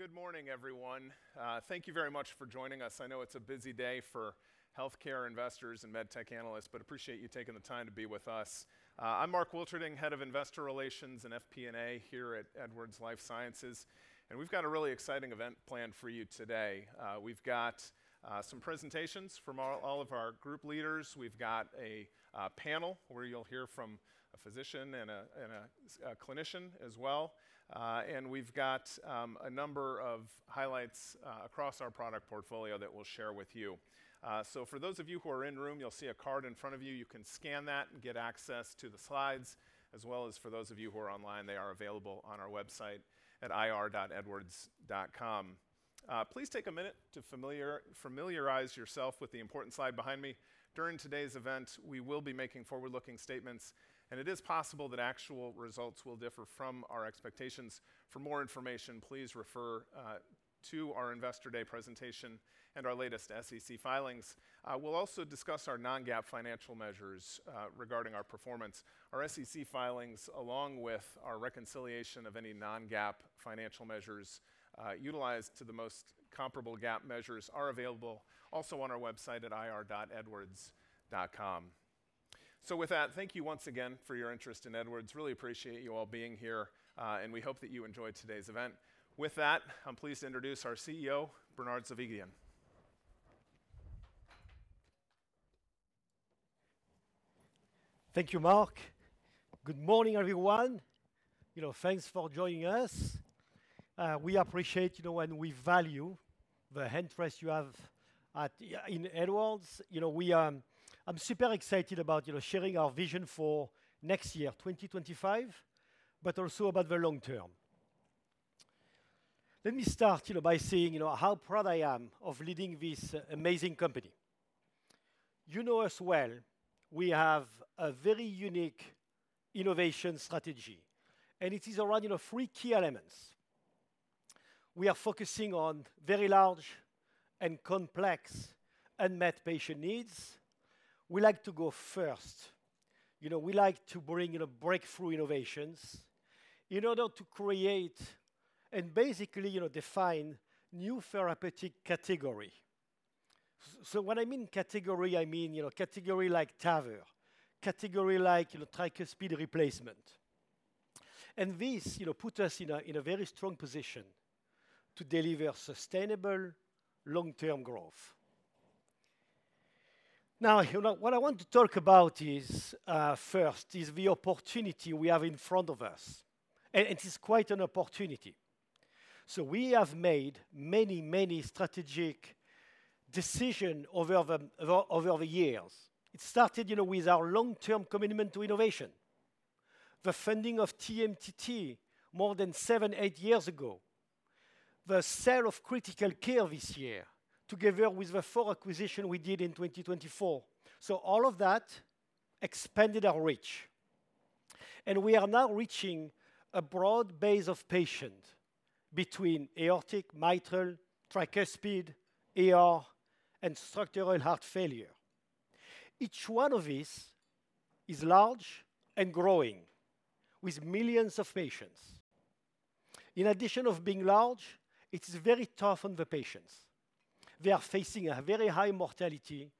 Good morning, everyone. Thank you very much for joining us. I know it's a busy day for healthcare investors and medtech analysts, but I appreciate you taking the time to be with us. I'm Mark Wilterding, Head of Investor Relations and FP&A here at Edwards Lifesciences, and we've got a really exciting event planned for you today. We've got some presentations from all of our group leaders. We've got a panel where you'll hear from a physician and a clinician as well, and we've got a number of highlights across our product portfolio that we'll share with you, so for those of you who are in the room, you'll see a card in front of you. You can scan that and get access to the slides, as well as for those of you who are online, they are available on our website at ir.edwards.com. Please take a minute to familiarize yourself with the important slide behind me. During today's event, we will be making forward-looking statements, and it is possible that actual results will differ from our expectations. For more information, please refer to our Investor Day presentation and our latest SEC filings. We'll also discuss our non-GAAP financial measures regarding our performance. Our SEC filings, along with our reconciliation of any non-GAAP financial measures utilized to the most comparable GAAP measures, are available also on our website at ir.edwards.com. So with that, thank you once again for your interest in Edwards. Really appreciate you all being here, and we hope that you enjoyed today's event. With that, I'm pleased to introduce our CEO, Bernard Zovighian. Thank you, Mark. Good morning, everyone. Thanks for joining us. We appreciate and we value the interest you have in Edwards. I'm super excited about sharing our vision for next year, 2025, but also about the long term. Let me start by saying how proud I am of leading this amazing company. You know us well. We have a very unique innovation strategy, and it is around three key elements. We are focusing on very large and complex unmet patient needs. We like to go first. We like to bring breakthrough innovations in order to create and basically define new therapeutic categories. So when I mean category, I mean categories like TAVR, categories like tricuspid replacement. And this puts us in a very strong position to deliver sustainable long-term growth. Now, what I want to talk about first is the opportunity we have in front of us, and it is quite an opportunity. So we have made many, many strategic decisions over the years. It started with our long-term commitment to innovation, the funding of TMTT more than seven, eight years ago, the sale of critical care this year, together with the four acquisitions we did in 2024. So all of that expanded our reach, and we are now reaching a broad base of patients between aortic, mitral, tricuspid, AR, and structural heart failure. Each one of these is large and growing with millions of patients. In addition to being large, it is very tough on the patients. They are facing a very high mortality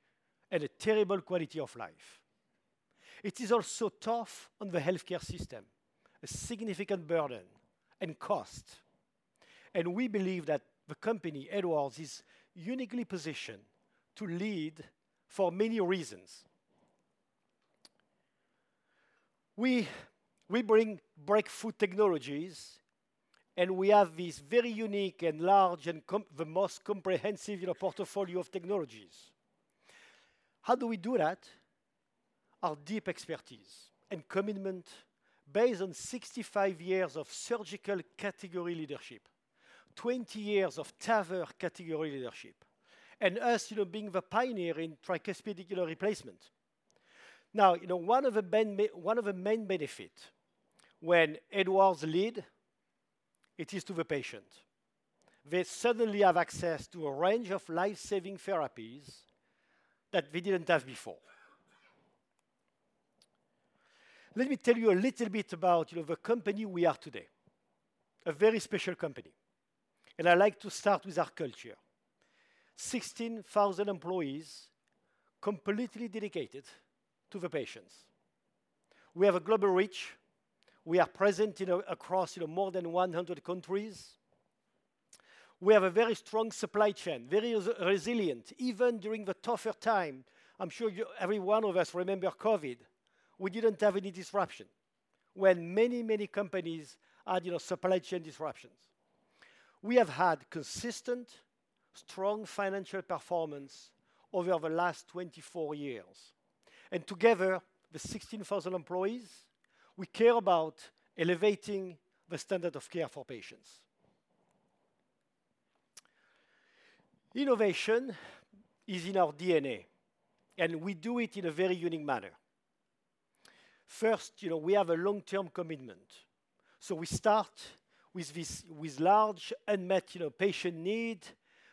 and a terrible quality of life. It is also tough on the healthcare system, a significant burden and cost. We believe that the company Edwards is uniquely positioned to lead for many reasons. We bring breakthrough technologies, and we have these very unique and large and the most comprehensive portfolio of technologies. How do we do that? Our deep expertise and commitment based on 65 years of surgical category leadership, 20 years of TAVR category leadership, and us being the pioneer in tricuspid replacement. Now, one of the main benefits when Edwards leads is to the patient. They suddenly have access to a range of lifesaving therapies that they didn't have before. Let me tell you a little bit about the company we are today, a very special company. I like to start with our culture: 16,000 employees completely dedicated to the patients. We have a global reach. We are present across more than 100 countries. We have a very strong supply chain, very resilient even during the tougher times. I'm sure every one of us remembers COVID. We didn't have any disruption when many, many companies had supply chain disruptions. We have had consistent, strong financial performance over the last 24 years. And together, the 16,000 employees, we care about elevating the standard of care for patients. Innovation is in our DNA, and we do it in a very unique manner. First, we have a long-term commitment. So we start with large unmet patient needs.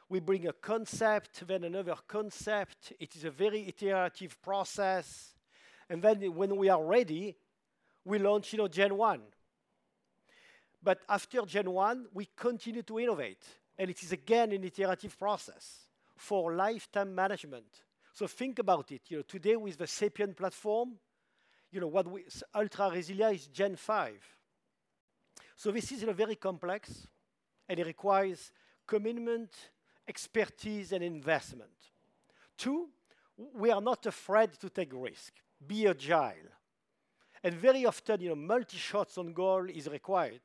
We bring a concept, then another concept. It is a very iterative process. And then when we are ready, we launch Gen One. But after Gen One, we continue to innovate, and it is again an iterative process for lifetime management. So think about it. Today, with the SAPIEN platform, what is Ultra RESILIA is Gen Five. So this is very complex, and it requires commitment, expertise, and investment. Two, we are not afraid to take risks, be agile. And very often, multi-shots on goal is required.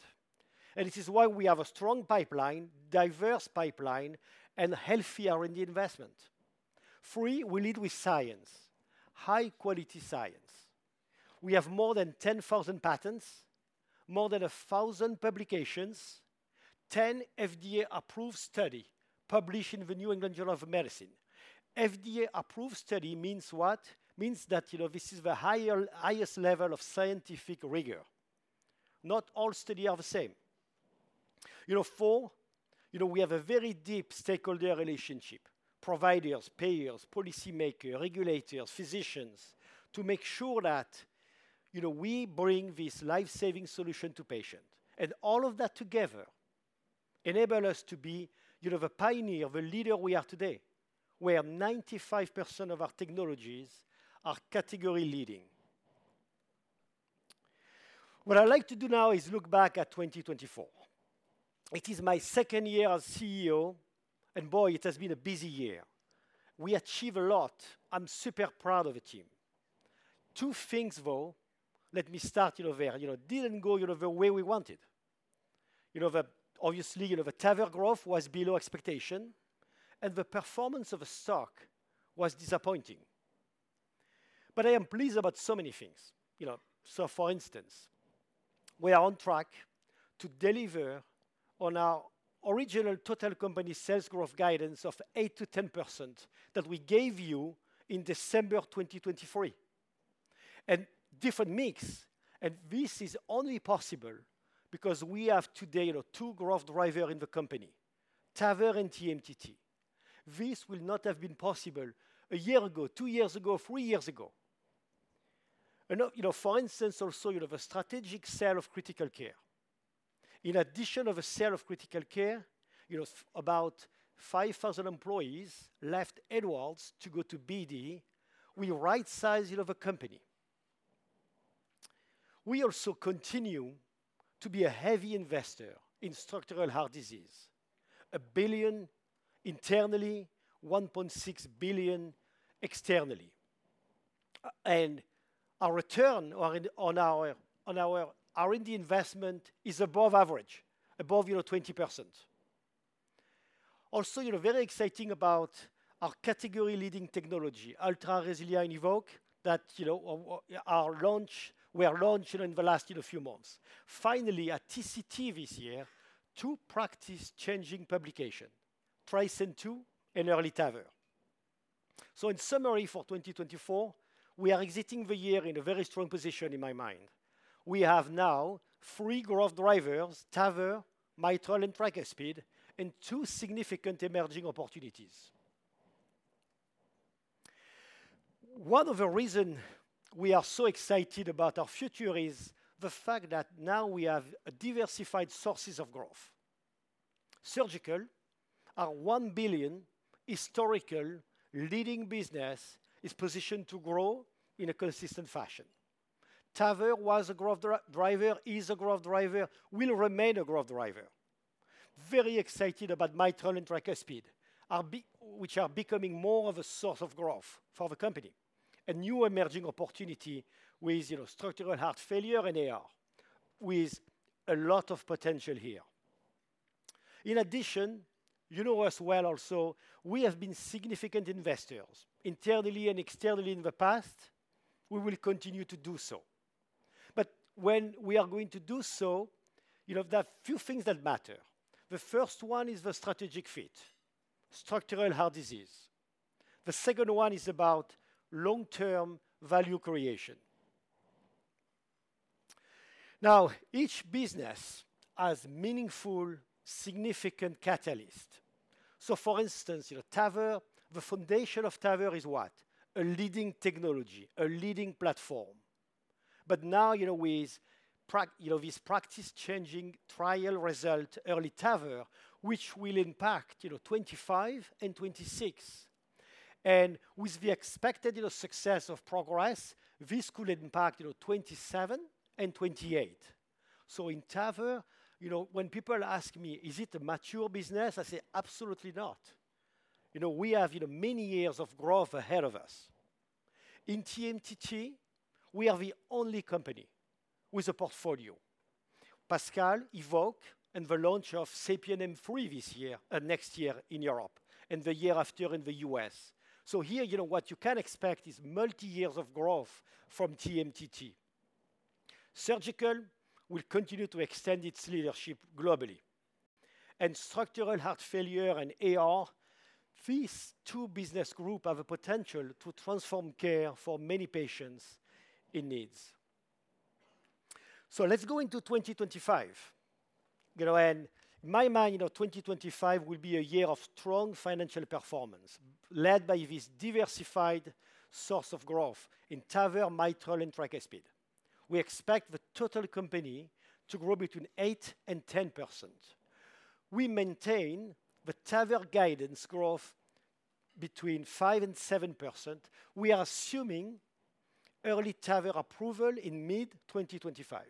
And this is why we have a strong pipeline, diverse pipeline, and healthy R&D investment. Three, we lead with science, high-quality science. We have more than 10,000 patents, more than 1,000 publications, 10 FDA-approved studies published in the New England Journal of Medicine. FDA-approved study means what? Means that this is the highest level of scientific rigor. Not all studies are the same. Four, we have a very deep stakeholder relationship: providers, payers, policymakers, regulators, physicians, to make sure that we bring this lifesaving solution to patients. And all of that together enables us to be the pioneer, the leader we are today, where 95% of our technologies are category-leading. What I like to do now is look back at 2024. It is my second year as CEO, and boy, it has been a busy year. We achieved a lot. I'm super proud of the team. Two things, though, let me start there. It didn't go the way we wanted. Obviously, the TAVR growth was below expectation, and the performance of the stock was disappointing. But I am pleased about so many things. So for instance, we are on track to deliver on our original total company sales growth guidance of 8%-10% that we gave you in December 2023. And different mix, and this is only possible because we have today two growth drivers in the company: TAVR and TMTT. This will not have been possible a year ago, two years ago, three years ago. For instance, also the strategic sale of Critical Care. In addition to the sale of critical care, about 5,000 employees left Edwards to go to BD. We right-sized the company. We also continue to be a heavy investor in structural heart disease: $1 billion internally, $1.6 billion externally, and our return on our R&D investment is above average, above 20%. Also, very exciting about our category-leading technology, Ultra RESILIA EVOQUE, that we launched in the last few months. Finally, at TCT this year, two practice-changing publications: TRISCEND II and EARLY TAVR, so in summary for 2024, we are exiting the year in a very strong position in my mind. We have now three growth drivers: TAVR, mitral, and tricuspid, and two significant emerging opportunities. One of the reasons we are so excited about our future is the fact that now we have diversified sources of growth. Surgical, our $1 billion historical leading business, is positioned to grow in a consistent fashion. TAVR was a growth driver, is a growth driver, will remain a growth driver. Very excited about mitral and tricuspid, which are becoming more of a source of growth for the company. A new emerging opportunity with structural heart failure and AR, with a lot of potential here. In addition, you know us well also, we have been significant investors internally and externally in the past. We will continue to do so. But when we are going to do so, there are a few things that matter. The first one is the strategic fit, structural heart disease. The second one is about long-term value creation. Now, each business has meaningful, significant catalysts. So for instance, TAVR, the foundation of TAVR is what? A leading technology, a leading platform. But now, with practice-changing trial result, EARLY TAVR, which will impact 2025 and 2026. And with the expected success of PROGRESS, this could impact 2027 and 2028. So in TAVR, when people ask me, is it a mature business, I say, absolutely not. We have many years of growth ahead of us. In TMTT, we are the only company with a portfolio: PASCAL, EVOQUE, and the launch of SAPIEN M3 this year, next year in Europe, and the year after in the US. So here, what you can expect is multi-years of growth from TMTT. Surgical will continue to extend its leadership globally. And structural heart failure and AR, these two business groups have a potential to transform care for many patients in needs. So let's go into 2025. In my mind, 2025 will be a year of strong financial performance, led by this diversified source of growth in TAVR, mitral, and tricuspid. We expect the total company to grow between 8% and 10%. We maintain the TAVR guidance growth between 5% and 7%. We are assuming EARLY TAVR approval in mid-2025.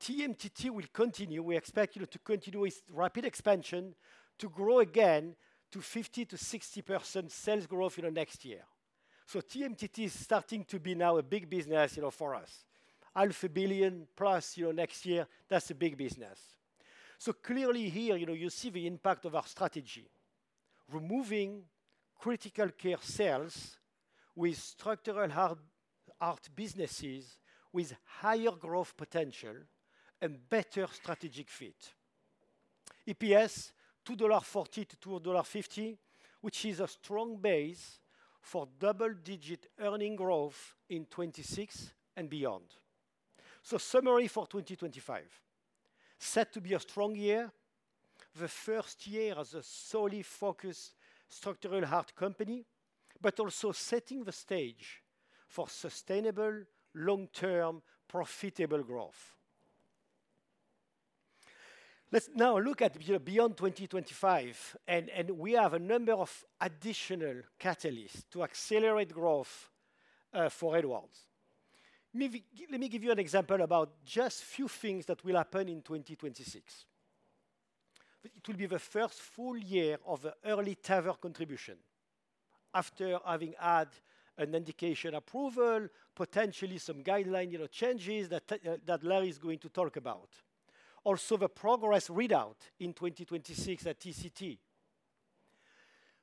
TMTT will continue. We expect to continue with rapid expansion to grow again to 50%-60% sales growth in the next year. So TMTT is starting to be now a big business for us. $500 million plus next year, that's a big business. So clearly here, you see the impact of our strategy, removing critical care sales with structural heart businesses with higher growth potential and better strategic fit. EPS, $2.40-$2.50, which is a strong base for double-digit earnings growth in 2026 and beyond. So, summary for 2025, set to be a strong year, the first year as a solid-focused structural heart company, but also setting the stage for sustainable, long-term, profitable growth. Let's now look at beyond 2025, and we have a number of additional catalysts to accelerate growth for Edwards. Let me give you an example about just a few things that will happen in 2026. It will be the first full year of EARLY TAVR contribution after having had an indication approval, potentially some guideline changes that Larry is going to talk about. Also, the PROGRESS readout in 2026 at TCT.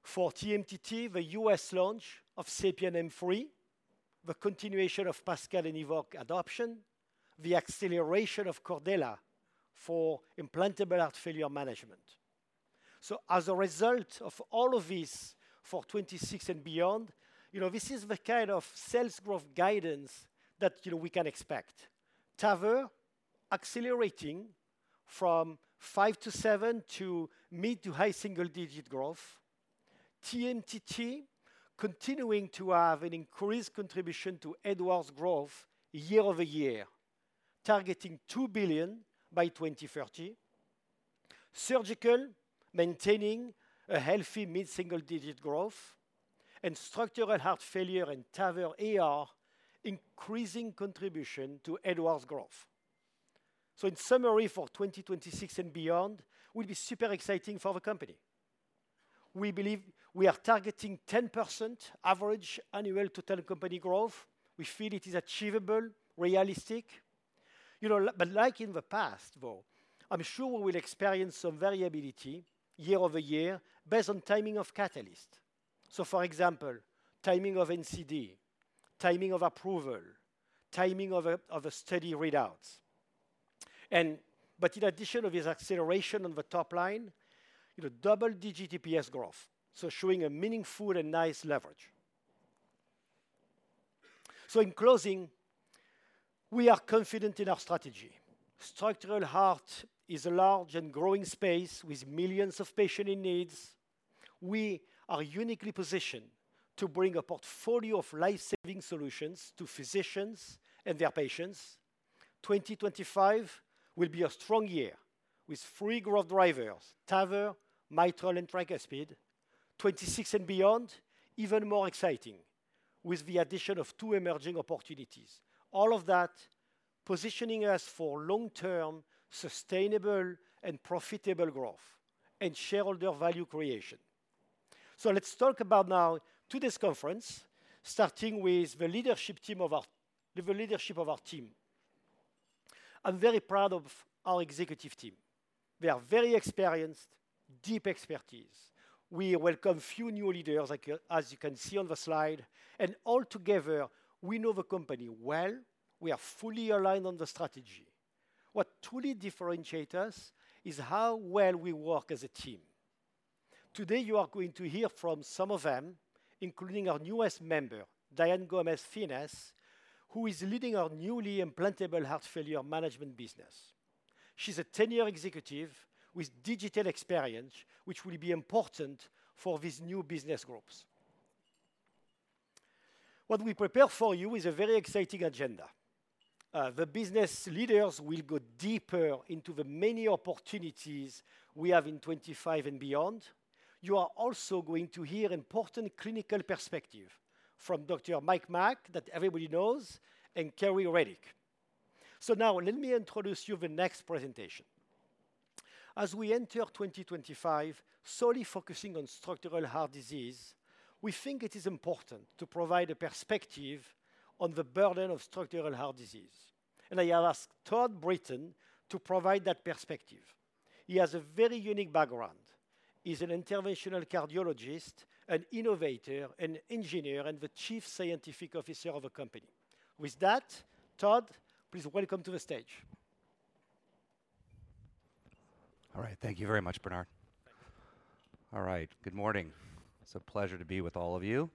For TMTT, the U.S. launch of SAPIEN M3, the continuation of PASCAL and EVOQUE adoption, the acceleration of Cordella for implantable heart failure management. So as a result of all of this for 2026 and beyond, this is the kind of sales growth guidance that we can expect. TAVR accelerating from 5%-7% to mid- to high-single-digit growth. TMTT continuing to have an increased contribution to Edwards' growth year over year, targeting $2 billion by 2030. Surgical maintaining a healthy mid-single-digit growth, and structural heart failure and TAVR AR increasing contribution to Edwards' growth. In summary for 2026 and beyond, we'll be super exciting for the company. We believe we are targeting 10% average annual total company growth. We feel it is achievable, realistic. Like in the past, though, I'm sure we will experience some variability year over year based on timing of catalysts. For example, timing of NCD, timing of approval, timing of study readouts. In addition to this acceleration on the top line, double-digit EPS growth, so showing a meaningful and nice leverage. In closing, we are confident in our strategy. Structural heart is a large and growing space with millions of patients in need. We are uniquely positioned to bring a portfolio of lifesaving solutions to physicians and their patients. 2025 will be a strong year with three growth drivers: TAVR, mitral, and tricuspid. 2026 and beyond, even more exciting with the addition of two emerging opportunities. All of that positioning us for long-term, sustainable, and profitable growth and shareholder value creation. So let's talk about now today's conference, starting with the leadership team of our team. I'm very proud of our executive team. They are very experienced, deep expertise. We welcome a few new leaders, as you can see on the slide, and all together, we know the company well. We are fully aligned on the strategy. What truly differentiates us is how well we work as a team. Today, you are going to hear from some of them, including our newest member, Diane Gomez-Thinnes, who is leading our newly implantable heart failure management business. She's a tenured executive with digital experience, which will be important for these new business groups. What we prepared for you is a very exciting agenda. The business leaders will go deeper into the many opportunities we have in 2025 and beyond. You are also going to hear important clinical perspectives from Dr. Mike Mack that everybody knows and Carrie Reddick. So now, let me introduce you to the next presentation. As we enter 2025, solely focusing on structural heart disease, we think it is important to provide a perspective on the burden of structural heart disease. And I have asked Todd Brinton to provide that perspective. He has a very unique background. He's an interventional cardiologist, an innovator, an engineer, and the chief scientific officer of a company. With that, Todd, please welcome to the stage. All right. Thank you very much, Bernard. All right. Good morning. It's a pleasure to be with all of you.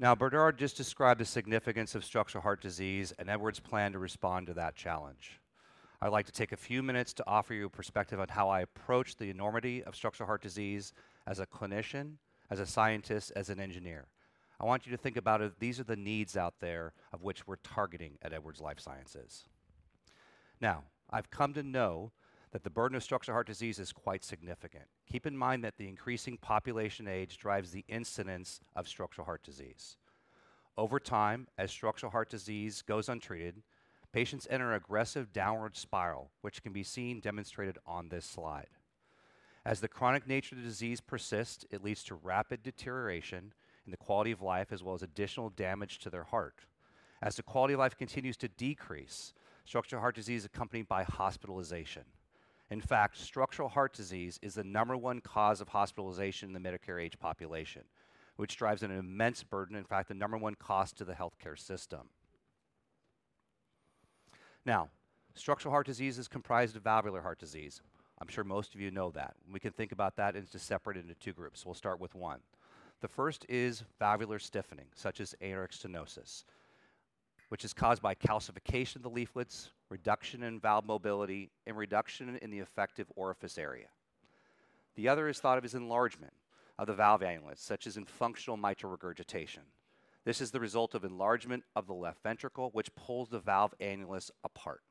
Now, Bernard just described the significance of structural heart disease and Edwards' plan to respond to that challenge. I'd like to take a few minutes to offer you a perspective on how I approach the enormity of structural heart disease as a clinician, as a scientist, as an engineer. I want you to think about these are the needs out there of which we're targeting at Edwards Lifesciences. Now, I've come to know that the burden of structural heart disease is quite significant. Keep in mind that the increasing population age drives the incidence of structural heart disease. Over time, as structural heart disease goes untreated, patients enter an aggressive downward spiral, which can be seen demonstrated on this slide. As the chronic nature of the disease persists, it leads to rapid deterioration in the quality of life as well as additional damage to their heart. As the quality of life continues to decrease, structural heart disease is accompanied by hospitalization. In fact, structural heart disease is the number one cause of hospitalization in the Medicare age population, which drives an immense burden, in fact, the number one cost to the healthcare system. Now, structural heart disease is comprised of valvular heart disease. I'm sure most of you know that. We can think about that as it's separated into two groups. We'll start with one. The first is valvular stiffening, such as aortic stenosis, which is caused by calcification of the leaflets, reduction in valve mobility, and reduction in the effective orifice area. The other is thought of as enlargement of the valve annulus, such as in functional mitral regurgitation. This is the result of enlargement of the left ventricle, which pulls the valve annulus apart.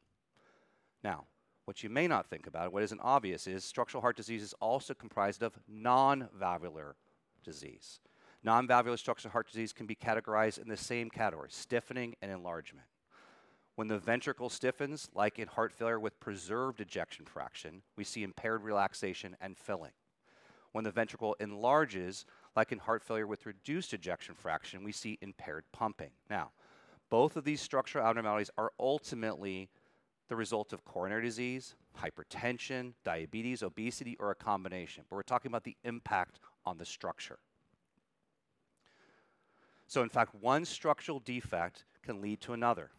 Now, what you may not think about, what isn't obvious, is structural heart disease is also comprised of non-valvular disease. Non-valvular structural heart disease can be categorized in the same category: stiffening and enlargement. When the ventricle stiffens, like in heart failure with preserved ejection fraction, we see impaired relaxation and filling. When the ventricle enlarges, like in heart failure with reduced ejection fraction, we see impaired pumping. Now, both of these structural abnormalities are ultimately the result of coronary disease, hypertension, diabetes, obesity, or a combination. But we're talking about the impact on the structure. So, in fact, one structural defect can lead to another.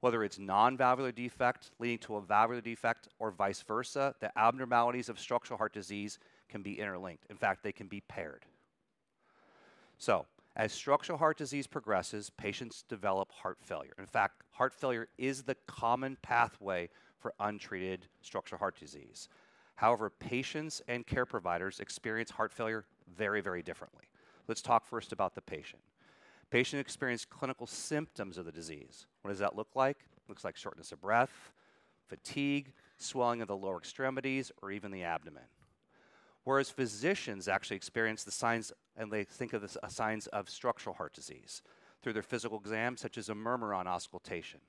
Whether it's non-valvular defect leading to a valvular defect or vice versa, the abnormalities of structural heart disease can be interlinked. In fact, they can be paired. So, as structural heart disease progresses, patients develop heart failure. In fact, heart failure is the common pathway for untreated structural heart disease. However, patients and care providers experience heart failure very, very differently. Let's talk first about the patient. Patients experience clinical symptoms of the disease. What does that look like? Looks like shortness of breath, fatigue, swelling of the lower extremities, or even the abdomen. Whereas physicians actually experience the signs, and they think of the signs of structural heart disease through their physical exam, such as a murmur on auscultation,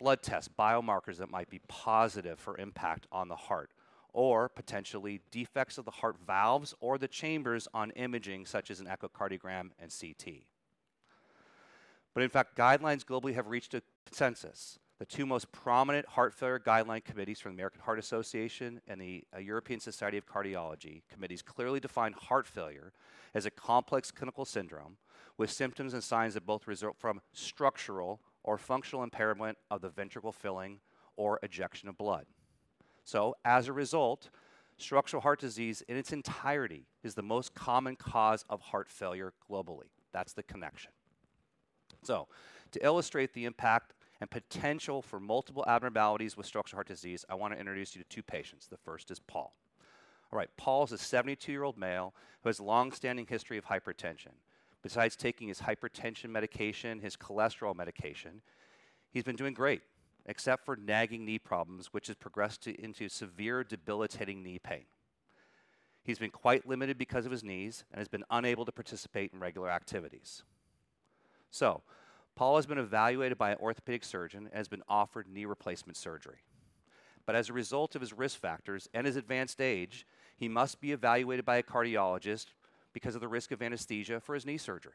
blood tests, biomarkers that might be positive for impact on the heart, or potentially defects of the heart valves or the chambers on imaging, such as an echocardiogram and CT. But in fact, guidelines globally have reached a consensus. The two most prominent heart failure guideline committees from the American Heart Association and the European Society of Cardiology committees clearly define heart failure as a complex clinical syndrome with symptoms and signs that both result from structural or functional impairment of the ventricle filling or ejection of blood. So, as a result, structural heart disease in its entirety is the most common cause of heart failure globally. That's the connection. To illustrate the impact and potential for multiple abnormalities with Structural Heart Disease, I want to introduce you to two patients. The first is Paul. All right. Paul is a 72-year-old male who has a long-standing history of hypertension. Besides taking his hypertension medication, his cholesterol medication, he's been doing great, except for nagging knee problems, which have progressed into severe debilitating knee pain. He's been quite limited because of his knees and has been unable to participate in regular activities. So, Paul has been evaluated by an orthopedic surgeon and has been offered knee replacement surgery. But as a result of his risk factors and his advanced age, he must be evaluated by a cardiologist because of the risk of anesthesia for his knee surgery.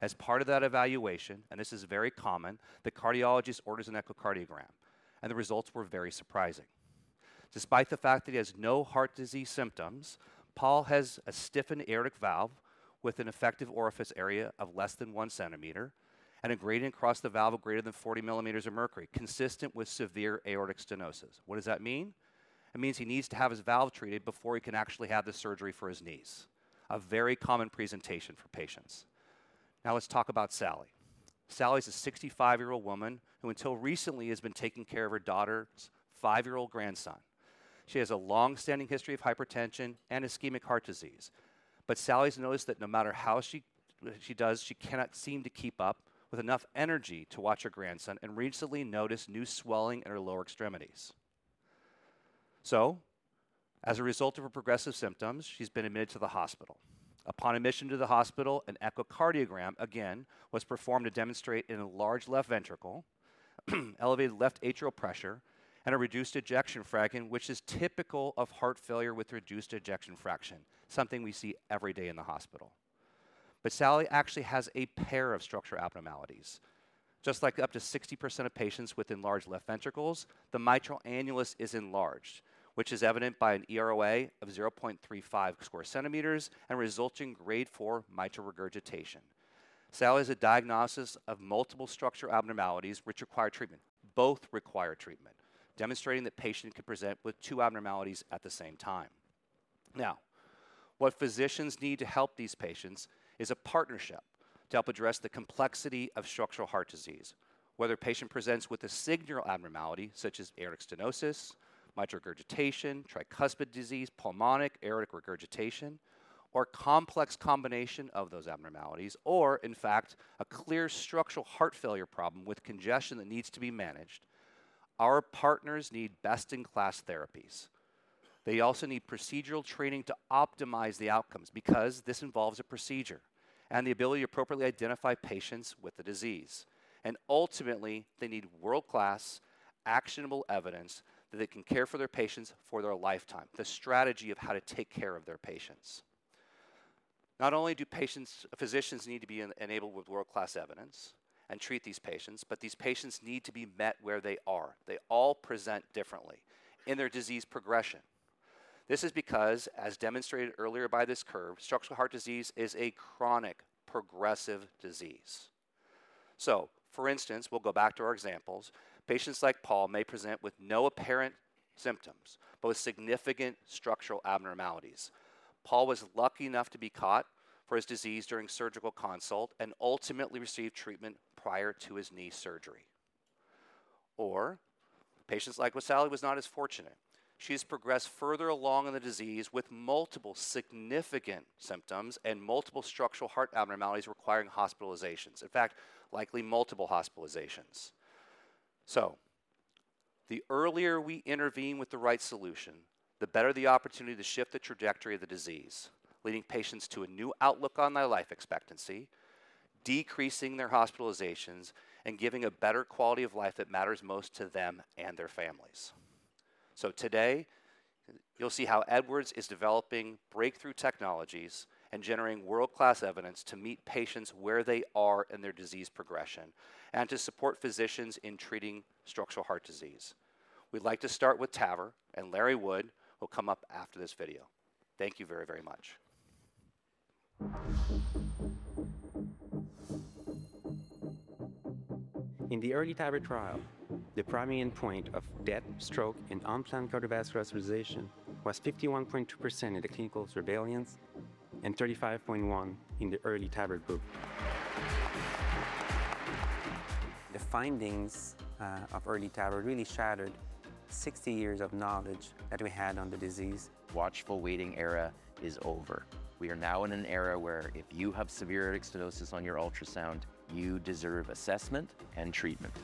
As part of that evaluation, and this is very common, the cardiologist orders an echocardiogram, and the results were very surprising. Despite the fact that he has no heart disease symptoms, Paul has a stiffened aortic valve with an effective orifice area of less than one centimeter and a gradient across the valve of greater than 40 millimeters of mercury, consistent with severe aortic stenosis. What does that mean? It means he needs to have his valve treated before he can actually have the surgery for his knees, a very common presentation for patients. Now, let's talk about Sally. Sally is a 65-year-old woman who until recently has been taking care of her daughter's five-year-old grandson. She has a long-standing history of hypertension and ischemic heart disease. But Sally has noticed that no matter how she does, she cannot seem to keep up with enough energy to watch her grandson and recently noticed new swelling in her lower extremities. As a result of her progressive symptoms, she's been admitted to the hospital. Upon admission to the hospital, an echocardiogram again was performed to demonstrate an enlarged left ventricle, elevated left atrial pressure, and a reduced ejection fraction, which is typical of heart failure with reduced ejection fraction, something we see every day in the hospital. But Sally actually has a pair of structural abnormalities. Just like up to 60% of patients with enlarged left ventricles, the mitral annulus is enlarged, which is evident by an EROA of 0.35 square centimeters and results in grade 4 mitral regurgitation. Sally has a diagnosis of multiple structural abnormalities, which require treatment. Both require treatment, demonstrating that patients can present with two abnormalities at the same time. Now, what physicians need to help these patients is a partnership to help address the complexity of structural heart disease, whether a patient presents with a signal abnormality such as aortic stenosis, mitral regurgitation, tricuspid disease, pulmonic aortic regurgitation, or a complex combination of those abnormalities, or in fact, a clear structural heart failure problem with congestion that needs to be managed. Our partners need best-in-class therapies. They also need procedural training to optimize the outcomes because this involves a procedure and the ability to appropriately identify patients with the disease, and ultimately, they need world-class, actionable evidence that they can care for their patients for their lifetime, the strategy of how to take care of their patients. Not only do physicians need to be enabled with world-class evidence and treat these patients, but these patients need to be met where they are. They all present differently in their disease progression. This is because, as demonstrated earlier by this curve, structural heart disease is a chronic, progressive disease. So, for instance, we'll go back to our examples. Patients like Paul may present with no apparent symptoms but with significant structural abnormalities. Paul was lucky enough to be caught for his disease during surgical consult and ultimately received treatment prior to his knee surgery. Or patients like Sally were not as fortunate. She has progressed further along in the disease with multiple significant symptoms and multiple structural heart abnormalities requiring hospitalizations, in fact, likely multiple hospitalizations. So, the earlier we intervene with the right solution, the better the opportunity to shift the trajectory of the disease, leading patients to a new outlook on their life expectancy, decreasing their hospitalizations, and giving a better quality of life that matters most to them and their families. Today, you'll see how Edwards is developing breakthrough technologies and generating world-class evidence to meet patients where they are in their disease progression and to support physicians in treating structural heart disease. We'd like to start with TAVR, and Larry Wood will come up after this video. Thank you very, very much. In the EARLY TAVR trial, the primary endpoint of death, stroke, and unplanned cardiovascular hospitalization was 51.2% in the clinical surveillance and 35.1% in the EARLY TAVR group. The findings of EARLY TAVR really shattered 60 years of knowledge that we had on the disease. Watchful waiting era is over. We are now in an era where if you have severe aortic stenosis on your ultrasound, you deserve assessment and treatment.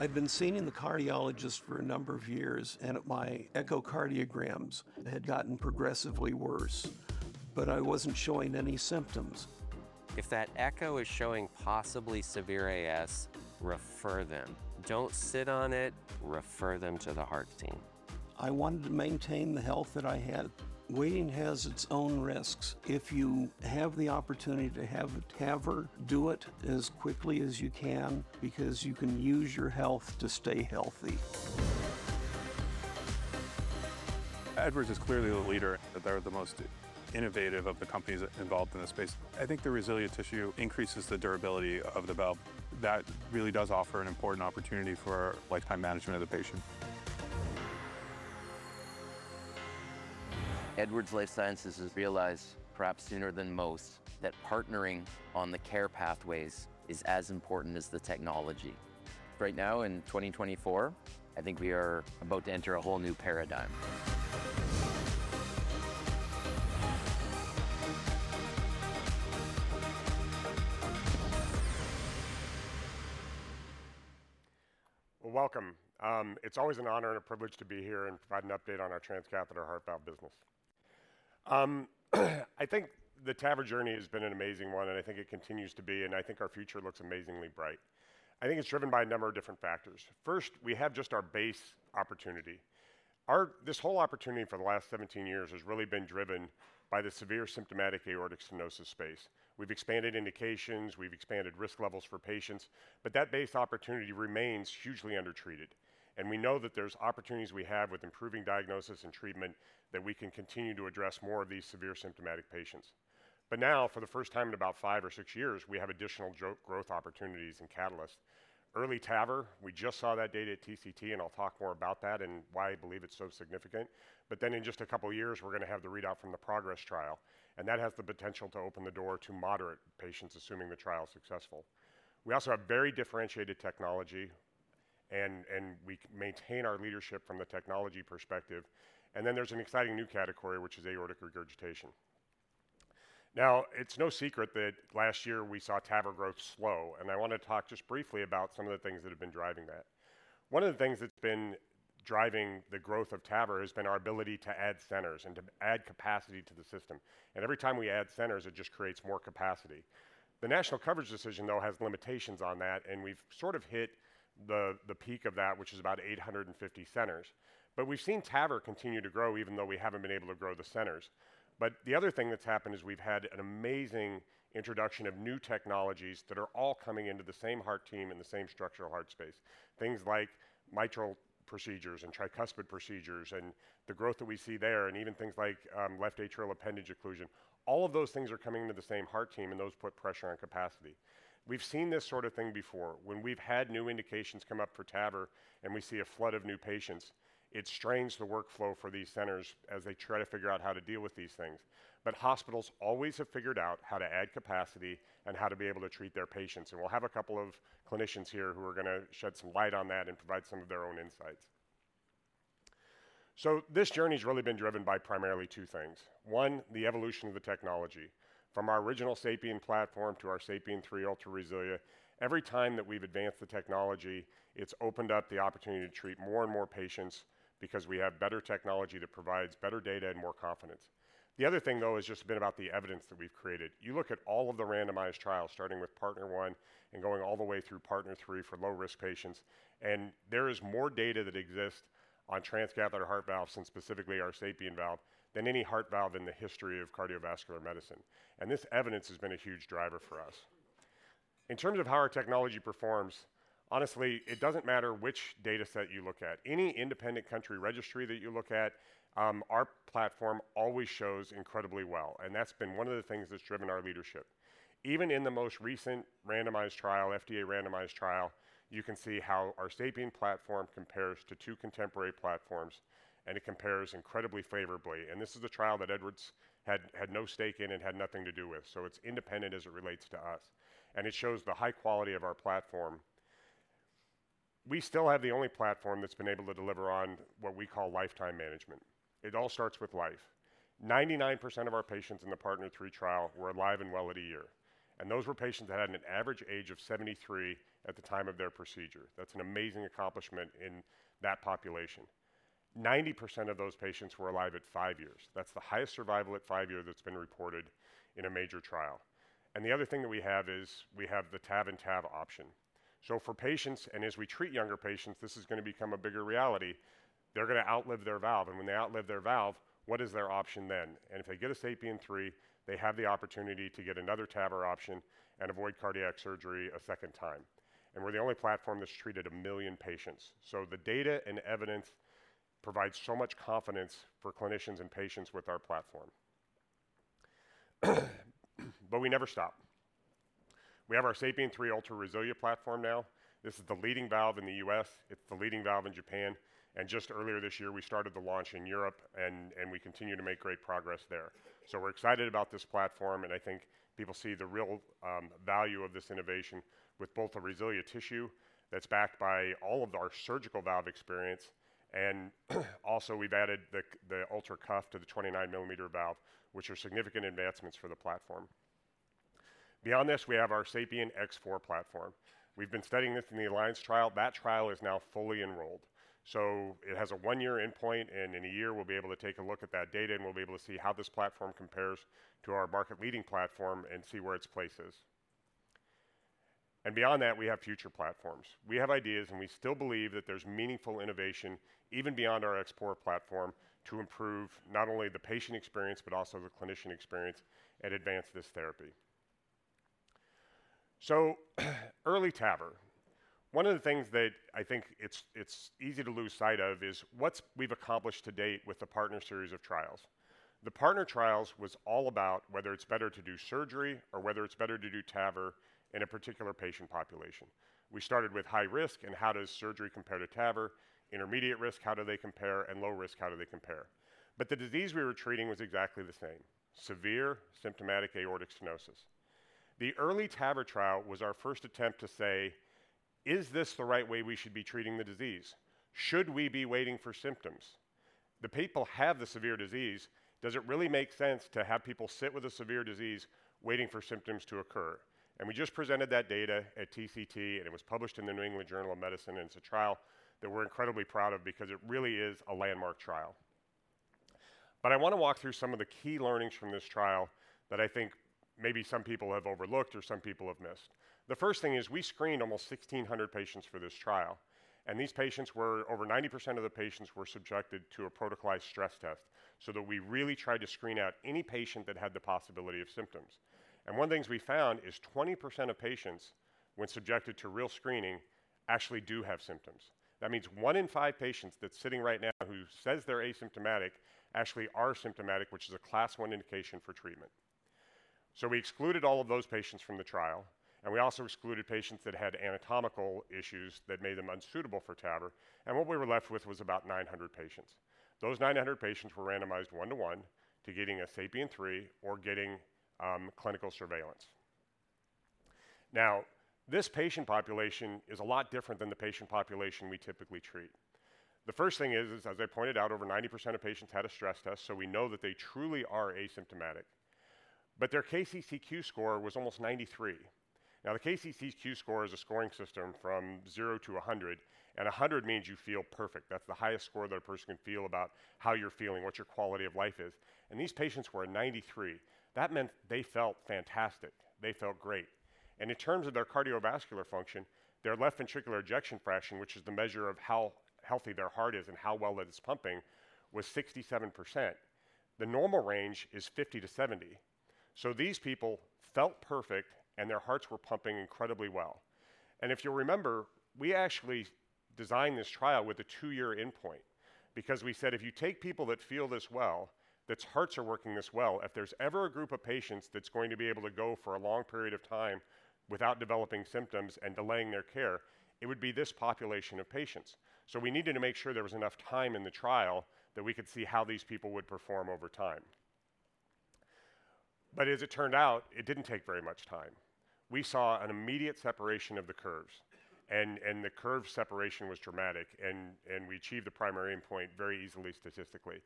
I'd been seeing the cardiologist for a number of years, and my echocardiograms had gotten progressively worse, but I wasn't showing any symptoms. If that echo is showing possibly severe AS, refer them. Don't sit on it. Refer them to the heart team. I wanted to maintain the health that I had. Waiting has its own risks. If you have the opportunity to have TAVR, do it as quickly as you can because you can use your health to stay healthy. Edwards is clearly the leader. They're the most innovative of the companies involved in this space. I think the Resilia tissue increases the durability of the valve. That really does offer an important opportunity for lifetime management of the patient. Edwards Lifesciences has realized, perhaps sooner than most, that partnering on the care pathways is as important as the technology. Right now, in 2024, I think we are about to enter a whole new paradigm. Well, welcome. It's always an honor and a privilege to be here and provide an update on our transcatheter heart valve business. I think the TAVR journey has been an amazing one, and I think it continues to be, and I think our future looks amazingly bright. I think it's driven by a number of different factors. First, we have just our base opportunity. This whole opportunity for the last 17 years has really been driven by the severe symptomatic aortic stenosis space. We've expanded indications. We've expanded risk levels for patients, but that base opportunity remains hugely undertreated. And we know that there are opportunities we have with improving diagnosis and treatment that we can continue to address more of these severe symptomatic patients, but now, for the first time in about five or six years, we have additional growth opportunities and catalysts. EARLY TAVR, we just saw that data at TCT, and I'll talk more about that and why I believe it's so significant, but then in just a couple of years, we're going to have the readout from the PROGRESS trial, and that has the potential to open the door to moderate patients, assuming the trial is successful. We also have very differentiated technology, and we maintain our leadership from the technology perspective, and then there's an exciting new category, which is aortic regurgitation. Now, it's no secret that last year we saw TAVR growth slow, and I want to talk just briefly about some of the things that have been driving that. One of the things that's been driving the growth of TAVR has been our ability to add centers and to add capacity to the system, and every time we add centers, it just creates more capacity. The National Coverage Determination, though, has limitations on that, and we've sort of hit the peak of that, which is about 850 centers, but we've seen TAVR continue to grow, even though we haven't been able to grow the centers, but the other thing that's happened is we've had an amazing introduction of new technologies that are all coming into the same heart team and the same structural heart space, things like mitral procedures and tricuspid procedures and the growth that we see there, and even things like left atrial appendage occlusion. All of those things are coming into the same heart team, and those put pressure on capacity. We've seen this sort of thing before. When we've had new indications come up for TAVR and we see a flood of new patients, it strains the workflow for these centers as they try to figure out how to deal with these things. But hospitals always have figured out how to add capacity and how to be able to treat their patients. And we'll have a couple of clinicians here who are going to shed some light on that and provide some of their own insights. So this journey has really been driven by primarily two things. One, the evolution of the technology. From our original SAPIEN platform to our SAPIEN 3 Ultra RESILIA, every time that we've advanced the technology, it's opened up the opportunity to treat more and more patients because we have better technology that provides better data and more confidence. The other thing, though, has just been about the evidence that we've created. You look at all of the randomized trials, starting with PARTNER 1 and going all the way through PARTNER 3 for low-risk patients, and there is more data that exists on transcatheter heart valves, and specifically our SAPIEN valve, than any heart valve in the history of cardiovascular medicine. This evidence has been a huge driver for us. In terms of how our technology performs, honestly, it doesn't matter which data set you look at. Any independent country registry that you look at, our platform always shows incredibly well. That's been one of the things that's driven our leadership. Even in the most recent randomized trial, FDA randomized trial, you can see how our SAPIEN platform compares to two contemporary platforms, and it compares incredibly favorably. This is a trial that Edwards had no stake in and had nothing to do with, so it's independent as it relates to us. It shows the high quality of our platform. We still have the only platform that's been able to deliver on what we call lifetime management. It all starts with life. 99% of our patients in the PARTNER 3 trial were alive and well at a year. Those were patients that had an average age of 73 at the time of their procedure. That's an amazing accomplishment in that population. 90% of those patients were alive at five years. That's the highest survival at five years that's been reported in a major trial. The other thing that we have is we have the TAVR and SAVR option. For patients, and as we treat younger patients, this is going to become a bigger reality. They're going to outlive their valve. And when they outlive their valve, what is their option then? And if they get a SAPIEN 3, they have the opportunity to get another TAVR option and avoid cardiac surgery a second time. And we're the only platform that's treated a million patients. So the data and evidence provide so much confidence for clinicians and patients with our platform. But we never stop. We have our SAPIEN 3 Ultra RESILIA platform now. This is the leading valve in the US. It's the leading valve in Japan. And just earlier this year, we started the launch in Europe, and we continue to make great progress there. We're excited about this platform, and I think people see the real value of this innovation with both the RESILIA tissue that's backed by all of our surgical valve experience, and also we've added the ultra cuff to the 29-millimeter valve, which are significant advancements for the platform. Beyond this, we have our SAPIEN X4 platform. We've been studying this in the ALLIANCE trial. That trial is now fully enrolled. It has a one-year endpoint, and in a year, we'll be able to take a look at that data, and we'll be able to see how this platform compares to our market-leading platform and see where its place is. Beyond that, we have future platforms. We have ideas, and we still believe that there's meaningful innovation, even beyond our X4 platform, to improve not only the patient experience but also the clinician experience and advance this therapy. So EARLY TAVR, one of the things that I think it's easy to lose sight of is what we've accomplished to date with the PARTNER series of trials. The PARTNER trials was all about whether it's better to do surgery or whether it's better to do TAVR in a particular patient population. We started with high risk and how does surgery compare to TAVR, intermediate risk, how do they compare, and low risk, how do they compare. But the disease we were treating was exactly the same: severe symptomatic aortic stenosis. The EARLY TAVR trial was our first attempt to say, "Is this the right way we should be treating the disease? Should we be waiting for symptoms?" The people have the severe disease. Does it really make sense to have people sit with a severe disease waiting for symptoms to occur? We just presented that data at TCT, and it was published in the New England Journal of Medicine, and it's a trial that we're incredibly proud of because it really is a landmark trial. I want to walk through some of the key learnings from this trial that I think maybe some people have overlooked or some people have missed. The first thing is we screened almost 1,600 patients for this trial. These patients were over 90% of the patients were subjected to a protocolized stress test so that we really tried to screen out any patient that had the possibility of symptoms. One of the things we found is 20% of patients, when subjected to real screening, actually do have symptoms. That means one in five patients that's sitting right now who says they're asymptomatic actually are symptomatic, which is a class one indication for treatment, so we excluded all of those patients from the trial, and we also excluded patients that had anatomical issues that made them unsuitable for TAVR, and what we were left with was about 900 patients. Those 900 patients were randomized one-to-one to getting a SAPIEN 3 or getting clinical surveillance. Now, this patient population is a lot different than the patient population we typically treat. The first thing is, as I pointed out, over 90% of patients had a stress test, so we know that they truly are asymptomatic, but their KCCQ score was almost 93. Now, the KCCQ score is a scoring system from 0 to 100, and 100 means you feel perfect. That's the highest score that a person can feel about how you're feeling, what your quality of life is. And these patients were at 93. That meant they felt fantastic. They felt great. And in terms of their cardiovascular function, their left ventricular ejection fraction, which is the measure of how healthy their heart is and how well it is pumping, was 67%. The normal range is 50%-70%. So these people felt perfect, and their hearts were pumping incredibly well. If you'll remember, we actually designed this trial with a two-year endpoint because we said, "If you take people that feel this well, that hearts are working this well, if there's ever a group of patients that's going to be able to go for a long period of time without developing symptoms and delaying their care, it would be this population of patients." We needed to make sure there was enough time in the trial that we could see how these people would perform over time. As it turned out, it didn't take very much time. We saw an immediate separation of the curves, and the curve separation was dramatic, and we achieved the primary endpoint very easily statistically.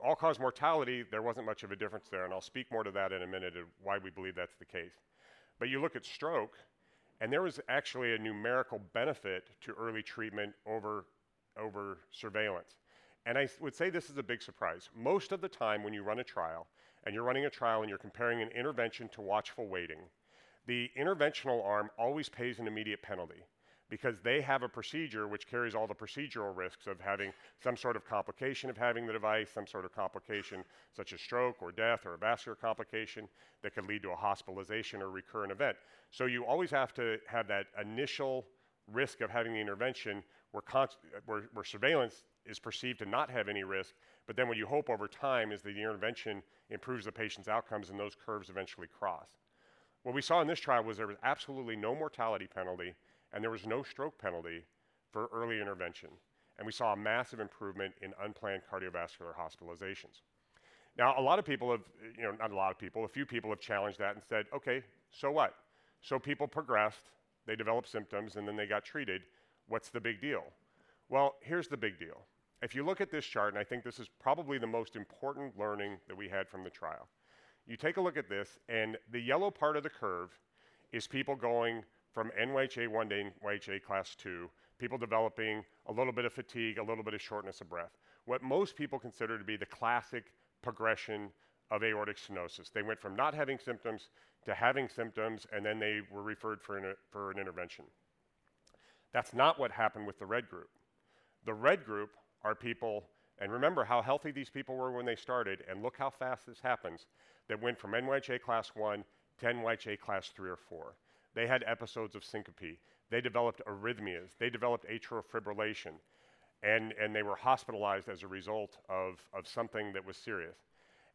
All-cause mortality, there wasn't much of a difference there, and I'll speak more to that in a minute of why we believe that's the case. But you look at stroke, and there was actually a numerical benefit to early treatment over surveillance. And I would say this is a big surprise. Most of the time when you run a trial, and you're running a trial and you're comparing an intervention to watchful waiting, the interventional arm always pays an immediate penalty because they have a procedure which carries all the procedural risks of having some sort of complication of having the device, some sort of complication such as stroke or death or a vascular complication that could lead to a hospitalization or recurrent event. So you always have to have that initial risk of having the intervention where surveillance is perceived to not have any risk, but then what you hope over time is that the intervention improves the patient's outcomes and those curves eventually cross. What we saw in this trial was there was absolutely no mortality penalty, and there was no stroke penalty for early intervention. And we saw a massive improvement in unplanned cardiovascular hospitalizations. Now, a lot of people have, not a lot of people, a few people have challenged that and said, "Okay, so what?" So people progressed, they developed symptoms, and then they got treated. What's the big deal? Well, here's the big deal. If you look at this chart, and I think this is probably the most important learning that we had from the trial, you take a look at this, and the yellow part of the curve is people going from NYHA one to NYHA class two, people developing a little bit of fatigue, a little bit of shortness of breath, what most people consider to be the classic progression of aortic stenosis. They went from not having symptoms to having symptoms, and then they were referred for an intervention. That's not what happened with the red group. The red group are people, and remember how healthy these people were when they started, and look how fast this happens, that went from NYHA class one to NYHA class three or four. They had episodes of syncope. They developed arrhythmias. They developed atrial fibrillation, and they were hospitalized as a result of something that was serious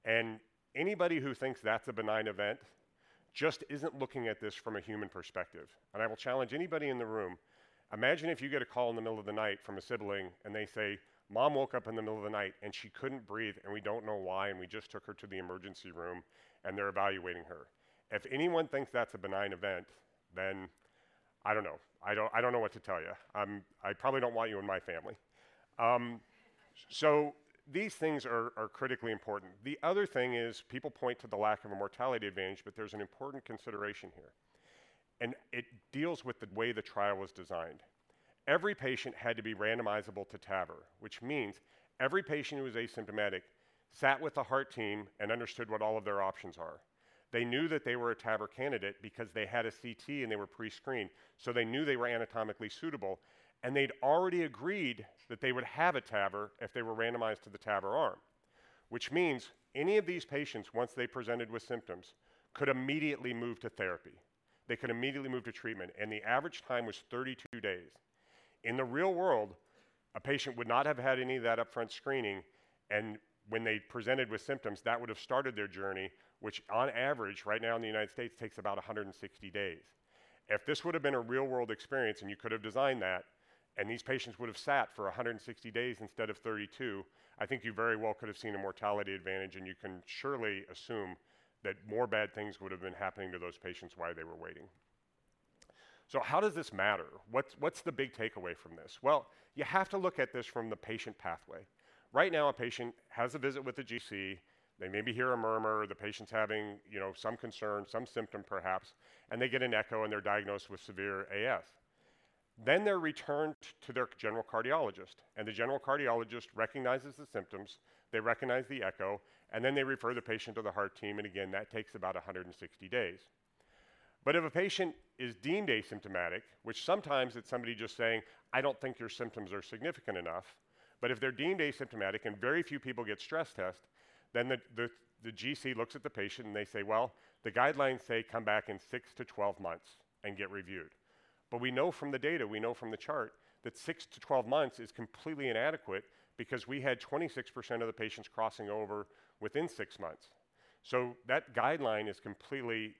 and anybody who thinks that's a benign event just isn't looking at this from a human perspective and I will challenge anybody in the room. Imagine if you get a call in the middle of the night from a sibling, and they say, "Mom woke up in the middle of the night, and she couldn't breathe, and we don't know why, and we just took her to the emergency room, and they're evaluating her." If anyone thinks that's a benign event, then I don't know. I don't know what to tell you. I probably don't want you in my family. So these things are critically important. The other thing is people point to the lack of a mortality advantage, but there's an important consideration here, and it deals with the way the trial was designed. Every patient had to be randomizable to TAVR, which means every patient who was asymptomatic sat with the heart team and understood what all of their options are. They knew that they were a TAVR candidate because they had a CT, and they were pre-screened, so they knew they were anatomically suitable, and they'd already agreed that they would have a TAVR if they were randomized to the TAVR arm, which means any of these patients, once they presented with symptoms, could immediately move to therapy. They could immediately move to treatment, and the average time was 32 days. In the real world, a patient would not have had any of that upfront screening, and when they presented with symptoms, that would have started their journey, which on average, right now in the United States, takes about 160 days. If this would have been a real-world experience and you could have designed that, and these patients would have sat for 160 days instead of 32, I think you very well could have seen a mortality advantage, and you can surely assume that more bad things would have been happening to those patients while they were waiting. So how does this matter? What's the big takeaway from this? Well, you have to look at this from the patient pathway. Right now, a patient has a visit with the GC. They maybe hear a murmur. The patient's having some concern, some symptom perhaps, and they get an echo, and they're diagnosed with severe AS. Then they're returned to their general cardiologist, and the general cardiologist recognizes the symptoms. They recognize the echo, and then they refer the patient to the heart team, and again, that takes about 160 days. But if a patient is deemed asymptomatic, which sometimes it's somebody just saying, "I don't think your symptoms are significant enough," but if they're deemed asymptomatic and very few people get stress tests, then the GC looks at the patient and they say, "Well, the guidelines say come back in six to 12 months and get reviewed." But we know from the data, we know from the chart that six to 12 months is completely inadequate because we had 26% of the patients crossing over within six months. So that guideline is completely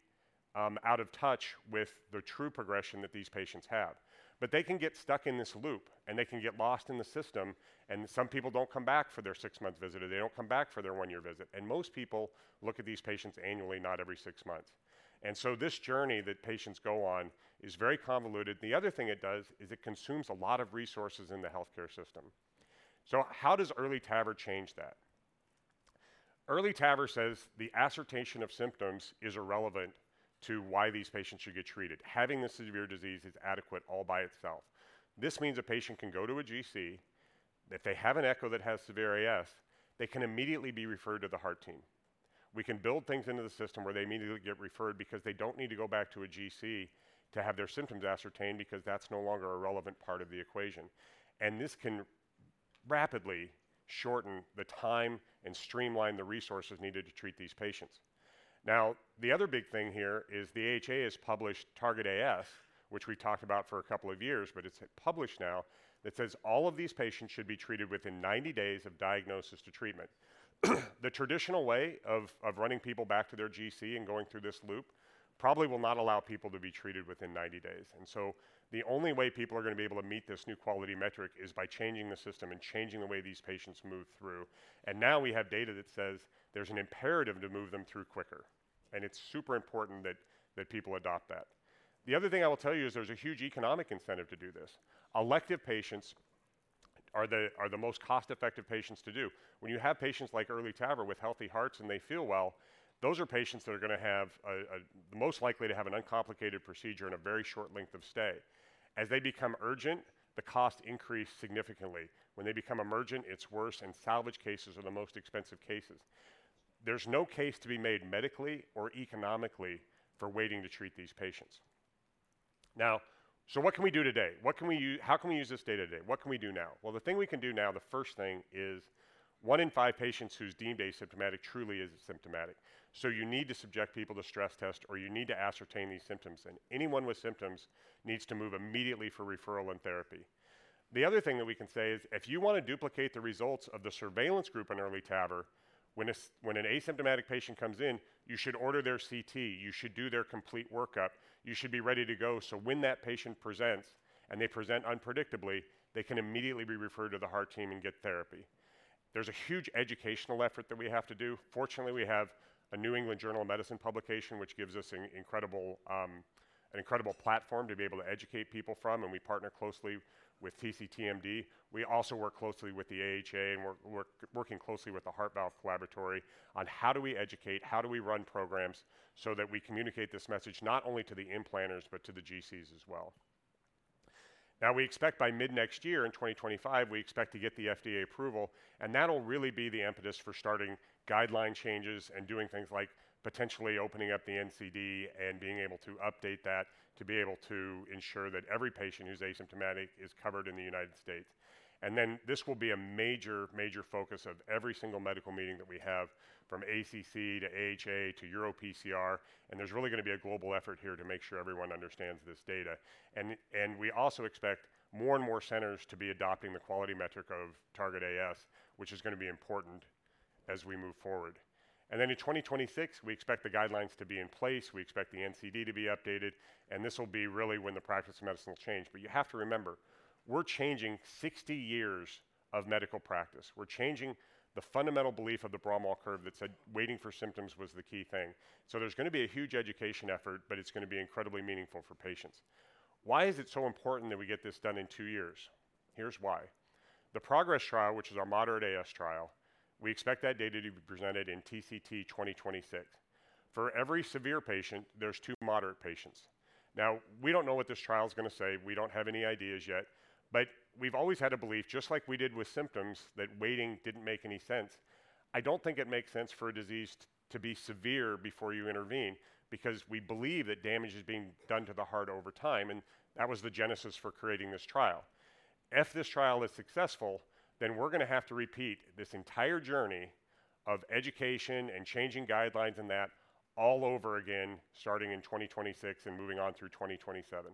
out of touch with the true progression that these patients have. But they can get stuck in this loop, and they can get lost in the system, and some people don't come back for their six-month visit, or they don't come back for their one-year visit. Most people look at these patients annually, not every six months. This journey that patients go on is very convoluted. The other thing it does is it consumes a lot of resources in the healthcare system. How does Early TAVR change that? Early TAVR says the ascertainment of symptoms is irrelevant to why these patients should get treated. Having a severe disease is adequate all by itself. This means a patient can go to a GC. If they have an echo that has severe AS, they can immediately be referred to the heart team. We can build things into the system where they immediately get referred because they don't need to go back to a GC to have their symptoms ascertained because that's no longer a relevant part of the equation. And this can rapidly shorten the time and streamline the resources needed to treat these patients. Now, the other big thing here is the AHA has published Target AS, which we talked about for a couple of years, but it's published now that says all of these patients should be treated within 90 days of diagnosis to treatment. The traditional way of running people back to their GC and going through this loop probably will not allow people to be treated within 90 days. And so the only way people are going to be able to meet this new quality metric is by changing the system and changing the way these patients move through. And now we have data that says there's an imperative to move them through quicker, and it's super important that people adopt that. The other thing I will tell you is there's a huge economic incentive to do this. Elective patients are the most cost-effective patients to do. When you have patients like early TAVR with healthy hearts and they feel well, those are patients that are going to have the most likely to have an uncomplicated procedure and a very short length of stay. As they become urgent, the cost increases significantly. When they become emergent, it's worse, and salvage cases are the most expensive cases. There's no case to be made medically or economically for waiting to treat these patients. Now, so what can we do today? What can we use? How can we use this data today? What can we do now? Well, the thing we can do now, the first thing is one in five patients who's deemed asymptomatic truly is asymptomatic. So you need to subject people to stress tests, or you need to ascertain these symptoms, and anyone with symptoms needs to move immediately for referral and therapy. The other thing that we can say is if you want to duplicate the results of the surveillance group in EARLY TAVR, when an asymptomatic patient comes in, you should order their CT. You should do their complete workup. You should be ready to go. So when that patient presents and they present unpredictably, they can immediately be referred to the heart team and get therapy. There's a huge educational effort that we have to do. Fortunately, we have a New England Journal of Medicine publication, which gives us an incredible platform to be able to educate people from, and we partner closely with TCTMD. We also work closely with the AHA and working closely with the Heart Valve Collaboratory on how do we educate, how do we run programs so that we communicate this message not only to the implanters, but to the GCs as well. Now, we expect by mid-next year in 2025, we expect to get the FDA approval, and that'll really be the impetus for starting guideline changes and doing things like potentially opening up the NCD and being able to update that to be able to ensure that every patient who's asymptomatic is covered in the United States. Then this will be a major, major focus of every single medical meeting that we have from ACC to AHA to EuroPCR, and there's really going to be a global effort here to make sure everyone understands this data. We also expect more and more centers to be adopting the quality metric of Target AS, which is going to be important as we move forward. Then in 2026, we expect the guidelines to be in place. We expect the NCD to be updated, and this will be really when the practice of medicine will change. You have to remember, we're changing 60 years of medical practice. We're changing the fundamental belief of the Braunwald Curve that said waiting for symptoms was the key thing. There's going to be a huge education effort, but it's going to be incredibly meaningful for patients. Why is it so important that we get this done in two years? Here's why. The PROGRESS trial, which is our moderate AS trial, we expect that data to be presented in TCT 2026. For every severe patient, there's two moderate patients. Now, we don't know what this trial is going to say. We don't have any ideas yet, but we've always had a belief, just like we did with symptoms, that waiting didn't make any sense. I don't think it makes sense for a disease to be severe before you intervene because we believe that damage is being done to the heart over time, and that was the genesis for creating this trial. If this trial is successful, then we're going to have to repeat this entire journey of education and changing guidelines in that all over again, starting in 2026 and moving on through 2027.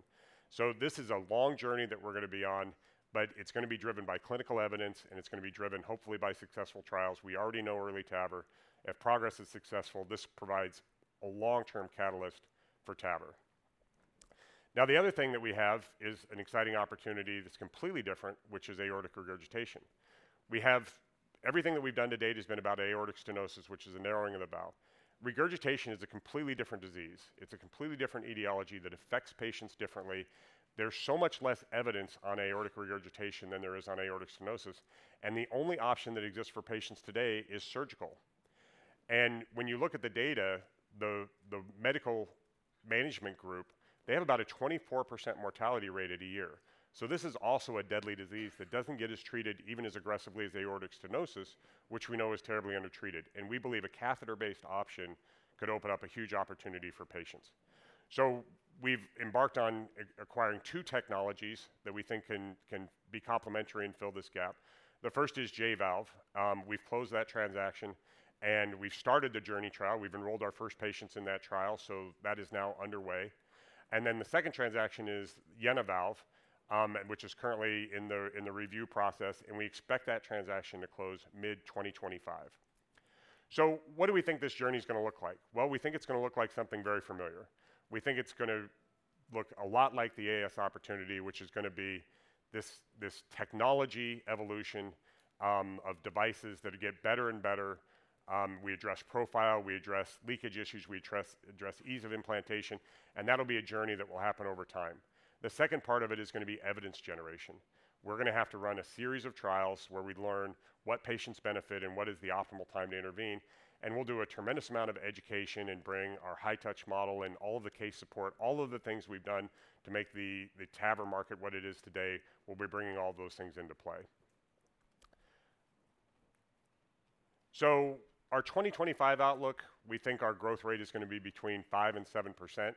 So this is a long journey that we're going to be on, but it's going to be driven by clinical evidence, and it's going to be driven hopefully by successful trials. We already know early TAVR. If progress is successful, this provides a long-term catalyst for TAVR. Now, the other thing that we have is an exciting opportunity that's completely different, which is aortic regurgitation. We have everything that we've done to date has been about aortic stenosis, which is a narrowing of the valve. Regurgitation is a completely different disease. It's a completely different etiology that affects patients differently. There's so much less evidence on aortic regurgitation than there is on aortic stenosis, and the only option that exists for patients today is surgical, and when you look at the data, the medical management group, they have about a 24% mortality rate at a year, so this is also a deadly disease that doesn't get as treated, even as aggressively as aortic stenosis, which we know is terribly under-treated, and we believe a catheter-based option could open up a huge opportunity for patients. So we've embarked on acquiring two technologies that we think can be complementary and fill this gap. The first is J-Valve. We've closed that transaction, and we've started the Journey trial. We've enrolled our first patients in that trial, so that is now underway. And then the second transaction is JenaValve, which is currently in the review process, and we expect that transaction to close mid-2025. So what do we think this journey is going to look like? Well, we think it's going to look like something very familiar. We think it's going to look a lot like the AF opportunity, which is going to be this technology evolution of devices that get better and better. We address profile. We address leakage issues. We address ease of implantation, and that'll be a journey that will happen over time. The second part of it is going to be evidence generation. We're going to have to run a series of trials where we learn what patients benefit and what is the optimal time to intervene, and we'll do a tremendous amount of education and bring our high-touch model and all of the case support, all of the things we've done to make the TAVR market what it is today. We'll be bringing all those things into play, so our 2025 outlook, we think our growth rate is going to be between 5% and 7%.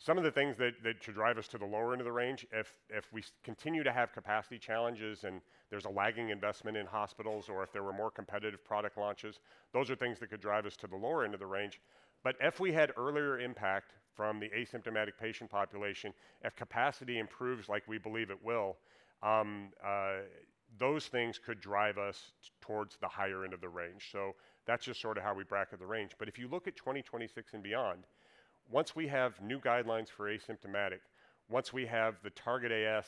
Some of the things that should drive us to the lower end of the range, if we continue to have capacity challenges and there's a lagging investment in hospitals or if there were more competitive product launches, those are things that could drive us to the lower end of the range. But if we had earlier impact from the asymptomatic patient population, if capacity improves like we believe it will, those things could drive us towards the higher end of the range. So that's just sort of how we bracket the range. But if you look at 2026 and beyond, once we have new guidelines for asymptomatic, once we have the Target AS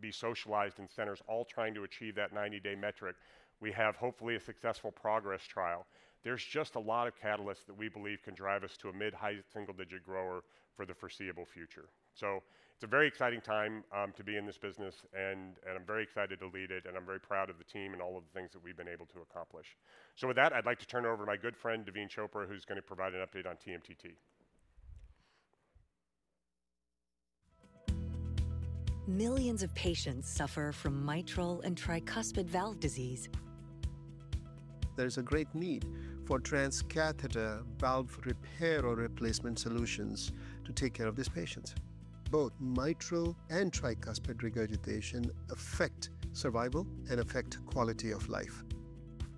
be socialized in centers all trying to achieve that 90-day metric, we have hopefully a successful PROGRESS trial. There's just a lot of catalysts that we believe can drive us to a mid-high single-digit growth for the foreseeable future. So it's a very exciting time to be in this business, and I'm very excited to lead it, and I'm very proud of the team and all of the things that we've been able to accomplish. With that, I'd like to turn it over to my good friend, Daveen Chopra, who's going to provide an update on TMTT. Millions of patients suffer from mitral and tricuspid valve disease. There's a great need for transcatheter valve repair or replacement solutions to take care of these patients. Both mitral and tricuspid regurgitation affect survival and affect quality of life.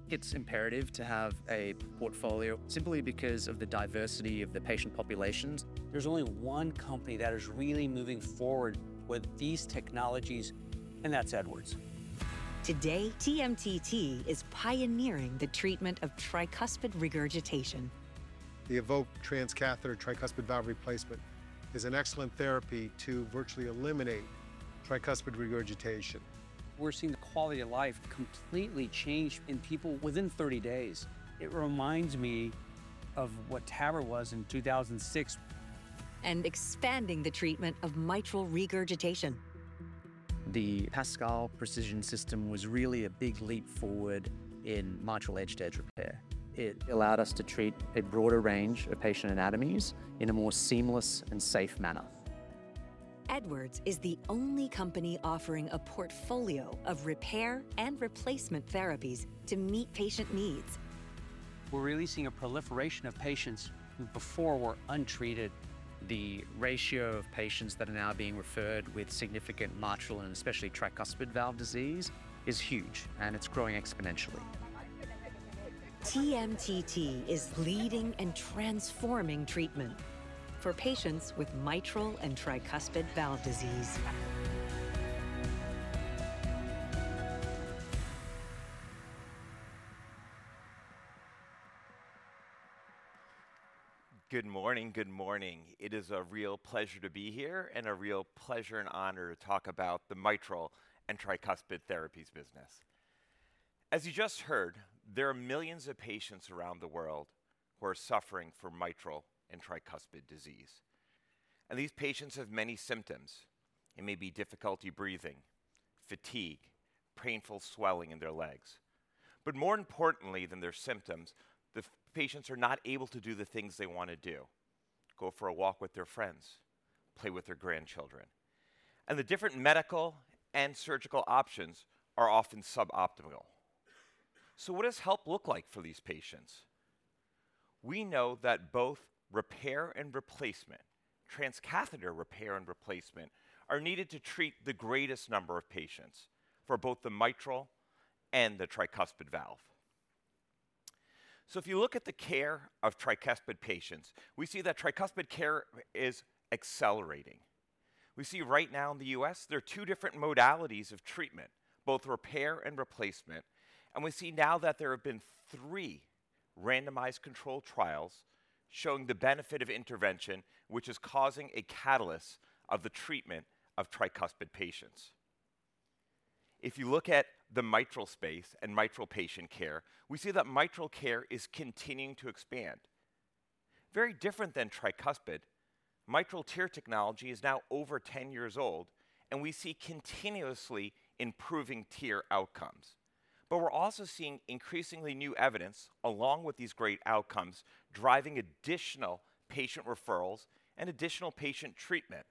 It's imperative to have a portfolio simply because of the diversity of the patient populations. There's only one company that is really moving forward with these technologies, and that's Edwards. Today, TMTT is pioneering the treatment of tricuspid regurgitation. The EVOQUE transcatheter tricuspid valve replacement is an excellent therapy to virtually eliminate tricuspid regurgitation. We're seeing the quality of life completely change in people within 30 days. It reminds me of what TAVR was in 2006. Expanding the treatment of mitral regurgitation. The PASCAL Precision system was really a big leap forward in mitral edge-to-edge repair. It allowed us to treat a broader range of patient anatomies in a more seamless and safe manner. Edwards is the only company offering a portfolio of repair and replacement therapies to meet patient needs. We're really seeing a proliferation of patients who before were untreated. The ratio of patients that are now being referred with significant mitral and especially tricuspid valve disease is huge, and it's growing exponentially. TMTT is leading and transforming treatment for patients with mitral and tricuspid valve disease. Good morning, good morning. It is a real pleasure to be here and a real pleasure and honor to talk about the mitral and tricuspid therapies business. As you just heard, there are millions of patients around the world who are suffering from mitral and tricuspid disease, and these patients have many symptoms. It may be difficulty breathing, fatigue, painful swelling in their legs, but more importantly than their symptoms, the patients are not able to do the things they want to do, go for a walk with their friends, play with their grandchildren, and the different medical and surgical options are often suboptimal, so what does help look like for these patients? We know that both repair and replacement, transcatheter repair and replacement, are needed to treat the greatest number of patients for both the mitral and the tricuspid valve, so if you look at the care of tricuspid patients, we see that tricuspid care is accelerating. We see right now in the U.S., there are two different modalities of treatment, both repair and replacement. We see now that there have been three randomized controlled trials showing the benefit of intervention, which is causing a catalyst of the treatment of tricuspid patients. If you look at the mitral space and mitral patient care, we see that mitral care is continuing to expand. Very different than tricuspid, mitral TEER technology is now over 10 years old, and we see continuously improving TEER outcomes. But we're also seeing increasingly new evidence along with these great outcomes driving additional patient referrals and additional patient treatment.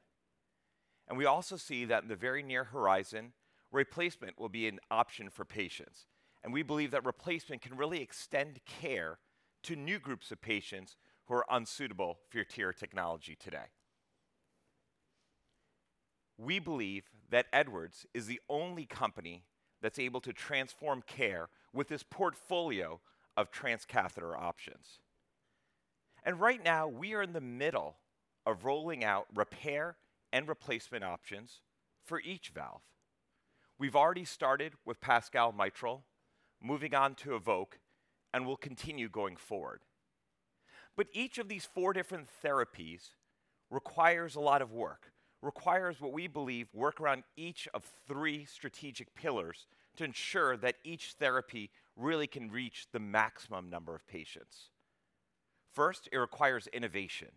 And we also see that in the very near horizon, replacement will be an option for patients. And we believe that replacement can really extend care to new groups of patients who are unsuitable for TEER technology today. We believe that Edwards is the only company that's able to transform care with this portfolio of transcatheter options. And right now, we are in the middle of rolling out repair and replacement options for each valve. We've already started with PASCAL mitral, moving on to EVOQUE, and we'll continue going forward. But each of these four different therapies requires a lot of work, requires what we believe works around each of three strategic pillars to ensure that each therapy really can reach the maximum number of patients. First, it requires innovation,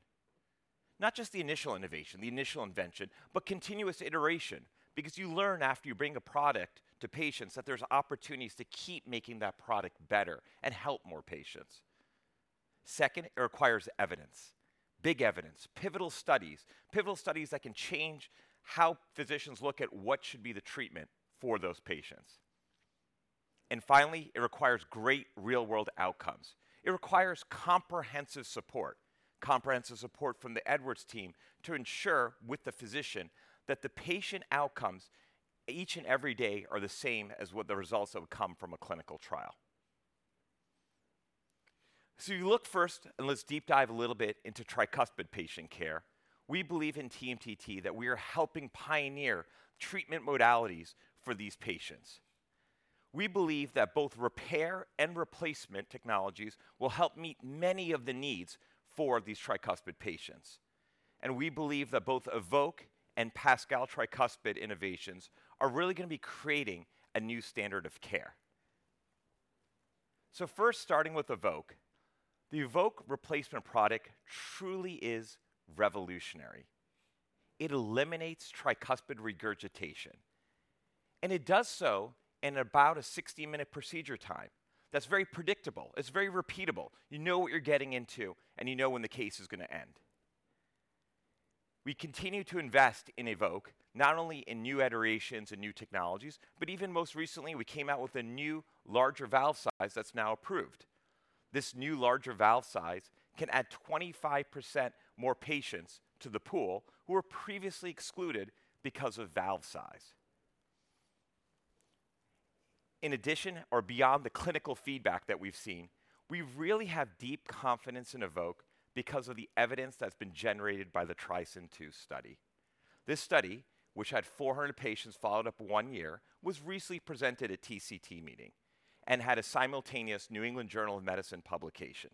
not just the initial innovation, the initial invention, but continuous iteration because you learn after you bring a product to patients that there's opportunities to keep making that product better and help more patients. Second, it requires evidence, big evidence, pivotal studies, pivotal studies that can change how physicians look at what should be the treatment for those patients. And finally, it requires great real-world outcomes. It requires comprehensive support, comprehensive support from the Edwards team to ensure with the physician that the patient outcomes each and every day are the same as what the results have come from a clinical trial. You look first, and let's deep dive a little bit into tricuspid patient care. We believe in TMTT that we are helping pioneer treatment modalities for these patients. We believe that both repair and replacement technologies will help meet many of the needs for these tricuspid patients. We believe that both EVOQUE and PASCAL tricuspid innovations are really going to be creating a new standard of care. First, starting with EVOQUE, the EVOQUE replacement product truly is revolutionary. It eliminates tricuspid regurgitation, and it does so in about a 60-minute procedure time. That's very predictable. It's very repeatable. You know what you're getting into, and you know when the case is going to end. We continue to invest in EVOQUE, not only in new iterations and new technologies, but even most recently, we came out with a new larger valve size that's now approved. This new larger valve size can add 25% more patients to the pool who were previously excluded because of valve size. In addition, or beyond the clinical feedback that we've seen, we really have deep confidence in EVOQUE because of the evidence that's been generated by the TRISCEND II study. This study, which had 400 patients followed up one year, was recently presented at TCT meeting and had a simultaneous New England Journal of Medicine publication,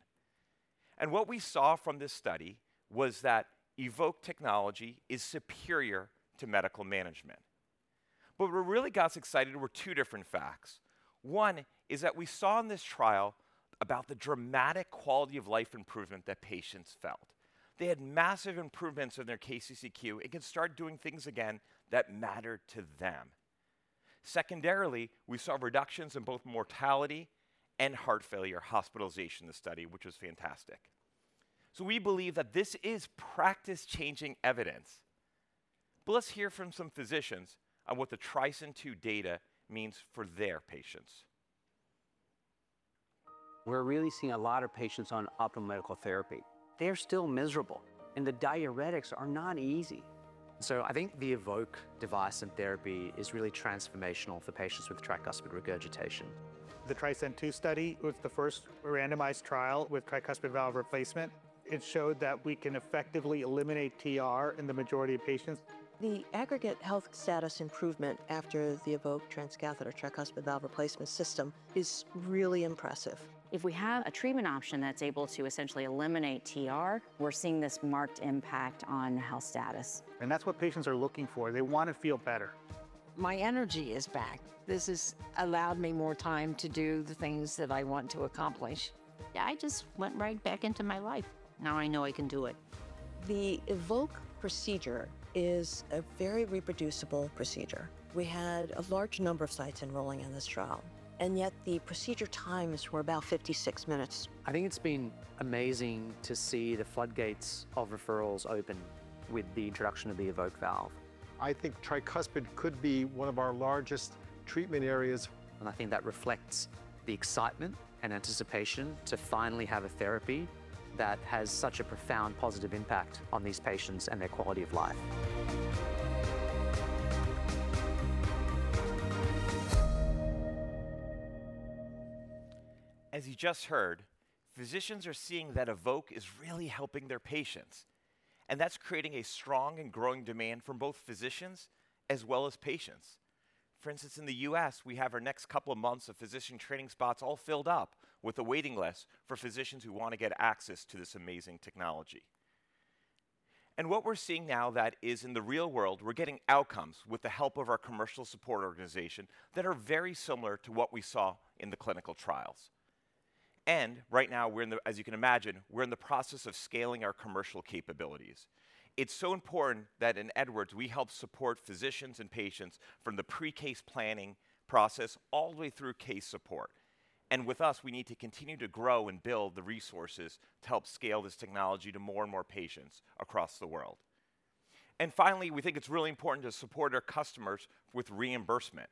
and what we saw from this study was that EVOQUE technology is superior to medical management, but what really got us excited were two different facts. One is that we saw in this trial about the dramatic quality of life improvement that patients felt. They had massive improvements in their KCCQ. It can start doing things again that matter to them. Secondarily, we saw reductions in both mortality and heart failure hospitalization in the study, which was fantastic. So we believe that this is practice-changing evidence. But let's hear from some physicians on what the TRISCEND II data means for their patients. We're really seeing a lot of patients on optimal medical therapy. They're still miserable, and the diuretics are not easy. So I think the EVOQUE device and therapy is really transformational for patients with tricuspid regurgitation. The TRISCEND II study was the first randomized trial with tricuspid valve replacement. It showed that we can effectively eliminate TR in the majority of patients. The aggregate health status improvement after the EVOQUE transcatheter tricuspid valve replacement system is really impressive. If we have a treatment option that's able to essentially eliminate TR, we're seeing this marked impact on health status, and that's what patients are looking for. They want to feel better. My energy is back. This has allowed me more time to do the things that I want to accomplish. Yeah, I just went right back into my life. Now I know I can do it. The EVOQUE procedure is a very reproducible procedure. We had a large number of sites enrolling in this trial, and yet the procedure times were about 56 minutes. I think it's been amazing to see the floodgates of referrals open with the introduction of the EVOQUE valve. I think tricuspid could be one of our largest treatment areas. And I think that reflects the excitement and anticipation to finally have a therapy that has such a profound positive impact on these patients and their quality of life. As you just heard, physicians are seeing that EVOQUE is really helping their patients, and that's creating a strong and growing demand from both physicians as well as patients. For instance, in the U.S., we have our next couple of months of physician training spots all filled up with a waiting list for physicians who want to get access to this amazing technology. And what we're seeing now that is in the real world, we're getting outcomes with the help of our commercial support organization that are very similar to what we saw in the clinical trials. And right now, as you can imagine, we're in the process of scaling our commercial capabilities. It's so important that in Edwards, we help support physicians and patients from the pre-case planning process all the way through case support. And with us, we need to continue to grow and build the resources to help scale this technology to more and more patients across the world. And finally, we think it's really important to support our customers with reimbursement.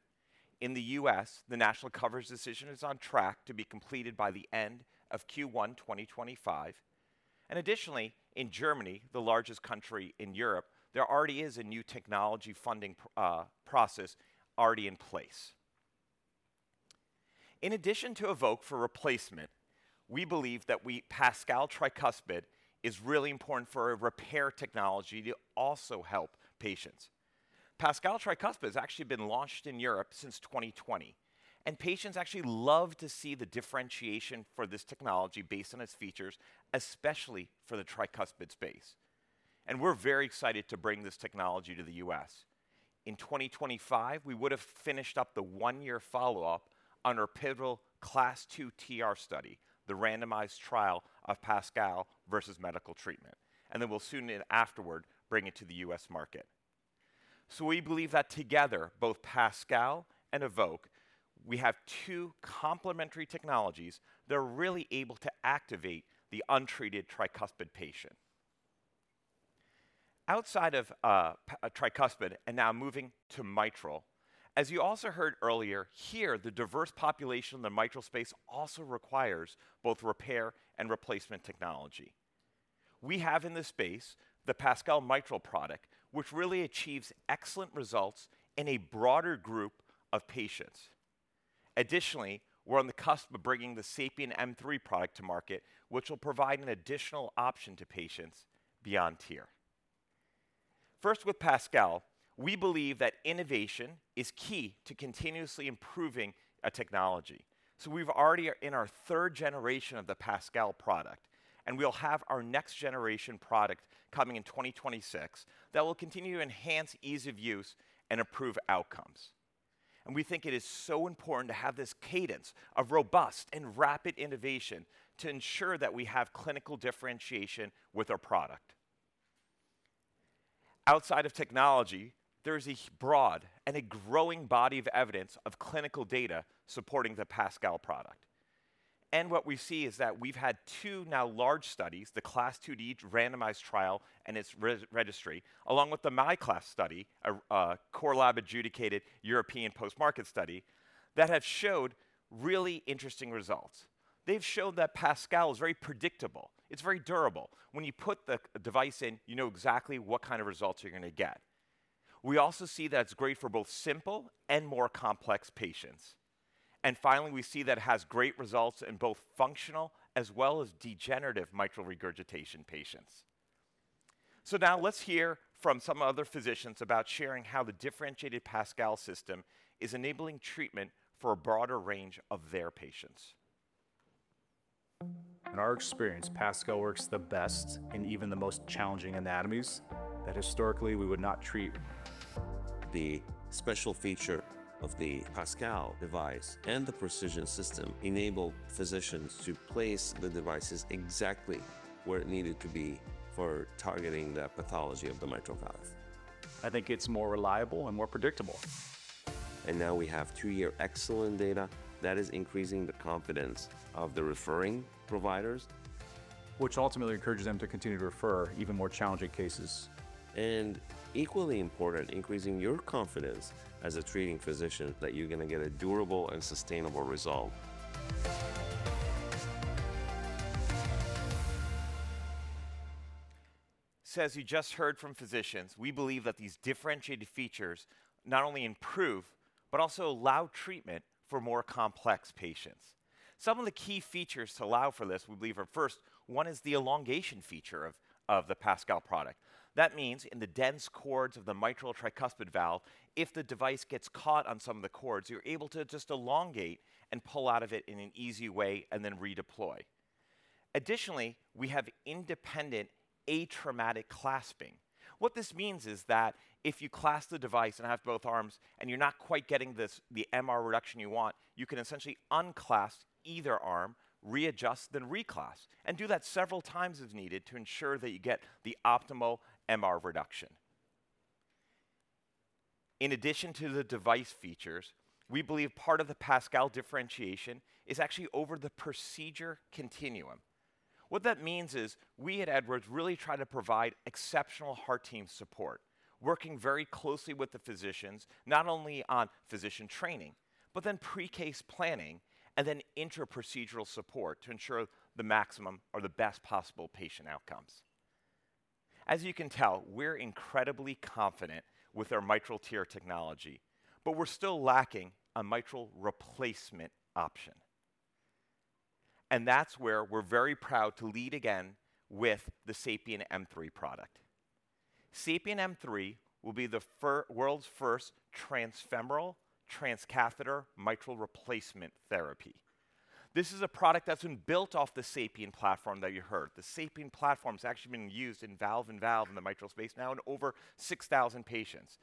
In the U.S., the national coverage decision is on track to be completed by the end of Q1 2025. And additionally, in Germany, the largest country in Europe, there already is a new technology funding process already in place. In addition to EVOQUE for replacement, we believe that PASCAL tricuspid is really important for a repair technology to also help patients. PASCAL tricuspid has actually been launched in Europe since 2020, and patients actually love to see the differentiation for this technology based on its features, especially for the tricuspid space, and we're very excited to bring this technology to the U.S. In 2025, we would have finished up the one-year follow-up on our pivotal CLASP II TR study, the randomized trial of PASCAL versus medical treatment, and then we'll soon afterward bring it to the U.S. market, so we believe that together, both PASCAL and EVOQUE, we have two complementary technologies that are really able to activate the untreated tricuspid patient. Outside of tricuspid and now moving to mitral, as you also heard earlier, here, the diverse population in the mitral space also requires both repair and replacement technology. We have in this space the PASCAL Mitral product, which really achieves excellent results in a broader group of patients. Additionally, we're on the cusp of bringing the SAPIEN M3 product to market, which will provide an additional option to patients beyond TEER. First, with PASCAL, we believe that innovation is key to continuously improving a technology. So we've already in our third generation of the PASCAL product, and we'll have our next generation product coming in 2026 that will continue to enhance ease of use and improve outcomes. And we think it is so important to have this cadence of robust and rapid innovation to ensure that we have clinical differentiation with our product. Outside of technology, there is a broad and a growing body of evidence of clinical data supporting the PASCAL product. What we see is that we've had two now large studies, the CLASP II randomized trial and its registry, along with the MiCLASP study, a core lab adjudicated European post-market study, that have showed really interesting results. They've showed that PASCAL is very predictable. It's very durable. When you put the device in, you know exactly what kind of results you're going to get. We also see that it's great for both simple and more complex patients. And finally, we see that it has great results in both functional as well as degenerative mitral regurgitation patients. Now let's hear from some other physicians about sharing how the differentiated PASCAL system is enabling treatment for a broader range of their patients. In our experience, PASCAL works the best in even the most challenging anatomies that historically we would not treat. The special feature of the PASCAL device and the PASCAL Precision system enable physicians to place the devices exactly where it needed to be for targeting the pathology of the mitral valve. I think it's more reliable and more predictable. And now we have two-year excellent data that is increasing the confidence of the referring providers, which ultimately encourages them to continue to refer even more challenging cases, and equally important, increasing your confidence as a treating physician that you're going to get a durable and sustainable result. So as you just heard from physicians, we believe that these differentiated features not only improve, but also allow treatment for more complex patients. Some of the key features to allow for this, we believe, are first, one is the elongation feature of the PASCAL product. That means in the dense cords of the mitral tricuspid valve, if the device gets caught on some of the cords, you're able to just elongate and pull out of it in an easy way and then redeploy. Additionally, we have independent atraumatic clasping. What this means is that if you clasp the device and have both arms and you're not quite getting the MR reduction you want, you can essentially unclasp either arm, readjust, then reclasp, and do that several times as needed to ensure that you get the optimal MR reduction. In addition to the device features, we believe part of the PASCAL differentiation is actually over the procedure continuum. What that means is we at Edwards really try to provide exceptional heart team support, working very closely with the physicians, not only on physician training, but then pre-case planning and then intra-procedural support to ensure the maximum or the best possible patient outcomes. As you can tell, we're incredibly confident with our mitral TEER technology, but we're still lacking a mitral replacement option. And that's where we're very proud to lead again with the SAPIEN M3 product. SAPIEN M3 will be the world's first transfemoral transcatheter mitral replacement therapy. This is a product that's been built off the SAPIEN platform that you heard. The SAPIEN platform has actually been used in valve-in-valve in the mitral space now in over 6,000 patients.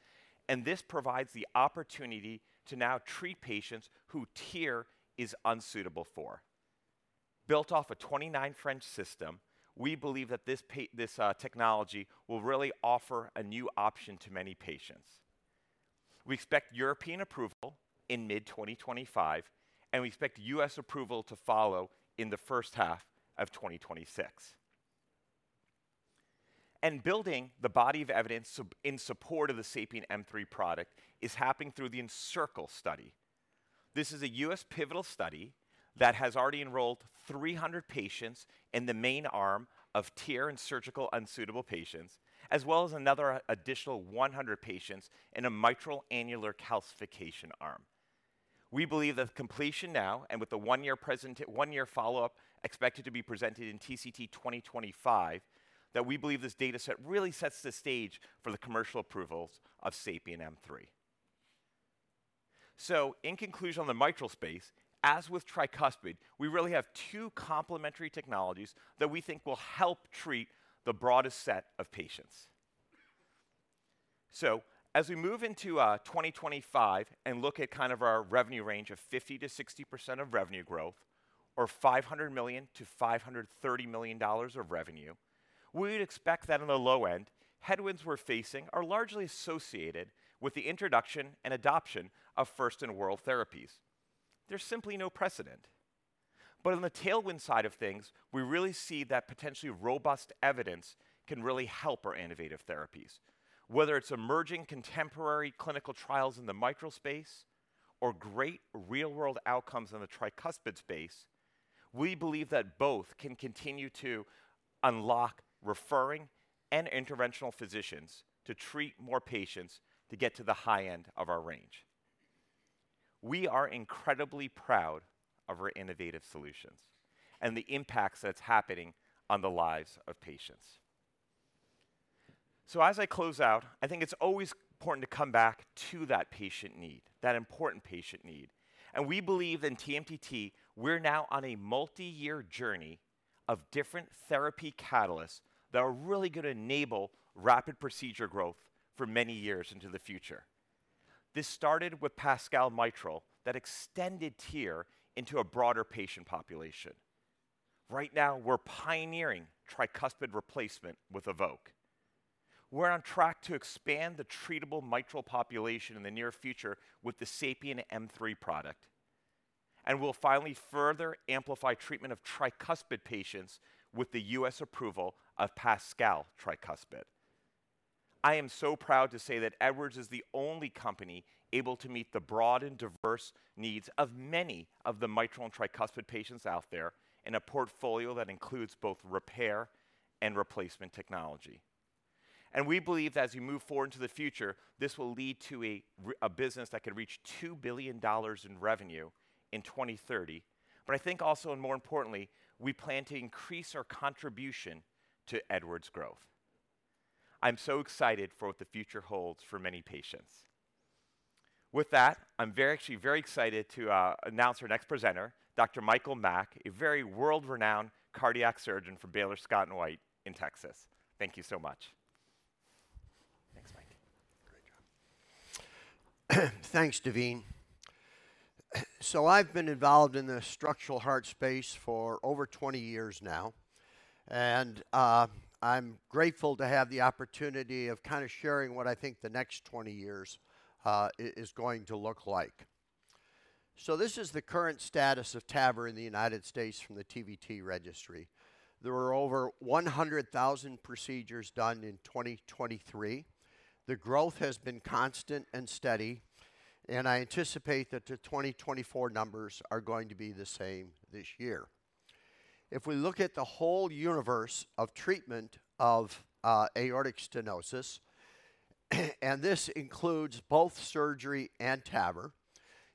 And this provides the opportunity to now treat patients for whom TEER is unsuitable. Built off a 29 French system, we believe that this technology will really offer a new option to many patients. We expect European approval in mid-2025, and we expect U.S. approval to follow in the first half of 2026. Building the body of evidence in support of the SAPIEN M3 product is happening through the ENCIRCLE study. This is a U.S. pivotal study that has already enrolled 300 patients in the main arm of TEER and surgically unsuitable patients, as well as another additional 100 patients in a mitral annular calcification arm. We believe that completion now and with the one-year follow-up expected to be presented in TCT 2025, that we believe this data set really sets the stage for the commercial approvals of SAPIEN M3. So in conclusion, on the mitral space, as with tricuspid, we really have two complementary technologies that we think will help treat the broadest set of patients. So as we move into 2025 and look at kind of our revenue range of 50%-60% of revenue growth or $500 million-$530 million of revenue, we would expect that on the low end, headwinds we're facing are largely associated with the introduction and adoption of first-in-world therapies. There's simply no precedent. But on the tailwind side of things, we really see that potentially robust evidence can really help our innovative therapies. Whether it's emerging contemporary clinical trials in the mitral space or great real-world outcomes in the tricuspid space, we believe that both can continue to unlock referring and interventional physicians to treat more patients to get to the high end of our range. We are incredibly proud of our innovative solutions and the impacts that's happening on the lives of patients, so as I close out, I think it's always important to come back to that patient need, that important patient need, and we believe in TMTT, we're now on a multi-year journey of different therapy catalysts that are really going to enable rapid procedure growth for many years into the future. This started with PASCAL mitral that extended TEER into a broader patient population. Right now, we're pioneering tricuspid replacement with EVOQUE. We're on track to expand the treatable mitral population in the near future with the SAPIEN M3 product, and we'll finally further amplify treatment of tricuspid patients with the U.S. approval of PASCAL tricuspid. I am so proud to say that Edwards is the only company able to meet the broad and diverse needs of many of the mitral and tricuspid patients out there in a portfolio that includes both repair and replacement technology. We believe that as we move forward into the future, this will lead to a business that could reach $2 billion in revenue in 2030. I think also, and more importantly, we plan to increase our contribution to Edwards' growth. I'm so excited for what the future holds for many patients. With that, I'm actually very excited to announce our next presenter, Dr. Michael Mack, a very world-renowned cardiac surgeon from Baylor Scott & White in Texas. Thank you so much. Thanks, Mike. Great job. Thanks, Daveen. So I've been involved in the structural heart space for over 20 years now, and I'm grateful to have the opportunity of kind of sharing what I think the next 20 years is going to look like. So this is the current status of TAVR in the United States from the TVT Registry. There were over 100,000 procedures done in 2023. The growth has been constant and steady, and I anticipate that the 2024 numbers are going to be the same this year. If we look at the whole universe of treatment of aortic stenosis, and this includes both surgery and TAVR,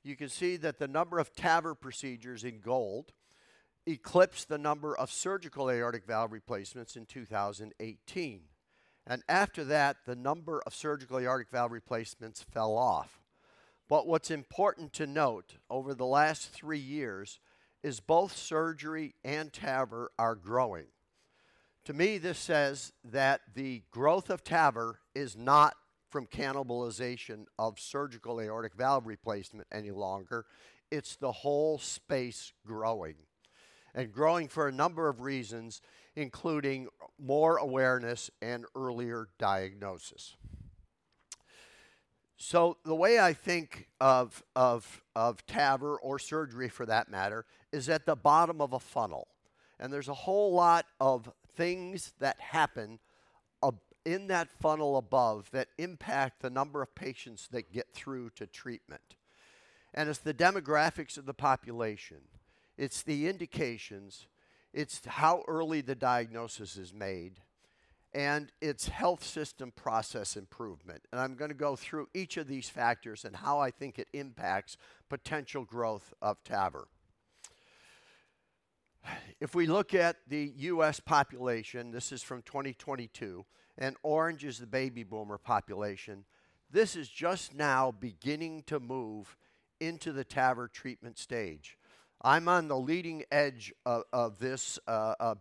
you can see that the number of TAVR procedures, in gold, eclipsed the number of surgical aortic valve replacements in 2018. And after that, the number of surgical aortic valve replacements fell off. What's important to note over the last three years is both surgery and TAVR are growing. To me, this says that the growth of TAVR is not from cannibalization of surgical aortic valve replacement any longer. It's the whole space growing and growing for a number of reasons, including more awareness and earlier diagnosis. The way I think of TAVR or surgery for that matter is at the bottom of a funnel, and there's a whole lot of things that happen in that funnel above that impact the number of patients that get through to treatment. It's the demographics of the population. It's the indications. It's how early the diagnosis is made, and it's health system process improvement. I'm going to go through each of these factors and how I think it impacts potential growth of TAVR. If we look at the U.S. population, this is from 2022, and orange is the baby boomer population. This is just now beginning to move into the TAVR treatment stage. I'm on the leading edge of this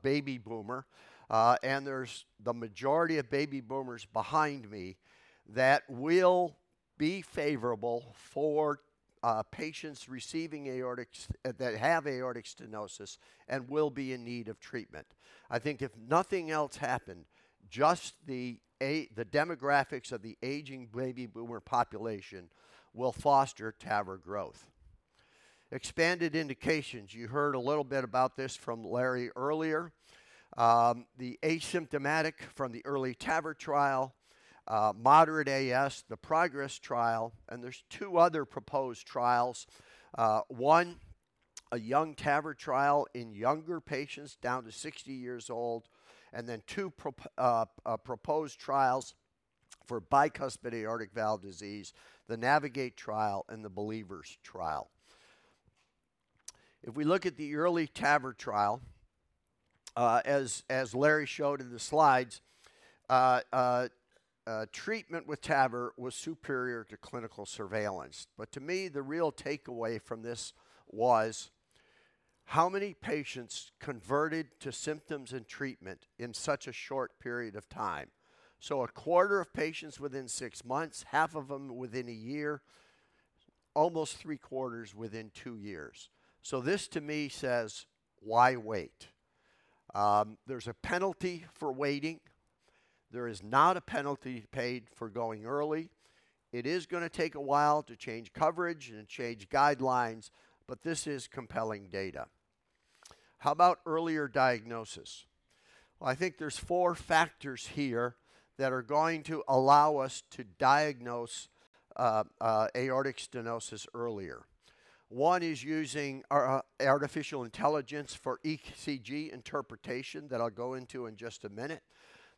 baby boomer, and there's the majority of baby boomers behind me that will be favorable for patients receiving aortic that have aortic stenosis and will be in need of treatment. I think if nothing else happened, just the demographics of the aging baby boomer population will foster TAVR growth. Expanded indications, you heard a little bit about this from Larry earlier. The asymptomatic from the EARLY TAVR trial, moderate AS, the PROGRESS trial, and there's two other proposed trials. One, a young TAVR trial in younger patients down to 60 years old, and then two proposed trials for bicuspid aortic valve disease, the Navigate trial and the Believers trial. If we look at the EARLY TAVR trial, as Larry showed in the slides, treatment with TAVR was superior to clinical surveillance. But to me, the real takeaway from this was how many patients converted to symptoms and treatment in such a short period of time. So a quarter of patients within six months, half of them within a year, almost three quarters within two years. So this to me says, why wait? There's a penalty for waiting. There is not a penalty paid for going early. It is going to take a while to change coverage and change guidelines, but this is compelling data. How about earlier diagnosis? Well, I think there's four factors here that are going to allow us to diagnose aortic stenosis earlier. One is using artificial intelligence for ECG interpretation that I'll go into in just a minute.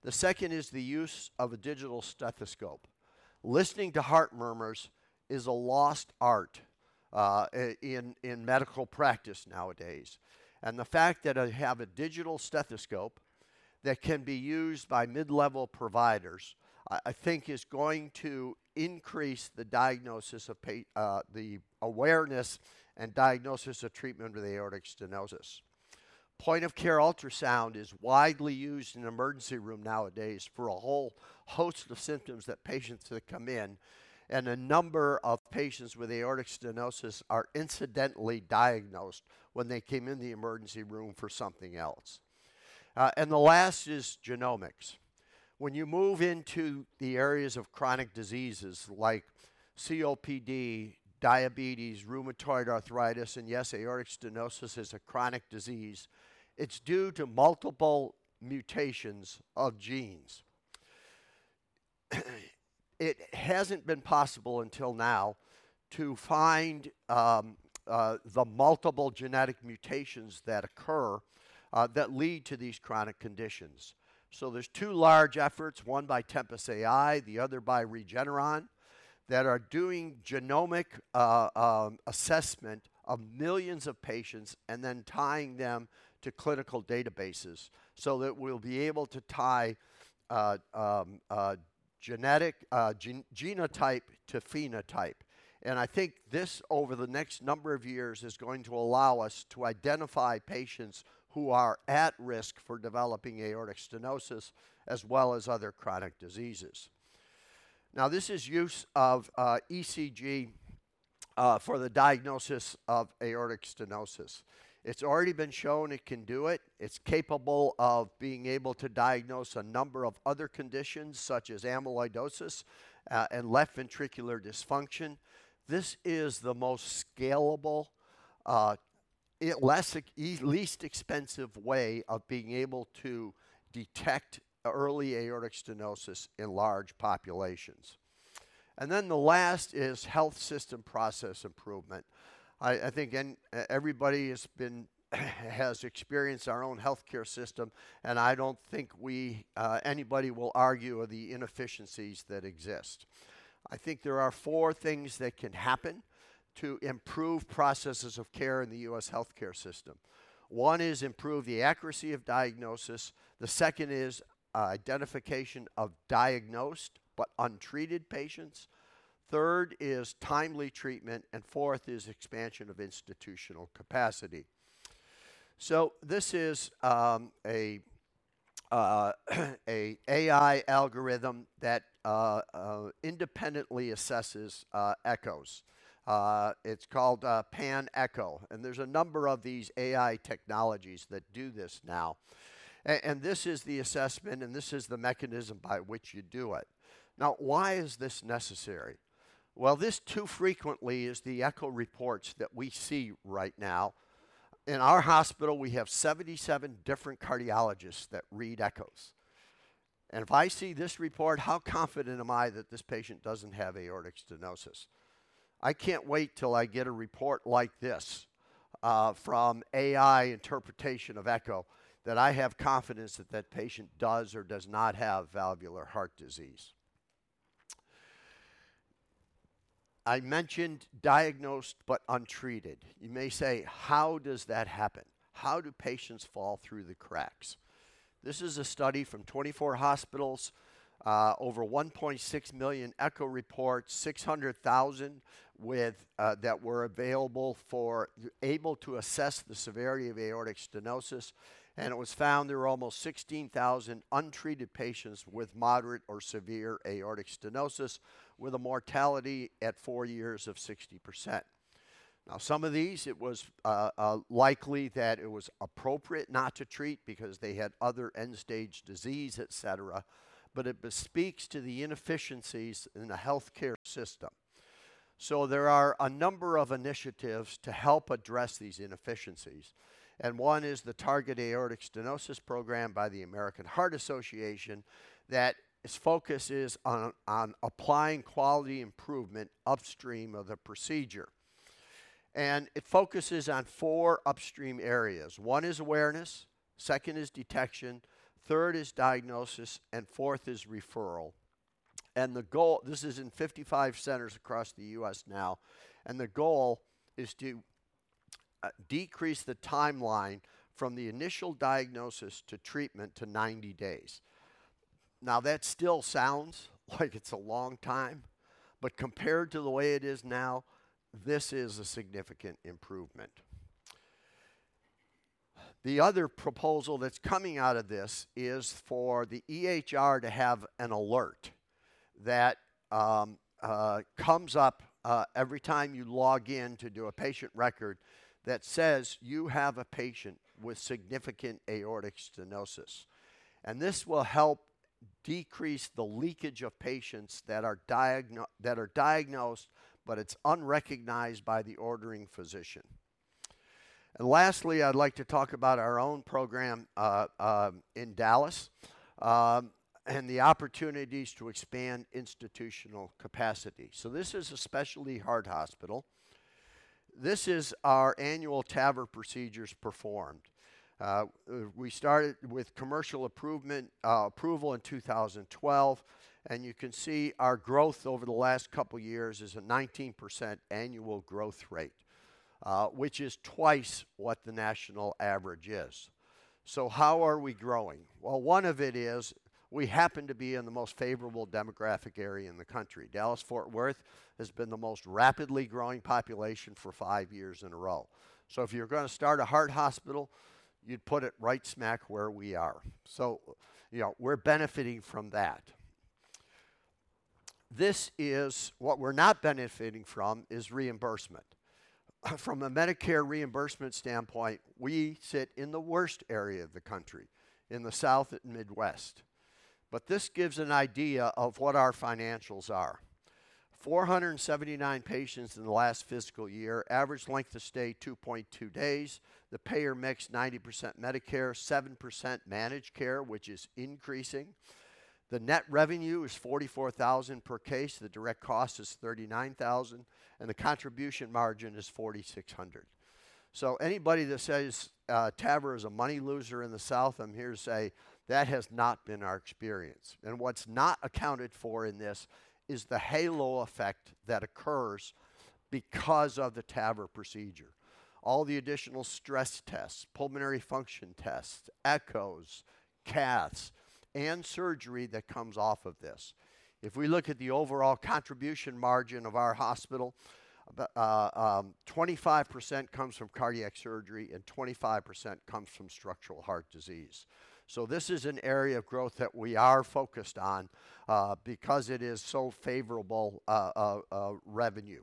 The second is the use of a digital stethoscope. Listening to heart murmurs is a lost art in medical practice nowadays. And the fact that I have a digital stethoscope that can be used by mid-level providers, I think is going to increase the diagnosis of the awareness and diagnosis of treatment with aortic stenosis. Point of care ultrasound is widely used in the emergency room nowadays for a whole host of symptoms that patients that come in, and a number of patients with aortic stenosis are incidentally diagnosed when they came in the emergency room for something else. And the last is genomics. When you move into the areas of chronic diseases like COPD, diabetes, rheumatoid arthritis, and yes, aortic stenosis is a chronic disease, it's due to multiple mutations of genes. It hasn't been possible until now to find the multiple genetic mutations that occur that lead to these chronic conditions. So there's two large efforts, one by Tempus AI, the other by Regeneron, that are doing genomic assessment of millions of patients and then tying them to clinical databases so that we'll be able to tie genetic genotype to phenotype. And I think this over the next number of years is going to allow us to identify patients who are at risk for developing aortic stenosis as well as other chronic diseases. Now, this is use of ECG for the diagnosis of aortic stenosis. It's already been shown it can do it. It's capable of being able to diagnose a number of other conditions such as amyloidosis and left ventricular dysfunction. This is the most scalable, least expensive way of being able to detect early aortic stenosis in large populations, and then the last is health system process improvement. I think everybody has experienced our own healthcare system, and I don't think anybody will argue of the inefficiencies that exist. I think there are four things that can happen to improve processes of care in the U.S. healthcare system. One is improve the accuracy of diagnosis. The second is identification of diagnosed but untreated patients. Third is timely treatment, and fourth is expansion of institutional capacity, so this is an AI algorithm that independently assesses echoes. It's called PanEcho, and there's a number of these AI technologies that do this now, and this is the assessment, and this is the mechanism by which you do it. Now, why is this necessary? This too frequently is the echo reports that we see right now. In our hospital, we have 77 different cardiologists that read echoes. If I see this report, how confident am I that this patient doesn't have aortic stenosis? I can't wait till I get a report like this from AI interpretation of echo that I have confidence that that patient does or does not have valvular heart disease. I mentioned diagnosed but untreated. You may say, how does that happen? How do patients fall through the cracks? This is a study from 24 hospitals, over 1.6 million echo reports, 600,000 that were available for able to assess the severity of aortic stenosis. It was found there were almost 16,000 untreated patients with moderate or severe aortic stenosis with a mortality at four years of 60%. Now, some of these, it was likely that it was appropriate not to treat because they had other end-stage disease, et cetera, but it speaks to the inefficiencies in the healthcare system. So there are a number of initiatives to help address these inefficiencies. And one is the Target Aortic Stenosis Program by the American Heart Association that its focus is on applying quality improvement upstream of the procedure. And it focuses on four upstream areas. One is awareness, second is detection, third is diagnosis, and fourth is referral. And the goal, this is in 55 centers across the U.S. now, and the goal is to decrease the timeline from the initial diagnosis to treatment to 90 days. Now, that still sounds like it's a long time, but compared to the way it is now, this is a significant improvement. The other proposal that's coming out of this is for the EHR to have an alert that comes up every time you log in to do a patient record that says you have a patient with significant aortic stenosis. And this will help decrease the leakage of patients that are diagnosed, but it's unrecognized by the ordering physician. And lastly, I'd like to talk about our own program in Dallas and the opportunities to expand institutional capacity. So this is a specialty heart hospital. This is our annual TAVR procedures performed. We started with commercial approval in 2012, and you can see our growth over the last couple of years is a 19% annual growth rate, which is twice what the national average is. So how are we growing? Well, one of it is we happen to be in the most favorable demographic area in the country. Dallas-Fort Worth has been the most rapidly growing population for five years in a row. So if you're going to start a heart hospital, you'd put it right smack where we are. So we're benefiting from that. This is what we're not benefiting from is reimbursement. From a Medicare reimbursement standpoint, we sit in the worst area of the country in the south and midwest. But this gives an idea of what our financials are. 479 patients in the last fiscal year, average length of stay 2.2 days. The payer mix 90% Medicare, 7% managed care, which is increasing. The net revenue is $44,000 per case. The direct cost is $39,000, and the contribution margin is $4,600. So anybody that says TAVR is a money loser in the south, I'm here to say that has not been our experience. What's not accounted for in this is the halo effect that occurs because of the TAVR procedure. All the additional stress tests, pulmonary function tests, echoes, caths, and surgery that comes off of this. If we look at the overall contribution margin of our hospital, 25% comes from cardiac surgery and 25% comes from structural heart disease. So this is an area of growth that we are focused on because it is so favorable revenue.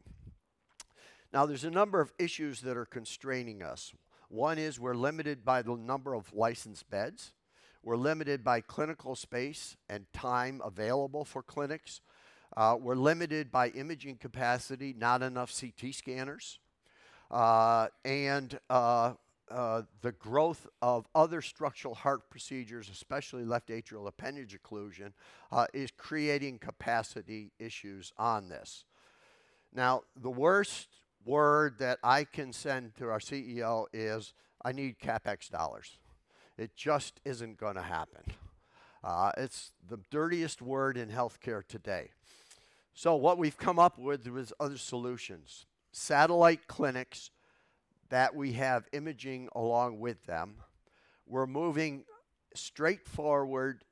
Now, there's a number of issues that are constraining us. One is we're limited by the number of licensed beds. We're limited by clinical space and time available for clinics. We're limited by imaging capacity, not enough CT scanners. And the growth of other structural heart procedures, especially left atrial appendage occlusion, is creating capacity issues on this. Now, the worst word that I can send to our CEO is, "I need CapEx dollars." It just isn't going to happen. It's the dirtiest word in healthcare today. So what we've come up with was other solutions. Satellite clinics that we have imaging along with them. We're moving straightforward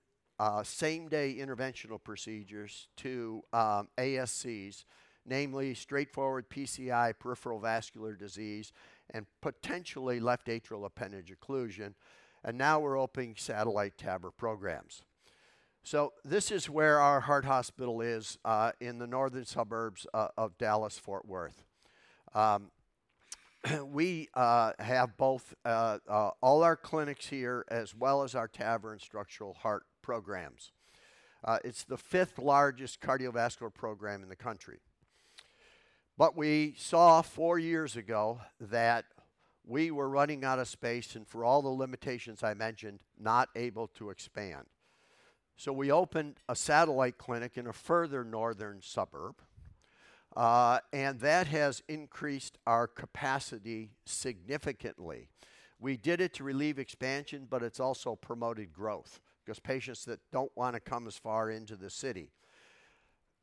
same-day interventional procedures to ASCs, namely straightforward PCI, peripheral vascular disease, and potentially left atrial appendage occlusion. And now we're opening satellite TAVR programs. So this is where our heart hospital is in the northern suburbs of Dallas-Fort Worth. We have both all our clinics here as well as our TAVR and structural heart programs. It's the fifth largest cardiovascular program in the country. But we saw four years ago that we were running out of space and for all the limitations I mentioned, not able to expand. So we opened a satellite clinic in a further northern suburb, and that has increased our capacity significantly. We did it to relieve expansion, but it's also promoted growth because patients that don't want to come as far into the city.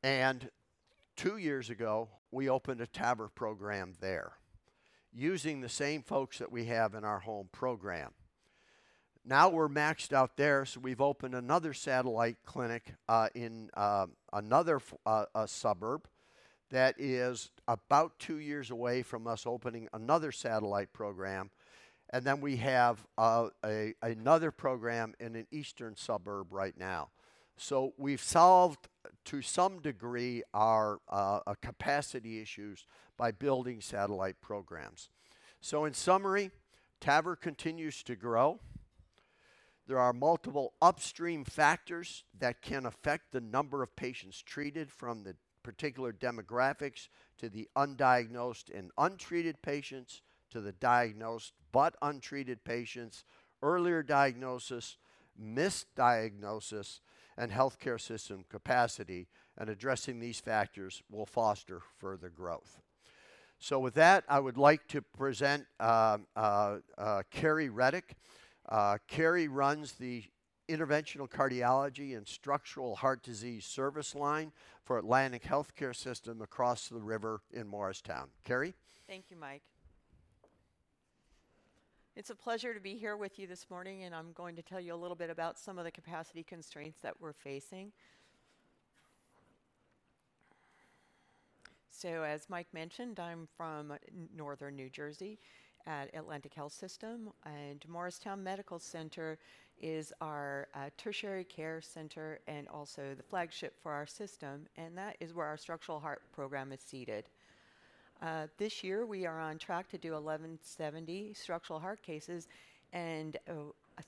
And two years ago, we opened a TAVR program there using the same folks that we have in our home program. Now we're maxed out there, so we've opened another satellite clinic in another suburb that is about two years away from us opening another satellite program. And then we have another program in an eastern suburb right now. So we've solved to some degree our capacity issues by building satellite programs. So in summary, TAVR continues to grow. There are multiple upstream factors that can affect the number of patients treated from the particular demographics to the undiagnosed and untreated patients to the diagnosed but untreated patients, earlier diagnosis, misdiagnosis, and healthcare system capacity, and addressing these factors will foster further growth, so with that, I would like to present Carrie Reddick. Carrie runs the interventional cardiology and structural heart disease service line for Atlantic Health System across the river in Morristown. Carrie? Thank you, Mike. It's a pleasure to be here with you this morning, and I'm going to tell you a little bit about some of the capacity constraints that we're facing, so as Mike mentioned, I'm from northern New Jersey at Atlantic Health System, and Morristown Medical Center is our tertiary care center and also the flagship for our system, and that is where our structural heart program is seated. This year, we are on track to do 1,170 structural heart cases and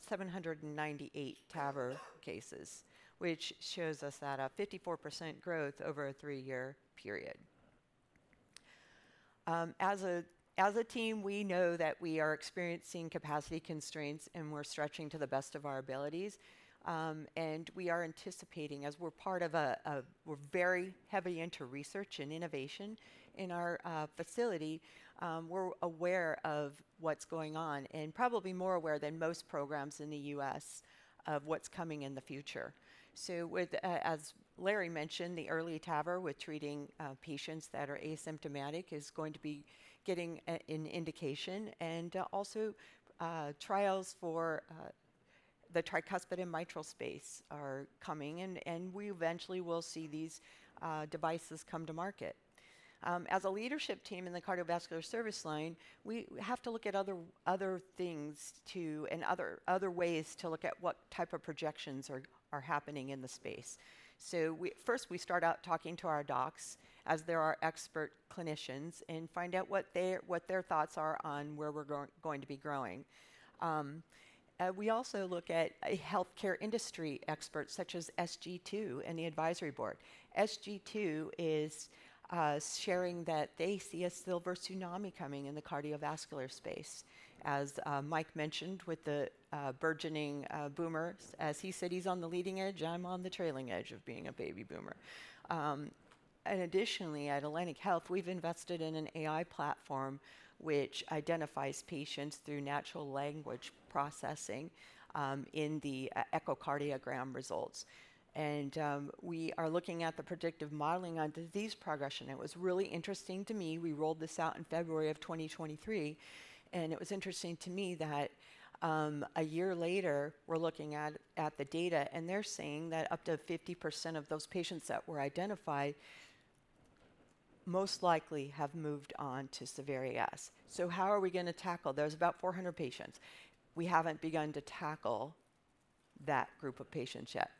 798 TAVR cases, which shows us that a 54% growth over a three-year period. As a team, we know that we are experiencing capacity constraints, and we're stretching to the best of our abilities. And we are anticipating, as we're very heavy into research and innovation in our facility, we're aware of what's going on and probably more aware than most programs in the U.S. of what's coming in the future. So as Larry mentioned, the early TAVR with treating patients that are asymptomatic is going to be getting an indication, and also trials for the tricuspid and mitral space are coming, and we eventually will see these devices come to market. As a leadership team in the cardiovascular service line, we have to look at other things too and other ways to look at what type of projections are happening in the space. So first, we start out talking to our docs as they are expert clinicians and find out what their thoughts are on where we're going to be growing. We also look at healthcare industry experts such as SG2 and the advisory board. SG2 is sharing that they see a silver tsunami coming in the cardiovascular space, as Mike mentioned with the burgeoning boomers. As he said, he's on the leading edge, and I'm on the trailing edge of being a baby boomer. And additionally, at Atlantic Health, we've invested in an AI platform which identifies patients through natural language processing in the echocardiogram results. And we are looking at the predictive modeling on disease progression. It was really interesting to me. We rolled this out in February of 2023, and it was interesting to me that a year later, we're looking at the data, and they're saying that up to 50% of those patients that were identified most likely have moved on to severe AS. So how are we going to tackle? There's about 400 patients. We haven't begun to tackle that group of patients yet.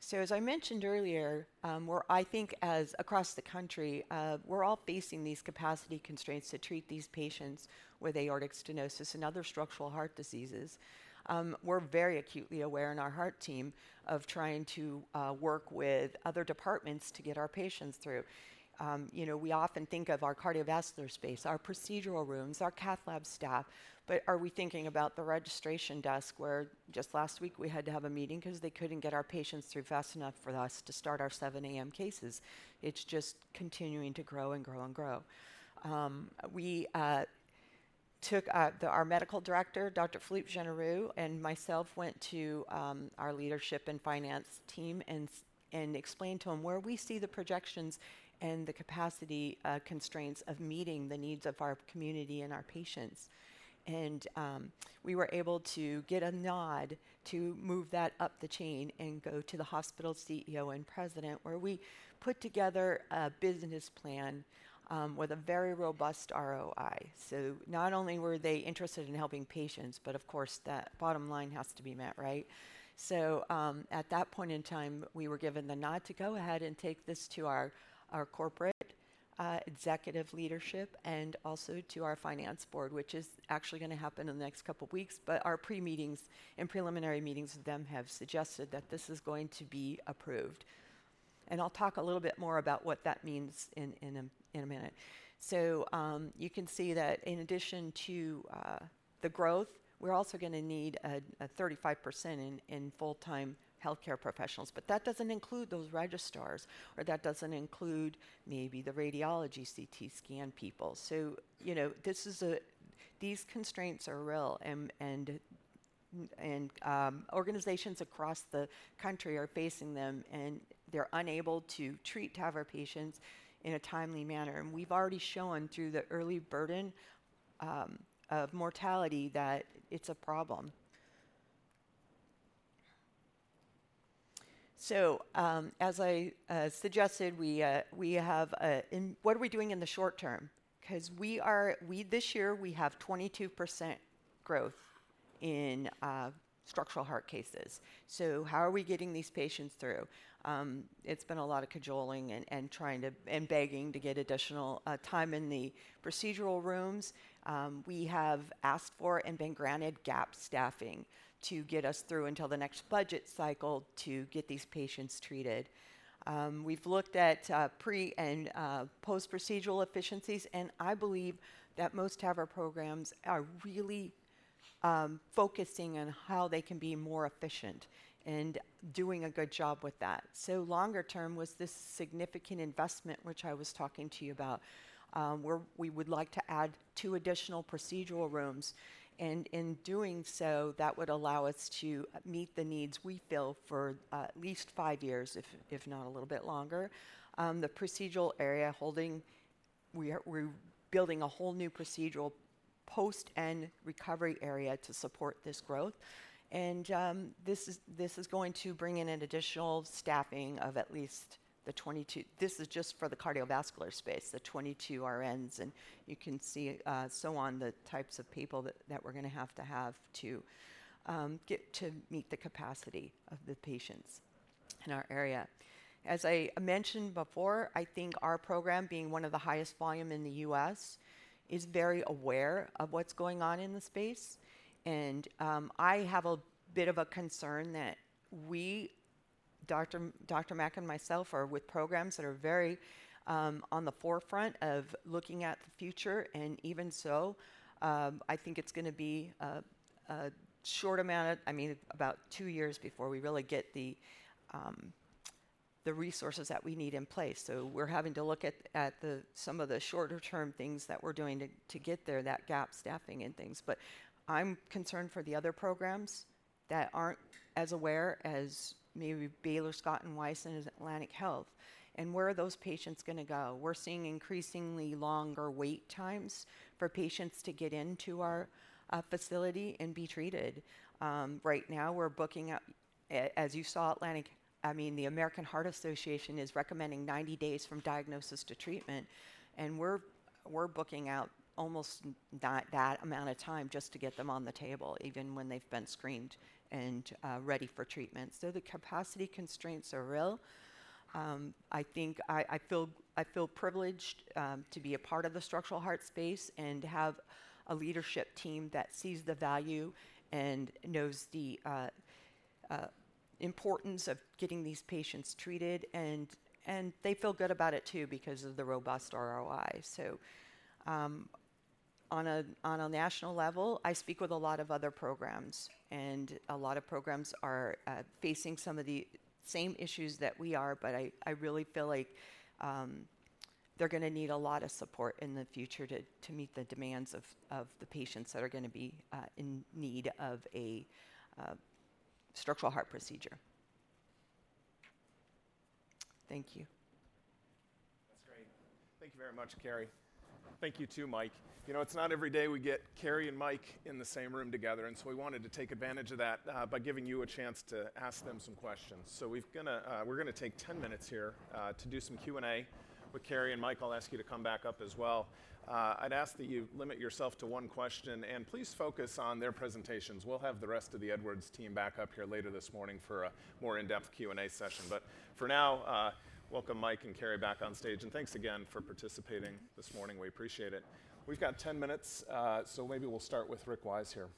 So as I mentioned earlier, I think across the country, we're all facing these capacity constraints to treat these patients with aortic stenosis and other structural heart diseases. We're very acutely aware in our heart team of trying to work with other departments to get our patients through. We often think of our cardiovascular space, our procedural rooms, our cath lab staff, but are we thinking about the registration desk where just last week we had to have a meeting because they couldn't get our patients through fast enough for us to start our 7:00 A.M. cases? It's just continuing to grow and grow and grow. We took our medical director, Dr. Philippe Généreux, and myself went to our leadership and finance team and explained to him where we see the projections and the capacity constraints of meeting the needs of our community and our patients, and we were able to get a nod to move that up the chain and go to the hospital CEO and president where we put together a business plan with a very robust ROI. So not only were they interested in helping patients, but of course, that bottom line has to be met, right? So at that point in time, we were given the nod to go ahead and take this to our corporate executive leadership and also to our finance board, which is actually going to happen in the next couple of weeks, but our pre-meetings and preliminary meetings with them have suggested that this is going to be approved. And I'll talk a little bit more about what that means in a minute. So you can see that in addition to the growth, we're also going to need a 35% in full-time healthcare professionals, but that doesn't include those registrars, or that doesn't include maybe the radiology CT scan people. These constraints are real, and organizations across the country are facing them, and they're unable to treat TAVR patients in a timely manner. We've already shown through the early burden of mortality that it's a problem. As I suggested, what are we doing in the short term? Because this year, we have 22% growth in structural heart cases. How are we getting these patients through? It's been a lot of cajoling and begging to get additional time in the procedural rooms. We have asked for and been granted gap staffing to get us through until the next budget cycle to get these patients treated. We've looked at pre- and post-procedural efficiencies, and I believe that most TAVR programs are really focusing on how they can be more efficient and doing a good job with that. So longer term was this significant investment, which I was talking to you about, where we would like to add two additional procedural rooms. And in doing so, that would allow us to meet the needs we feel for at least five years, if not a little bit longer. The procedural area holding, we're building a whole new procedural post and recovery area to support this growth. And this is going to bring in an additional staffing of at least the 22. This is just for the cardiovascular space, the 22 RNs, and you can see so on the types of people that we're going to have to have to meet the capacity of the patients in our area. As I mentioned before, I think our program, being one of the highest volume in the U.S., is very aware of what's going on in the space. I have a bit of a concern that we, Dr. Mack and myself, are with programs that are very on the forefront of looking at the future. Even so, I think it's going to be a short amount of, I mean, about two years before we really get the resources that we need in place. So we're having to look at some of the shorter-term things that we're doing to get there, that gap staffing and things. But I'm concerned for the other programs that aren't as aware as maybe Baylor Scott & White and Atlantic Health. Where are those patients going to go? We're seeing increasingly longer wait times for patients to get into our facility and be treated. Right now, we're booking out, as you saw, I mean, the American Heart Association is recommending 90 days from diagnosis to treatment, and we're booking out almost that amount of time just to get them on the table, even when they've been screened and ready for treatment. So the capacity constraints are real. I feel privileged to be a part of the structural heart space and to have a leadership team that sees the value and knows the importance of getting these patients treated. And they feel good about it too because of the robust ROI. So on a national level, I speak with a lot of other programs, and a lot of programs are facing some of the same issues that we are, but I really feel like they're going to need a lot of support in the future to meet the demands of the patients that are going to be in need of a structural heart procedure. Thank you. That's great. Thank you very much, Carrie. Thank you too, Mike. You know, it's not every day we get Carrie and Mike in the same room together, and so we wanted to take advantage of that by giving you a chance to ask them some questions. So we're going to take 10 minutes here to do some Q&A with Carrie and Mike. I'll ask you to come back up as well. I'd ask that you limit yourself to one question, and please focus on their presentations. We'll have the rest of the Edwards team back up here later this morning for a more in-depth Q&A session. But for now, welcome Mike and Carrie back on stage, and thanks again for participating this morning. We appreciate it. We've got 10 minutes, so maybe we'll start with Rick Wise here.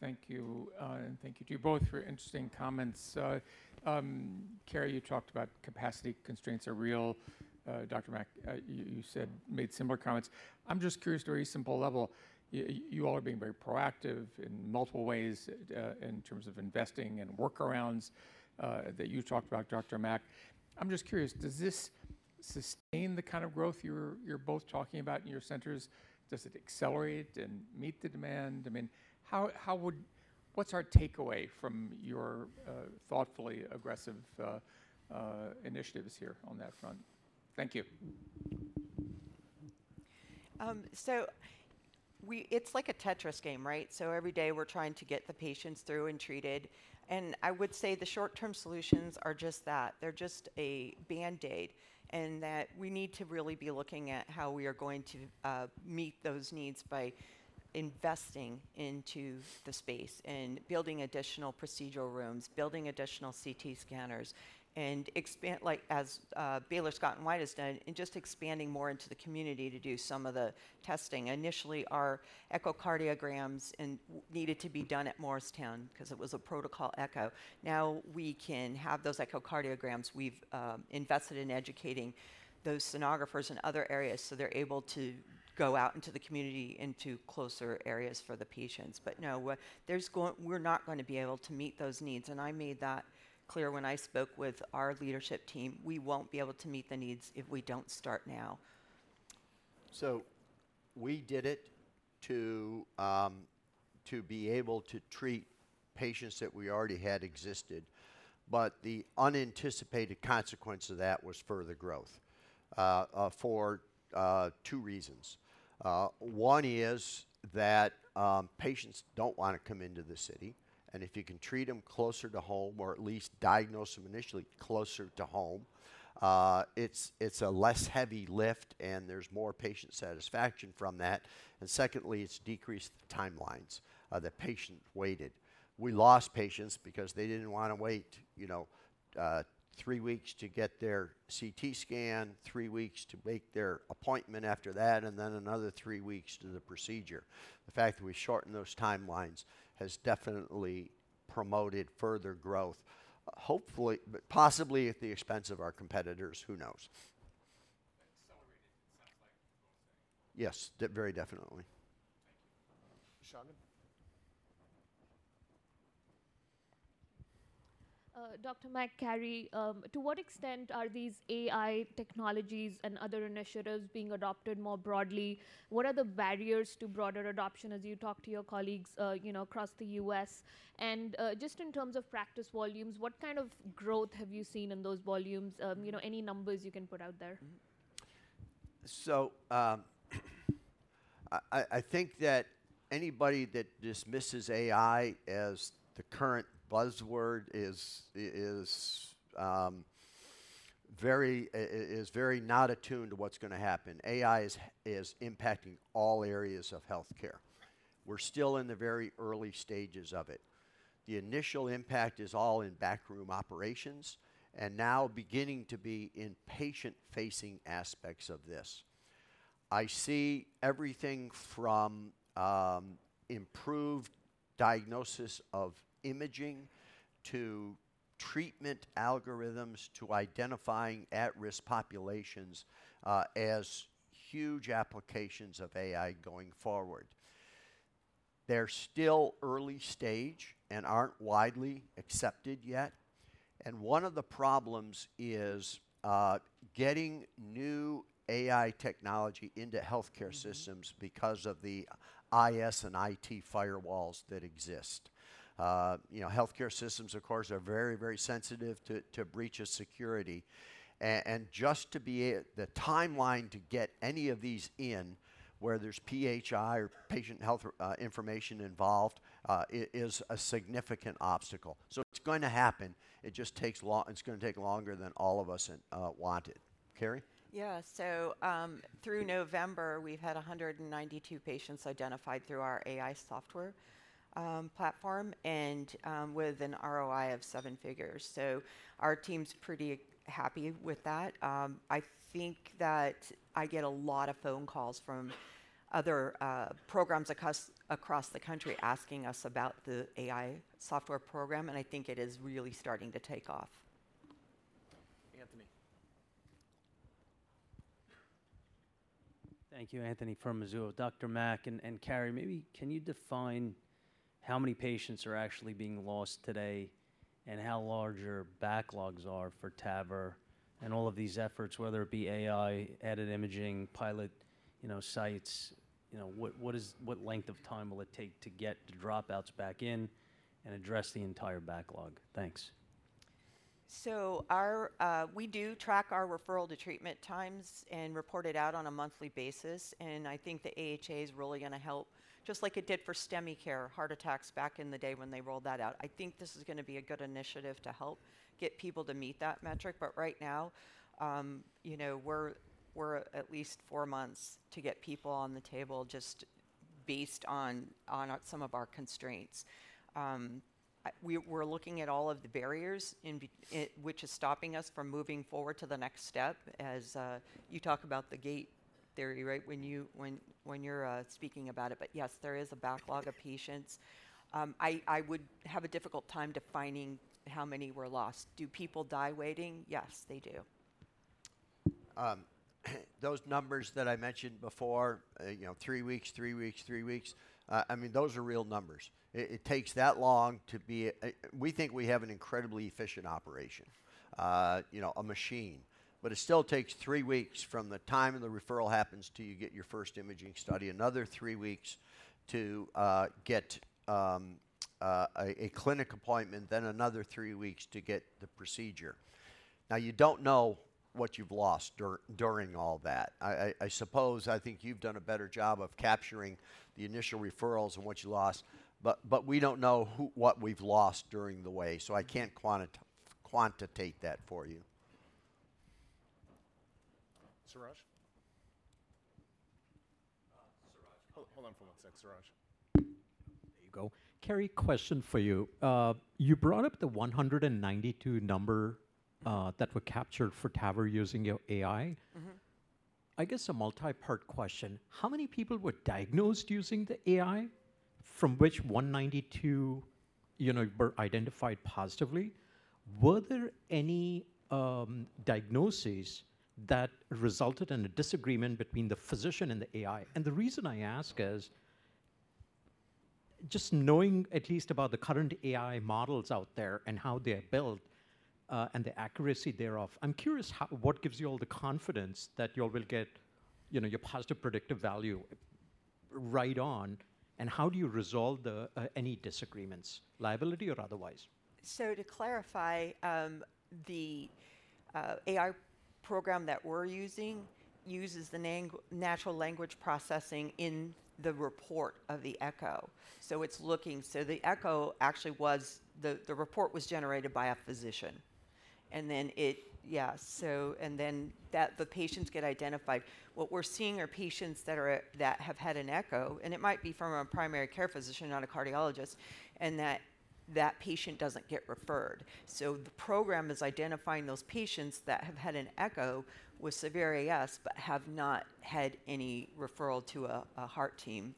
Thank you, and thank you to you both for interesting comments. Carrie, you talked about capacity constraints are real. Dr. Mack, you said made similar comments. I'm just curious to a very simple level. You all are being very proactive in multiple ways in terms of investing and workarounds that you talked about, Dr. Mack. I'm just curious, does this sustain the kind of growth you're both talking about in your centers? Does it accelerate and meet the demand? I mean, what's our takeaway from your thoughtfully aggressive initiatives here on that front? Thank you. It's like a Tetris game, right? So every day we're trying to get the patients through and treated. And I would say the short-term solutions are just that. They're just a Band-Aid, and that we need to really be looking at how we are going to meet those needs by investing into the space and building additional procedural rooms, building additional CT scanners, and expand like as Baylor Scott & White has done, and just expanding more into the community to do some of the testing. Initially, our echocardiograms needed to be done at Morristown because it was a protocol echo. Now we can have those echocardiograms. We've invested in educating those sonographers in other areas so they're able to go out into the community, into closer areas for the patients. But no, we're not going to be able to meet those needs. I made that clear when I spoke with our leadership team. We won't be able to meet the needs if we don't start now. So we did it to be able to treat patients that we already had existed, but the unanticipated consequence of that was further growth for two reasons. One is that patients don't want to come into the city. And if you can treat them closer to home or at least diagnose them initially closer to home, it's a less heavy lift, and there's more patient satisfaction from that. And secondly, it's decreased timelines that patients waited. We lost patients because they didn't want to wait three weeks to get their CT scan, three weeks to make their appointment after that, and then another three weeks to the procedure. The fact that we shortened those timelines has definitely promoted further growth, hopefully, possibly at the expense of our competitors. Who knows? Accelerated, it sounds like what you're both saying. Yes, very definitely. Thank you. Shawna. Dr. Mack, Carrie, to what extent are these AI technologies and other initiatives being adopted more broadly? What are the barriers to broader adoption as you talk to your colleagues across the U.S.? And just in terms of practice volumes, what kind of growth have you seen in those volumes? Any numbers you can put out there? I think that anybody that dismisses AI as the current buzzword is very not attuned to what's going to happen. AI is impacting all areas of healthcare. We're still in the very early stages of it. The initial impact is all in backroom operations and now beginning to be in patient-facing aspects of this. I see everything from improved diagnosis of imaging to treatment algorithms to identifying at-risk populations as huge applications of AI going forward. They're still early stage and aren't widely accepted yet. One of the problems is getting new AI technology into healthcare systems because of the IS and IT firewalls that exist. Healthcare systems, of course, are very, very sensitive to security breaches. And just the timeline to get any of these in where there's PHI or patient health information involved is a significant obstacle. It's going to happen. It just takes long. It's going to take longer than all of us wanted. Carrie? Yeah, so through November, we've had 192 patients identified through our AI software platform and with an ROI of seven figures, so our team's pretty happy with that. I think that I get a lot of phone calls from other programs across the country asking us about the AI software program, and I think it is really starting to take off. Anthony. Thank you, Anthony from Mizuho. Dr. Mack and Carrie, maybe can you define how many patients are actually being lost today and how large your backlogs are for TAVR and all of these efforts, whether it be AI, added imaging, pilot sites, what length of time will it take to get the dropouts back in and address the entire backlog? Thanks. We do track our referral to treatment times and report it out on a monthly basis. And I think the AHA is really going to help, just like it did for STEMI care, heart attacks back in the day when they rolled that out. I think this is going to be a good initiative to help get people to meet that metric. But right now, we're at least four months to get people on the table just based on some of our constraints. We're looking at all of the barriers which are stopping us from moving forward to the next step as you talk about the gate theory, right, when you're speaking about it. But yes, there is a backlog of patients. I would have a difficult time defining how many were lost. Do people die waiting? Yes, they do. Those numbers that I mentioned before, three weeks, three weeks, three weeks, I mean, those are real numbers. It takes that long, but we think we have an incredibly efficient operation, a machine. But it still takes three weeks from the time the referral happens until you get your first imaging study, another three weeks to get a clinic appointment, then another three weeks to get the procedure. Now, you don't know what you've lost during all that. I suppose I think you've done a better job of capturing the initial referrals and what you lost, but we don't know what we've lost along the way, so I can't quantitate that for you. Suraj. Hold on for one sec, Suraj. There you go. Carrie, question for you. You brought up the 192 number that were captured for TAVR using AI. I guess a multi-part question. How many people were diagnosed using the AI from which 192 were identified positively? Were there any diagnoses that resulted in a disagreement between the physician and the AI? And the reason I ask is just knowing at least about the current AI models out there and how they're built and the accuracy thereof, I'm curious what gives you all the confidence that you all will get your positive predictive value right on, and how do you resolve any disagreements, liability or otherwise? To clarify, the AI program that we're using uses the natural language processing in the report of the echo. So it's looking at the echo report that was actually generated by a physician. And then the patients get identified. What we're seeing are patients that have had an echo, and it might be from a primary care physician, not a cardiologist, and that patient doesn't get referred, so the program is identifying those patients that have had an echo with severe AS but have not had any referral to a heart team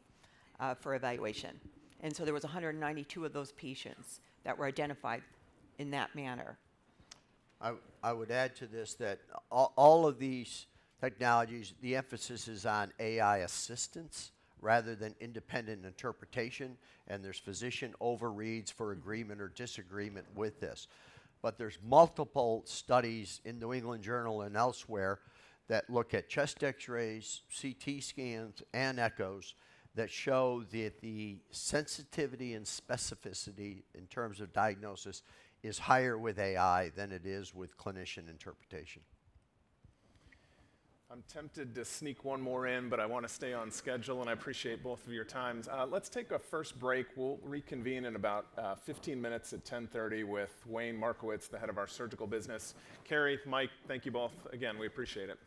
for evaluation, and so there were 192 of those patients that were identified in that manner. I would add to this that all of these technologies, the emphasis is on AI assistance rather than independent interpretation, and there's physician overreads for agreement or disagreement with this, but there's multiple studies in New England Journal of Medicine and elsewhere that look at chest X-rays, CT scans, and echoes that show that the sensitivity and specificity in terms of diagnosis is higher with AI than it is with clinician interpretation. I'm tempted to sneak one more in, but I want to stay on schedule, and I appreciate both of your times. Let's take a first break. We'll reconvene in about 15 minutes at 10:30 A.M. with Wayne Markowitz, the head of our surgical business. Carrie, Mike, thank you both. Again, we appreciate it.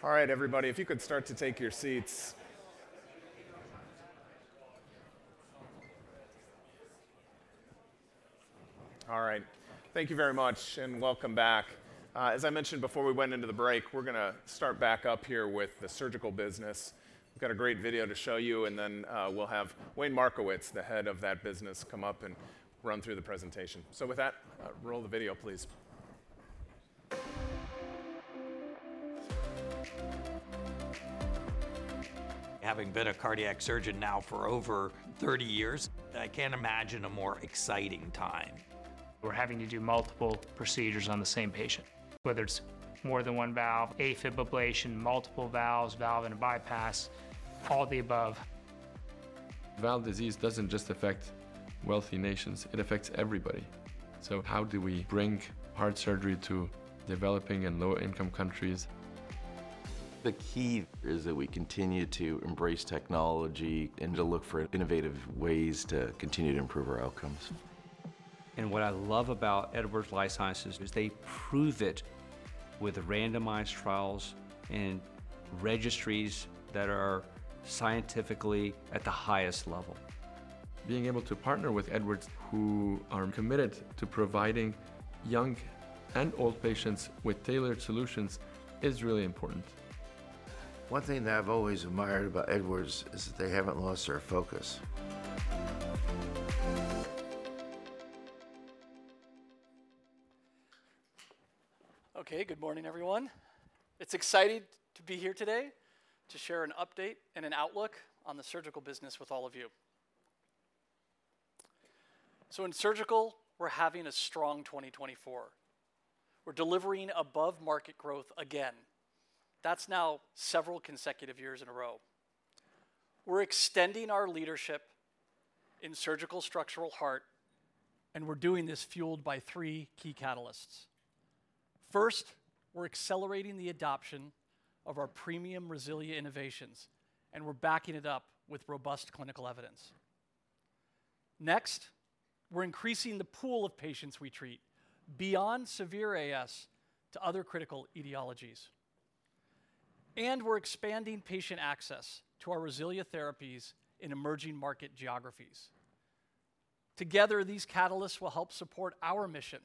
Goodmornig. All right, everybody, if you could start to take your seats. All right. Thank you very much, and welcome back. As I mentioned before we went into the break, we're going to start back up here with the surgical business. We've got a great video to show you, and then we'll have Wayne Markowitz, the head of that business, come up and run through the presentation. So with that, roll the video, please. Having been a cardiac surgeon now for over 30 years, I can't imagine a more exciting time. We're having to do multiple procedures on the same patient, whether it's more than one valve, AFib ablation, multiple valves, valve and bypass, all the above. Valve disease doesn't just affect wealthy nations. It affects everybody. So how do we bring heart surgery to developing and low-income countries? The key is that we continue to embrace technology and to look for innovative ways to continue to improve our outcomes. And what I love about Edwards Lifesciences is they prove it with randomized trials and registries that are scientifically at the highest level. Being able to partner with Edwards, who are committed to providing young and old patients with tailored solutions, is really important. One thing that I've always admired about Edwards is that they haven't lost their focus. Okay, good morning, everyone. It's exciting to be here today to share an update and an outlook on the surgical business with all of you. So in surgical, we're having a strong 2024. We're delivering above-market growth again. That's now several consecutive years in a row. We're extending our leadership in surgical structural heart, and we're doing this fueled by three key catalysts. First, we're accelerating the adoption of our premium RESILIA innovations, and we're backing it up with robust clinical evidence. Next, we're increasing the pool of patients we treat beyond severe AS to other critical etiologies. And we're expanding patient access to our RESILIA therapies in emerging market geographies. Together, these catalysts will help support our mission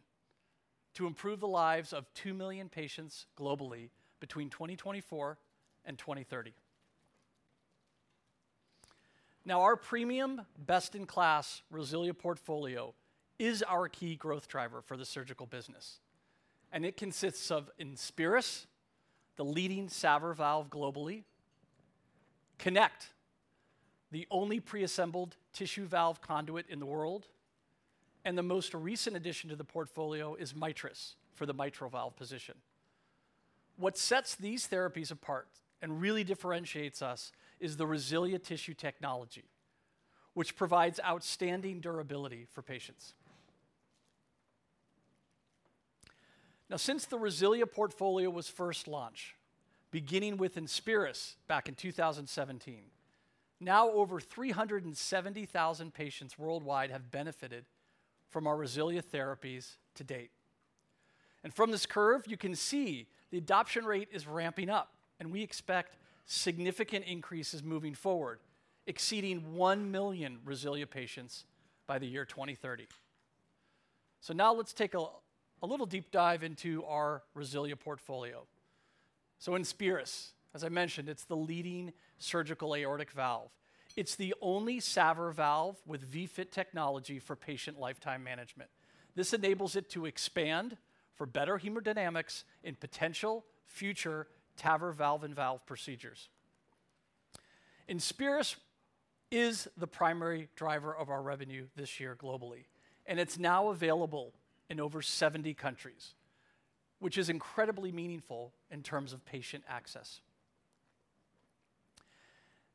to improve the lives of 2 million patients globally between 2024 and 2030. Now, our premium best-in-class RESILIA portfolio is our key growth driver for the surgical business, and it consists of INSPIRIS, the leading SAVR valve globally, KONECT, the only preassembled tissue valve conduit in the world, and the most recent addition to the portfolio is MITRIS for the mitral valve position. What sets these therapies apart and really differentiates us is the RESILIA tissue technology, which provides outstanding durability for patients. Now, since the RESILIA portfolio was first launched, beginning with INSPIRIS back in 2017, now over 370,000 patients worldwide have benefited from our RESILIA therapies to date. And from this curve, you can see the adoption rate is ramping up, and we expect significant increases moving forward, exceeding 1 million RESILIA patients by the year 2030. So now let's take a little deep dive into our RESILIA portfolio. So INSPIRIS, as I mentioned, it's the leading surgical aortic valve. It's the only SAVR valve with VFit technology for patient lifetime management. This enables it to expand for better hemodynamics in potential future TAVR valve-in-valve procedures. INSPIRIS is the primary driver of our revenue this year globally, and it's now available in over 70 countries, which is incredibly meaningful in terms of patient access.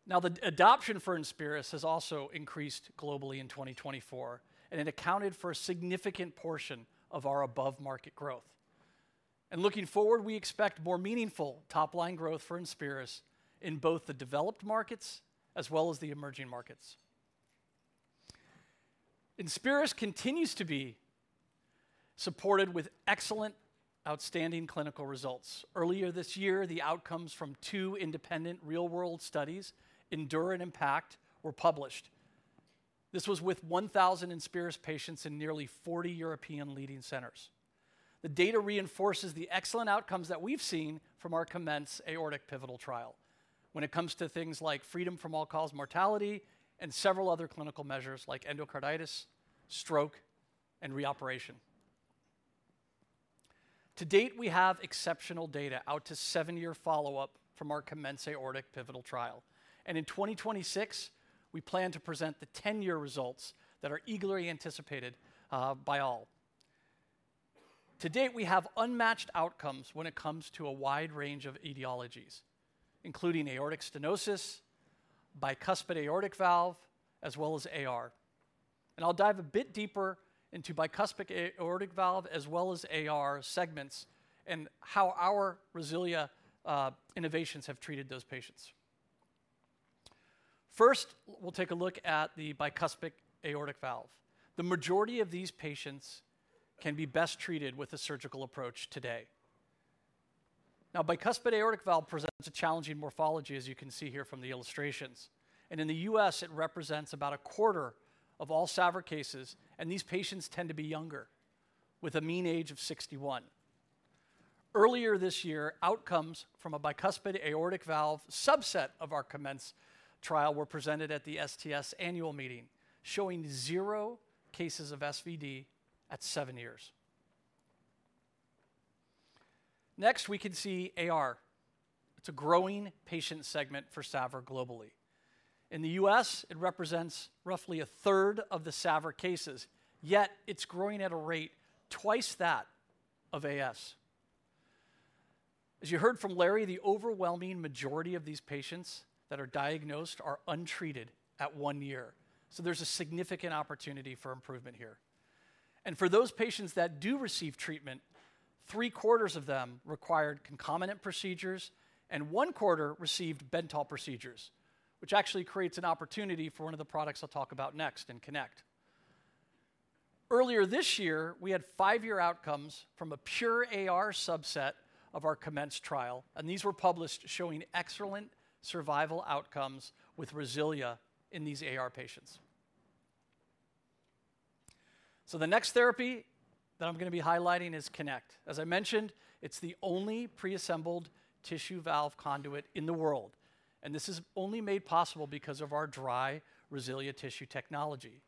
Now, the adoption for INSPIRIS has also increased globally in 2024, and it accounted for a significant portion of our above-market growth. And looking forward, we expect more meaningful top-line growth for INSPIRIS in both the developed markets as well as the emerging markets. INSPIRIS continues to be supported with excellent, outstanding clinical results. Earlier this year, the outcomes from two independent real-world studies, INDURE and IMPACT, were published. This was with 1,000 INSPIRIS patients in nearly 40 European leading centers. The data reinforces the excellent outcomes that we've seen from our COMMENCE aortic pivotal trial when it comes to things like freedom from all-cause mortality and several other clinical measures like endocarditis, stroke, and reoperation. To date, we have exceptional data out to seven-year follow-up from our COMMENCE aortic pivotal trial. In 2026, we plan to present the 10-year results that are eagerly anticipated by all. To date, we have unmatched outcomes when it comes to a wide range of etiologies, including aortic stenosis, bicuspid aortic valve, as well as AR. I'll dive a bit deeper into bicuspid aortic valve as well as AR segments and how our RESILIA innovations have treated those patients. First, we'll take a look at the bicuspid aortic valve. The majority of these patients can be best treated with a surgical approach today. Now, bicuspid aortic valve presents a challenging morphology, as you can see here from the illustrations, and in the U.S., it represents about a quarter of all SAVR cases, and these patients tend to be younger, with a mean age of 61. Earlier this year, outcomes from a bicuspid aortic valve subset of our COMMENCE trial were presented at the STS annual meeting, showing zero cases of SVD at seven years. Next, we can see AR. It's a growing patient segment for SAVR globally. In the U.S., it represents roughly a third of the SAVR cases, yet it's growing at a rate twice that of AS. As you heard from Larry, the overwhelming majority of these patients that are diagnosed are untreated at one year, so there's a significant opportunity for improvement here. For those patients that do receive treatment, three-quarters of them required concomitant procedures, and one quarter received Bentall procedures, which actually creates an opportunity for one of the products I'll talk about next, in KONECT. Earlier this year, we had five-year outcomes from a pure AR subset of our COMMENCE trial, and these were published, showing excellent survival outcomes with RESILIA in these AR patients. The next therapy that I'm going to be highlighting is KONECT. As I mentioned, it's the only preassembled tissue valve conduit in the world, and this is only made possible because of our dry RESILIA tissue technology.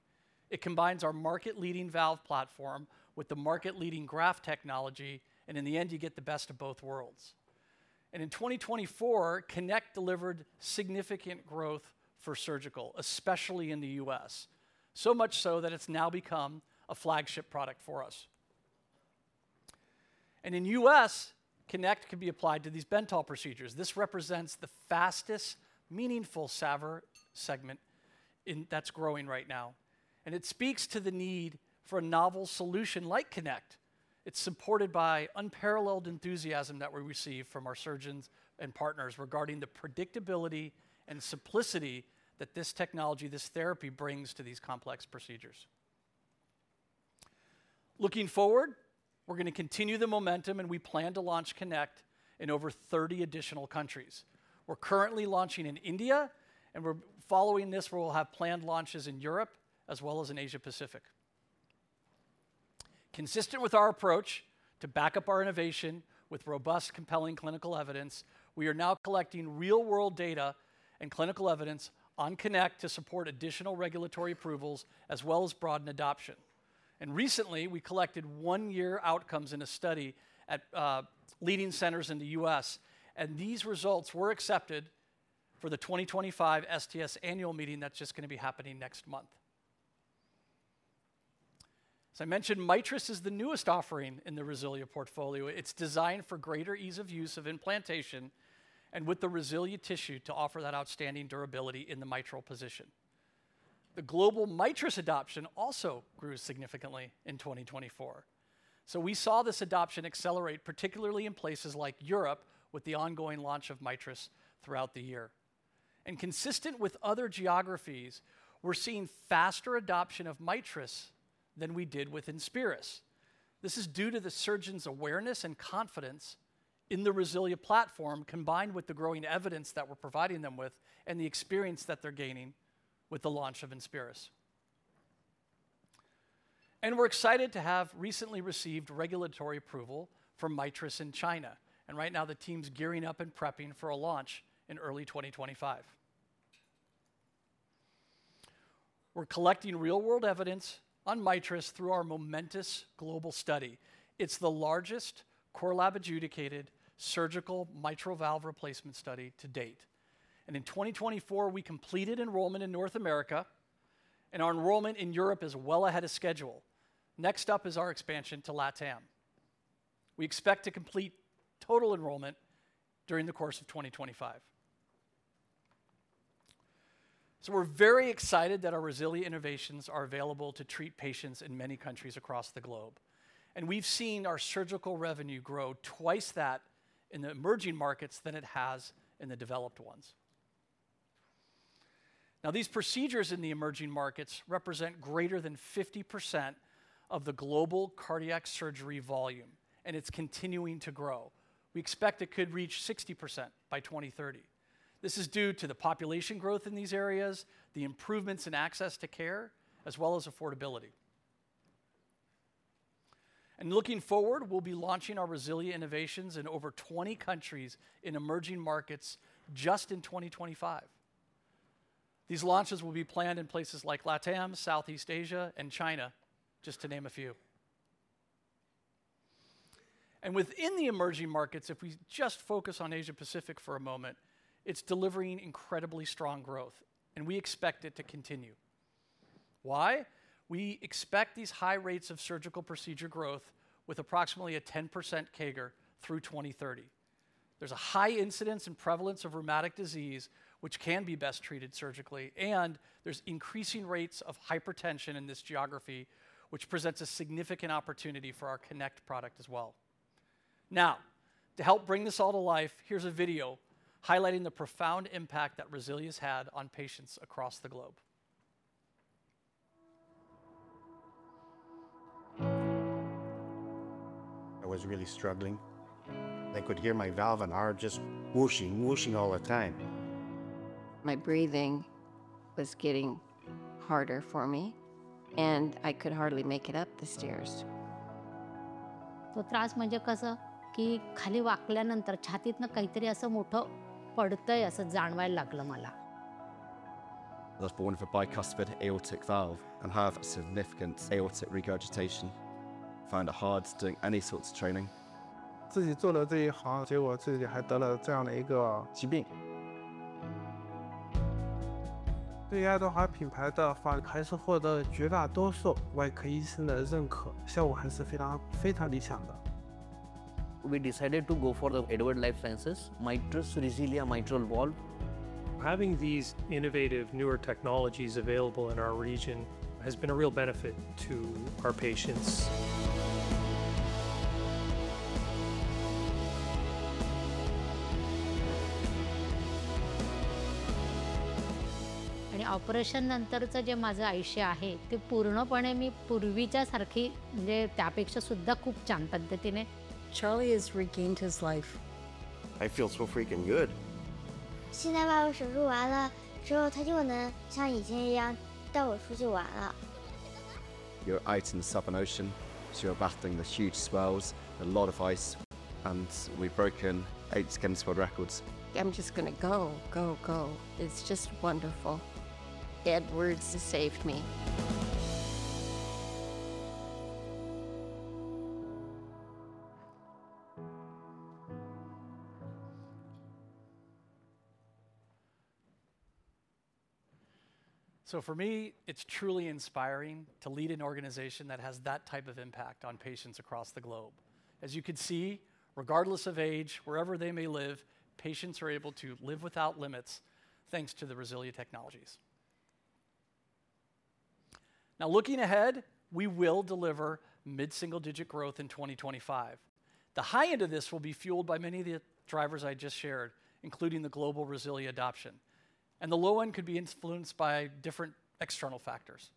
It combines our market-leading valve platform with the market-leading graft technology, and in the end, you get the best of both worlds. And in 2024, KONECT delivered significant growth for surgical, especially in the U.S., so much so that it's now become a flagship product for us. And in the U.S., KONECT can be applied to these Bentall procedures. This represents the fastest, meaningful SAVR segment that's growing right now. And it speaks to the need for a novel solution like KONECT. It's supported by unparalleled enthusiasm that we receive from our surgeons and partners regarding the predictability and simplicity that this technology, this therapy brings to these complex procedures. Looking forward, we're going to continue the momentum, and we plan to launch KONECT in over 30 additional countries. We're currently launching in India, and we're following this where we'll have planned launches in Europe as well as in Asia-Pacific. Consistent with our approach to back up our innovation with robust, compelling clinical evidence, we are now collecting real-world data and clinical evidence on KONECT to support additional regulatory approvals as well as broaden adoption, and recently we collected one-year outcomes in a study at leading centers in the U.S., and these results were accepted for the 2025 STS annual meeting that's just going to be happening next month. As I mentioned, MITRIS is the newest offering in the RESILIA portfolio. It's designed for greater ease of use of implantation and with the RESILIA tissue to offer that outstanding durability in the mitral position. The global MITRIS adoption also grew significantly in 2024, so we saw this adoption accelerate, particularly in places like Europe with the ongoing launch of MITRIS throughout the year, and consistent with other geographies, we're seeing faster adoption of MITRIS than we did with INSPIRIS. This is due to the surgeons' awareness and confidence in the RESILIA platform, combined with the growing evidence that we're providing them with and the experience that they're gaining with the launch of INSPIRIS. We're excited to have recently received regulatory approval for MITRIS in China, and right now, the team's gearing up and prepping for a launch in early 2025. We're collecting real-world evidence on MITRIS through our MOMENTUM global study. It's the largest core lab-adjudicated surgical mitral valve replacement study to date. In 2024, we completed enrollment in North America, and our enrollment in Europe is well ahead of schedule. Next up is our expansion to LATAM. We expect to complete total enrollment during the course of 2025. We're very excited that our RESILIA innovations are available to treat patients in many countries across the globe. And we've seen our surgical revenue grow twice that in the emerging markets than it has in the developed ones. Now, these procedures in the emerging markets represent greater than 50% of the global cardiac surgery volume, and it's continuing to grow. We expect it could reach 60% by 2030. This is due to the population growth in these areas, the improvements in access to care, as well as affordability. And looking forward, we'll be launching our RESILIA innovations in over 20 countries in emerging markets just in 2025. These launches will be planned in places like LATAM, Southeast Asia, and China, just to name a few. And within the emerging markets, if we just focus on Asia-Pacific for a moment, it's delivering incredibly strong growth, and we expect it to continue. Why? We expect these high rates of surgical procedure growth with approximately a 10% CAGR through 2030. There's a high incidence and prevalence of rheumatic disease, which can be best treated surgically, and there's increasing rates of hypertension in this geography, which presents a significant opportunity for our KONECT product as well. Now, to help bring this all to life, here's a video highlighting the profound impact that RESILIA has had on patients across the globe. I was really struggling. I could hear my valve and heart just whooshing, whooshing all the time. My breathing was getting harder for me, and I could hardly make it up the stairs. तो त्रास म्हणजे कसं की खाली वाकल्यानंतर छातीतनं काहीतरी असं मोठं पडतंय असं जाणवायला लागलं मला. I was born with a bicuspid aortic valve and have significant aortic regurgitation. I found it hard doing any sort of training. We decided to go for the Edwards Lifesciences MITRIS RESILIA mitral valve. Having these innovative newer technologies available in our region has been a real benefit to our patients. आणि operation नंतरच जे माझं आयुष्य आहे, ते पूर्णपणे मी पूर्वीच्या सारखी, म्हणजे त्यापेक्षा सुद्धा खूप छान पद्धतीने. Charlie has regained his life. I feel so freaking good. 现在把我手术完了之后，她就能像以前一样带我出去玩了。Your item is up an ocean, so you're battling the huge swells and a lot of ice, and we've broken eight Skinsford records. I'm just going to go, go, go. It's just wonderful. Edwards has saved me. So for me, it's truly inspiring to lead an organization that has that type of impact on patients across the globe. As you can see, regardless of age, wherever they may live, patients are able to live without limits, thanks to the RESILIA technologies. Now, looking ahead, we will deliver mid-single-digit growth in 2025. The high end of this will be fueled by many of the drivers I just shared, including the global RESILIA adoption, and the low end could be influenced by different external factors.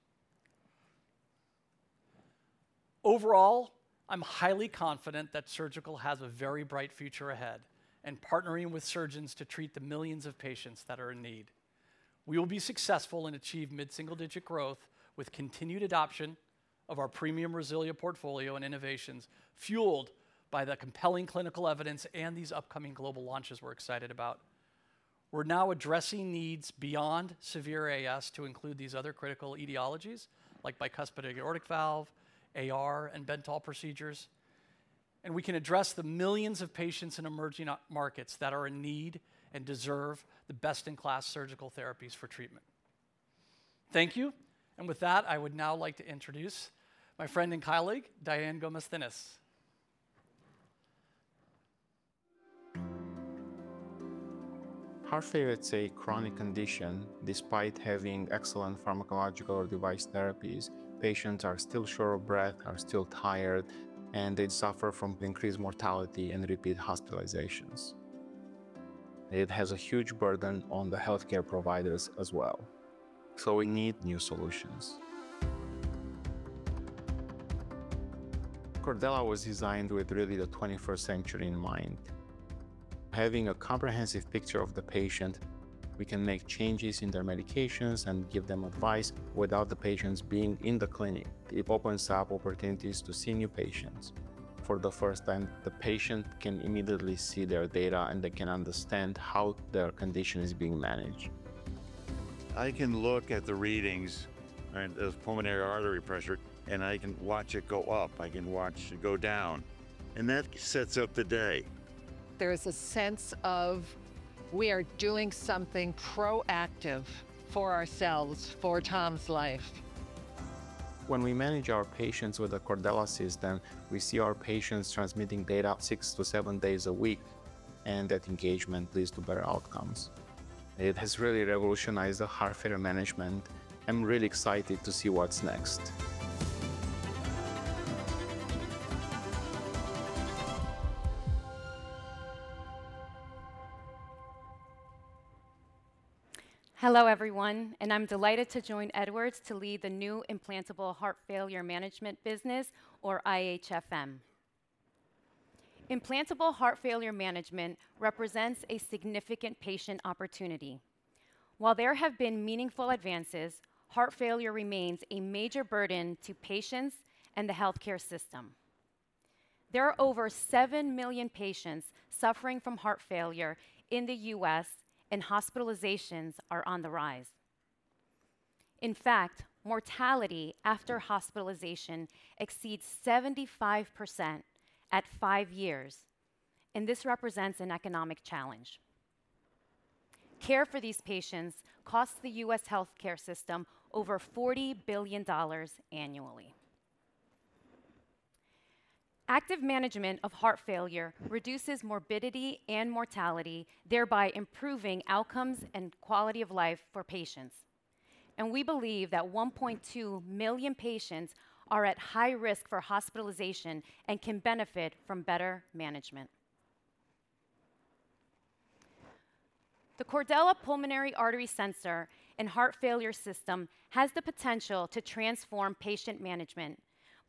Overall, I'm highly confident that surgical has a very bright future ahead and partnering with surgeons to treat the millions of patients that are in need. We will be successful and achieve mid-single-digit growth with continued adoption of our premium RESILIA portfolio and innovations fueled by the compelling clinical evidence and these upcoming global launches we're excited about. We're now addressing needs beyond severe AS to include these other critical etiologies like bicuspid aortic valve, AR, and Bentall procedures, and we can address the millions of patients in emerging markets that are in need and deserve the best-in-class surgical therapies for treatment. Thank you. With that, I would now like to introduce my friend and colleague, Diane Gomez-Thinnes. Heart failure is a chronic condition. Despite having excellent pharmacological or device therapies, patients are still short of breath, are still tired, and they suffer from increased mortality and repeat hospitalizations. It has a huge burden on the healthcare providers as well. We need new solutions. Cordella was designed with really the 21st century in mind. Having a comprehensive picture of the patient, we can make changes in their medications and give them advice without the patients being in the clinic. It opens up opportunities to see new patients. For the first time, the patient can immediately see their data and they can understand how their condition is being managed. I can look at the readings and the pulmonary artery pressure, and I can watch it go up. I can watch it go down, and that sets up the day. There is a sense of we are doing something proactive for ourselves, for Tom's life. When we manage our patients with the Cordella system, we see our patients transmitting data six to seven days a week, and that engagement leads to better outcomes. It has really revolutionized the heart failure management. I'm really excited to see what's next. Hello everyone, and I'm delighted to join Edwards to lead the new implantable heart failure management business, or IHFM. Implantable heart failure management represents a significant patient opportunity. While there have been meaningful advances, heart failure remains a major burden to patients and the healthcare system. There are over seven million patients suffering from heart failure in the U.S., and hospitalizations are on the rise. In fact, mortality after hospitalization exceeds 75% at five years, and this represents an economic challenge. Care for these patients costs the U.S. healthcare system over $40 billion annually. Active management of heart failure reduces morbidity and mortality, thereby improving outcomes and quality of life for patients, and we believe that 1.2 million patients are at high risk for hospitalization and can benefit from better management. The Cordella pulmonary artery sensor and heart failure system has the potential to transform patient management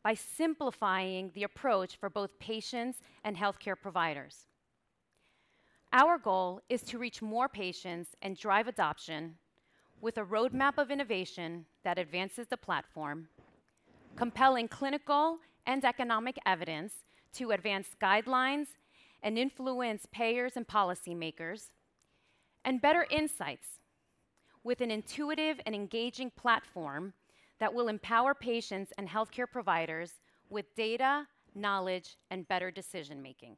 by simplifying the approach for both patients and healthcare providers. Our goal is to reach more patients and drive adoption with a roadmap of innovation that advances the platform, compelling clinical and economic evidence to advance guidelines and influence payers and policymakers, and better insights with an intuitive and engaging platform that will empower patients and healthcare providers with data, knowledge, and better decision-making.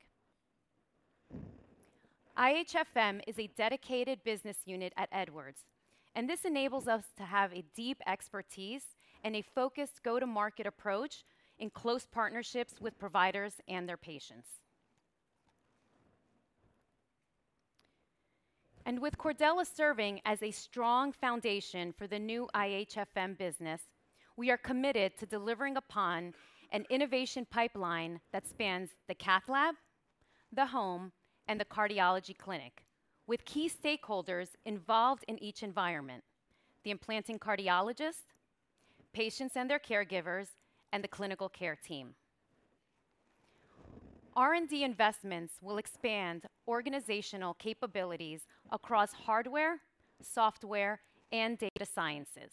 IHFM is a dedicated business unit at Edwards, and this enables us to have a deep expertise and a focused go-to-market approach in close partnerships with providers and their patients, and with Cordella serving as a strong foundation for the new IHFM business, we are committed to delivering upon an innovation pipeline that spans the cath lab, the home, and the cardiology clinic, with key stakeholders involved in each environment: the implanting cardiologist, patients and their caregivers, and the clinical care team. R&D investments will expand organizational capabilities across hardware, software, and data sciences.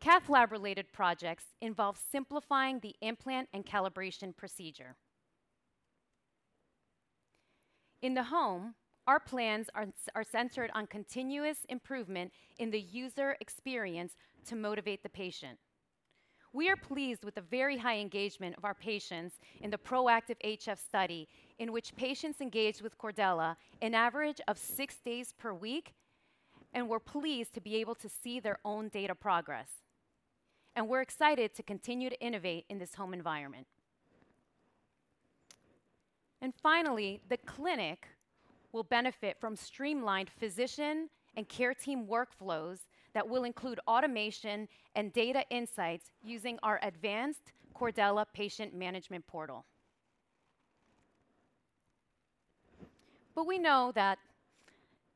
Cath lab-related projects involve simplifying the implant and calibration procedure. In the home, our plans are centered on continuous improvement in the user experience to motivate the patient. We are pleased with the very high engagement of our patients in the PROACTIVE HF study in which patients engaged with Cordella an average of six days per week, and we're pleased to be able to see their own data progress, and we're excited to continue to innovate in this home environment, and finally, the clinic will benefit from streamlined physician and care team workflows that will include automation and data insights using our advanced Cordella patient management portal, but we know that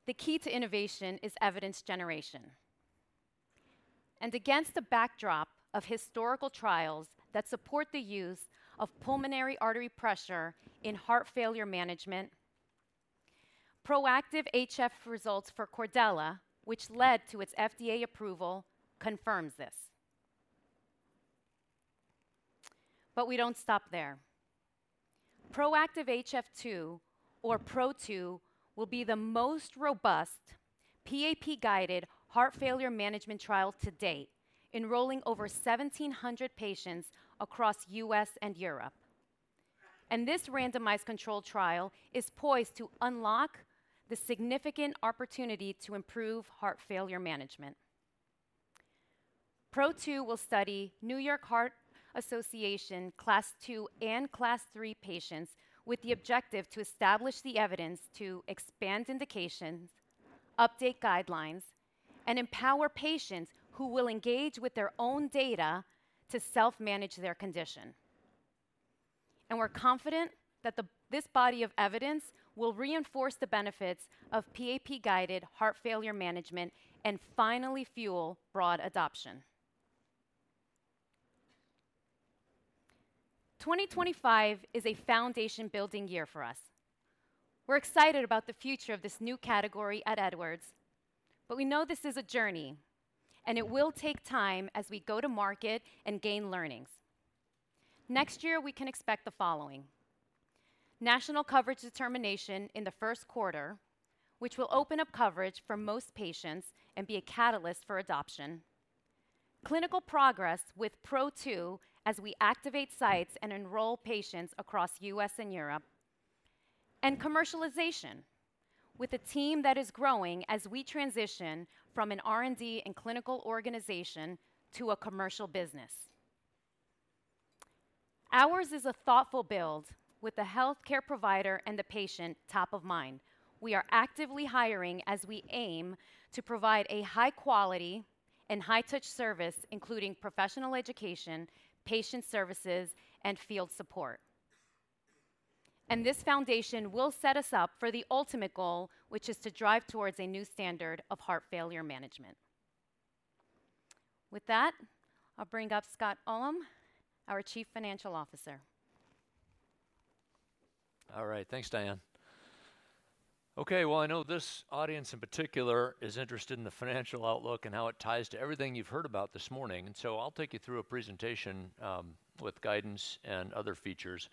the key to innovation is evidence generation, and against the backdrop of historical trials that support the use of pulmonary artery pressure in heart failure management, PROACTIVE HF results for Cordella, which led to its FDA approval, confirms this, but we don't stop there. Proactive HF2, or PRO2, will be the most robust PAP-guided heart failure management trial to date, enrolling over 1,700 patients across the U.S. and Europe. This randomized controlled trial is poised to unlock the significant opportunity to improve heart failure management. PRO2 will study New York Heart Association Class II and Class III patients with the objective to establish the evidence to expand indications, update guidelines, and empower patients who will engage with their own data to self-manage their condition. We're confident that this body of evidence will reinforce the benefits of PAP-guided heart failure management and finally fuel broad adoption. 2025 is a foundation-building year for us. We're excited about the future of this new category at Edwards, but we know this is a journey, and it will take time as we go to market and gain learnings. Next year, we can expect the following: national coverage determination in the first quarter, which will open up coverage for most patients and be a catalyst for adoption. Clinical progress with PRO2 as we activate sites and enroll patients across the U.S. and Europe. And commercialization with a team that is growing as we transition from an R&D and clinical organization to a commercial business. Ours is a thoughtful build with the healthcare provider and the patient top of mind. We are actively hiring as we aim to provide a high-quality and high-touch service, including professional education, patient services, and field support, and this foundation will set us up for the ultimate goal, which is to drive towards a new standard of heart failure management. With that, I'll bring up Scott Ullem, our Chief Financial Officer. All right, thanks, Diane. Okay, well, I know this audience in particular is interested in the financial outlook and how it ties to everything you've heard about this morning, and so I'll take you through a presentation with guidance and other features.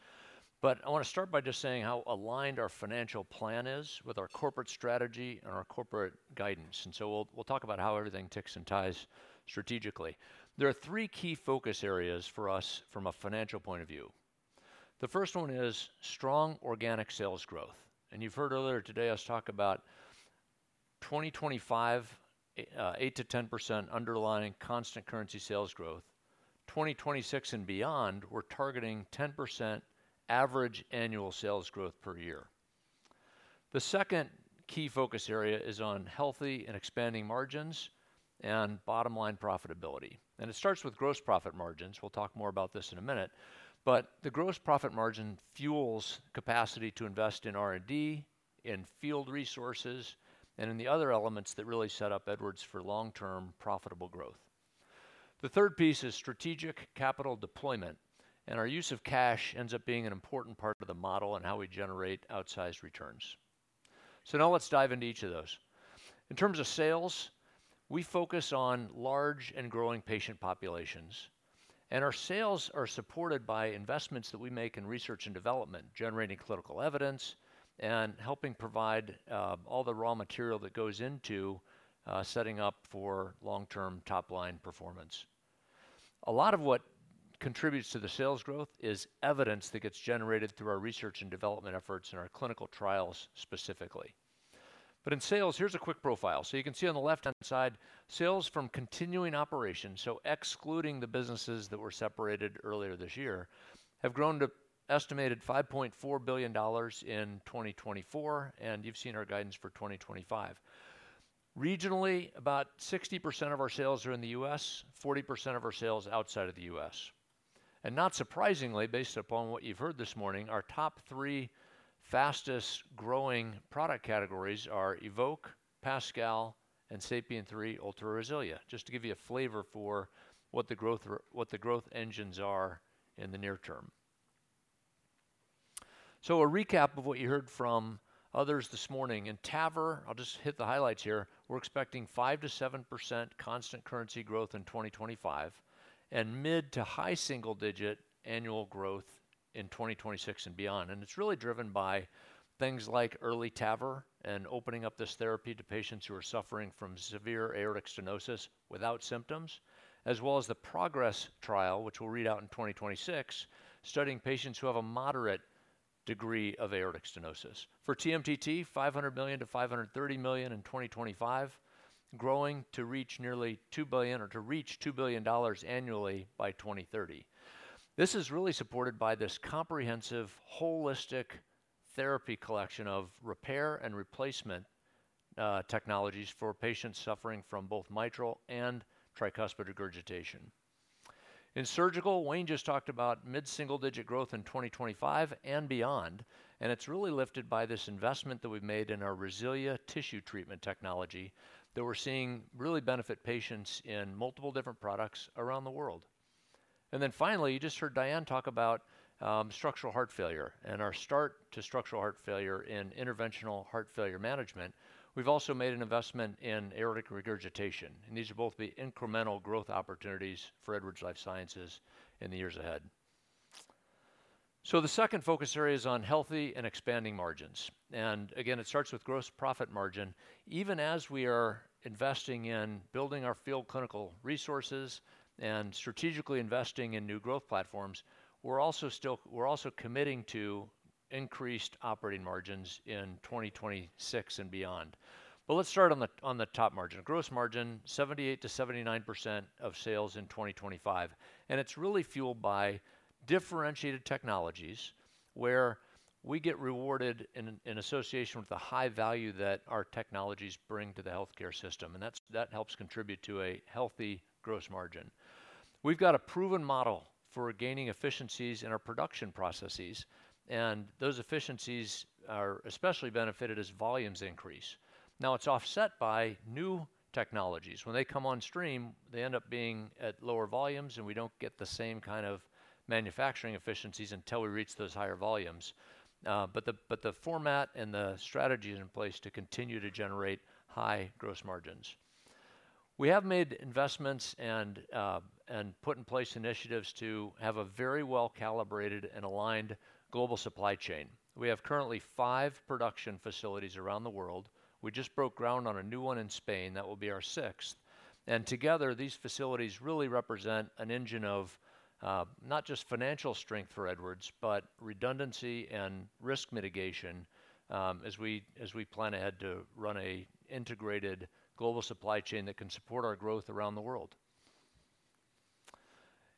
But I want to start by just saying how aligned our financial plan is with our corporate strategy and our corporate guidance, and so we'll talk about how everything ticks and ties strategically. There are three key focus areas for us from a financial point of view. The first one is strong organic sales growth, and you've heard earlier today us talk about 2025, 8%-10% underlying constant currency sales growth. 2026 and beyond, we're targeting 10% average annual sales growth per year. The second key focus area is on healthy and expanding margins and bottom-line profitability, and it starts with gross profit margins. We'll talk more about this in a minute, but the gross profit margin fuels capacity to invest in R&D, in field resources, and in the other elements that really set up Edwards for long-term profitable growth. The third piece is strategic capital deployment, and our use of cash ends up being an important part of the model and how we generate outsized returns, so now let's dive into each of those. In terms of sales, we focus on large and growing patient populations, and our sales are supported by investments that we make in research and development, generating clinical evidence and helping provide all the raw material that goes into setting up for long-term top-line performance. A lot of what contributes to the sales growth is evidence that gets generated through our research and development efforts and our clinical trials specifically, but in sales, here's a quick profile. You can see on the left-hand side, sales from continuing operations, so excluding the businesses that were separated earlier this year, have grown to an estimated $5.4 billion in 2024. You've seen our guidance for 2025. Regionally, about 60% of our sales are in the U.S., 40% of our sales outside of the U.S. Not surprisingly, based upon what you've heard this morning, our top three fastest-growing product categories are EVOQUE, PASCAL, and SAPIEN 3 Ultra RESILIA. Just to give you a flavor for what the growth engines are in the near term. A recap of what you heard from others this morning. In TAVR, I'll just hit the highlights here. We're expecting 5%-7% constant currency growth in 2025 and mid- to high single-digit annual growth in 2026 and beyond. It's really driven by things like EARLY TAVR and opening up this therapy to patients who are suffering from severe aortic stenosis without symptoms, as well as the PROGRESS trial, which we'll read out in 2026, studying patients who have a moderate degree of aortic stenosis. For TMTT, $500 million-$530 million in 2025, growing to reach nearly $2 billion or to reach $2 billion annually by 2030. This is really supported by this comprehensive, holistic therapy collection of repair and replacement technologies for patients suffering from both mitral and tricuspid regurgitation. In surgical, Wayne just talked about mid-single-digit growth in 2025 and beyond. And it's really lifted by this investment that we've made in our RESILIA tissue treatment technology that we're seeing really benefit patients in multiple different products around the world. And then finally, you just heard Diane talk about structural heart failure and our start to structural heart failure in interventional heart failure management. We've also made an investment in aortic regurgitation. And these are both the incremental growth opportunities for Edwards Lifesciences in the years ahead. So the second focus area is on healthy and expanding margins. And again, it starts with gross profit margin. Even as we are investing in building our field clinical resources and strategically investing in new growth platforms, we're also committing to increased operating margins in 2026 and beyond. But let's start on the top margin. Gross margin, 78%-79% of sales in 2025. And it's really fueled by differentiated technologies where we get rewarded in association with the high value that our technologies bring to the healthcare system. And that helps contribute to a healthy gross margin. We've got a proven model for gaining efficiencies in our production processes, and those efficiencies are especially benefited as volumes increase. Now, it's offset by new technologies when they come on stream. They end up being at lower volumes, and we don't get the same kind of manufacturing efficiencies until we reach those higher volumes, but the format and the strategy is in place to continue to generate high gross margins. We have made investments and put in place initiatives to have a very well-calibrated and aligned global supply chain. We have currently five production facilities around the world. We just broke ground on a new one in Spain that will be our sixth. Together, these facilities really represent an engine of not just financial strength for Edwards, but redundancy and risk mitigation as we plan ahead to run an integrated global supply chain that can support our growth around the world.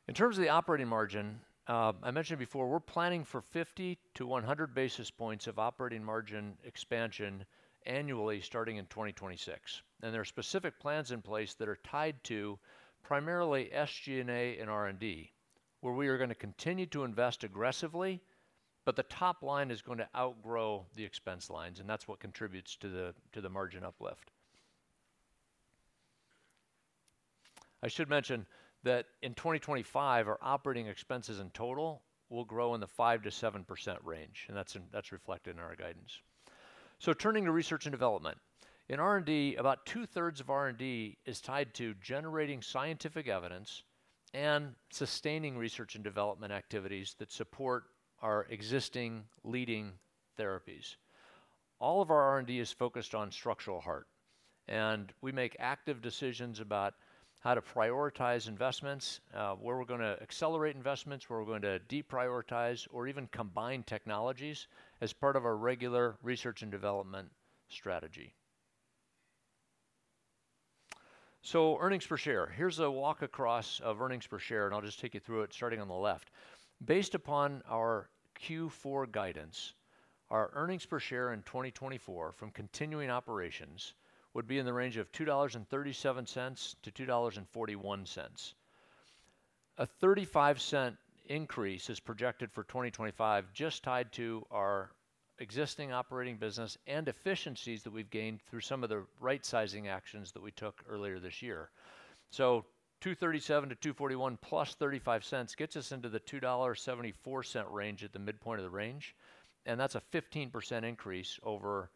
In terms of the operating margin, I mentioned before, we're planning for 50 to 100 basis points of operating margin expansion annually starting in 2026. There are specific plans in place that are tied to primarily SG&A and R&D, where we are going to continue to invest aggressively, but the top line is going to outgrow the expense lines. That's what contributes to the margin uplift. I should mention that in 2025, our operating expenses in total will grow in the 5%-7% range. That's reflected in our guidance. So turning to research and development, in R&D, about two-thirds of R&D is tied to generating scientific evidence and sustaining research and development activities that support our existing leading therapies. All of our R&D is focused on structural heart. And we make active decisions about how to prioritize investments, where we're going to accelerate investments, where we're going to deprioritize, or even combine technologies as part of our regular research and development strategy. So earnings per share. Here's a walk across of earnings per share, and I'll just take you through it starting on the left. Based upon our Q4 guidance, our earnings per share in 2024 from continuing operations would be in the range of $2.37-$2.41. A $0.35 increase is projected for 2025, just tied to our existing operating business and efficiencies that we've gained through some of the right-sizing actions that we took earlier this year. So $2.37-$2.41 plus $0.35 gets us into the $2.74 range at the midpoint of the range. And that's a 15% increase over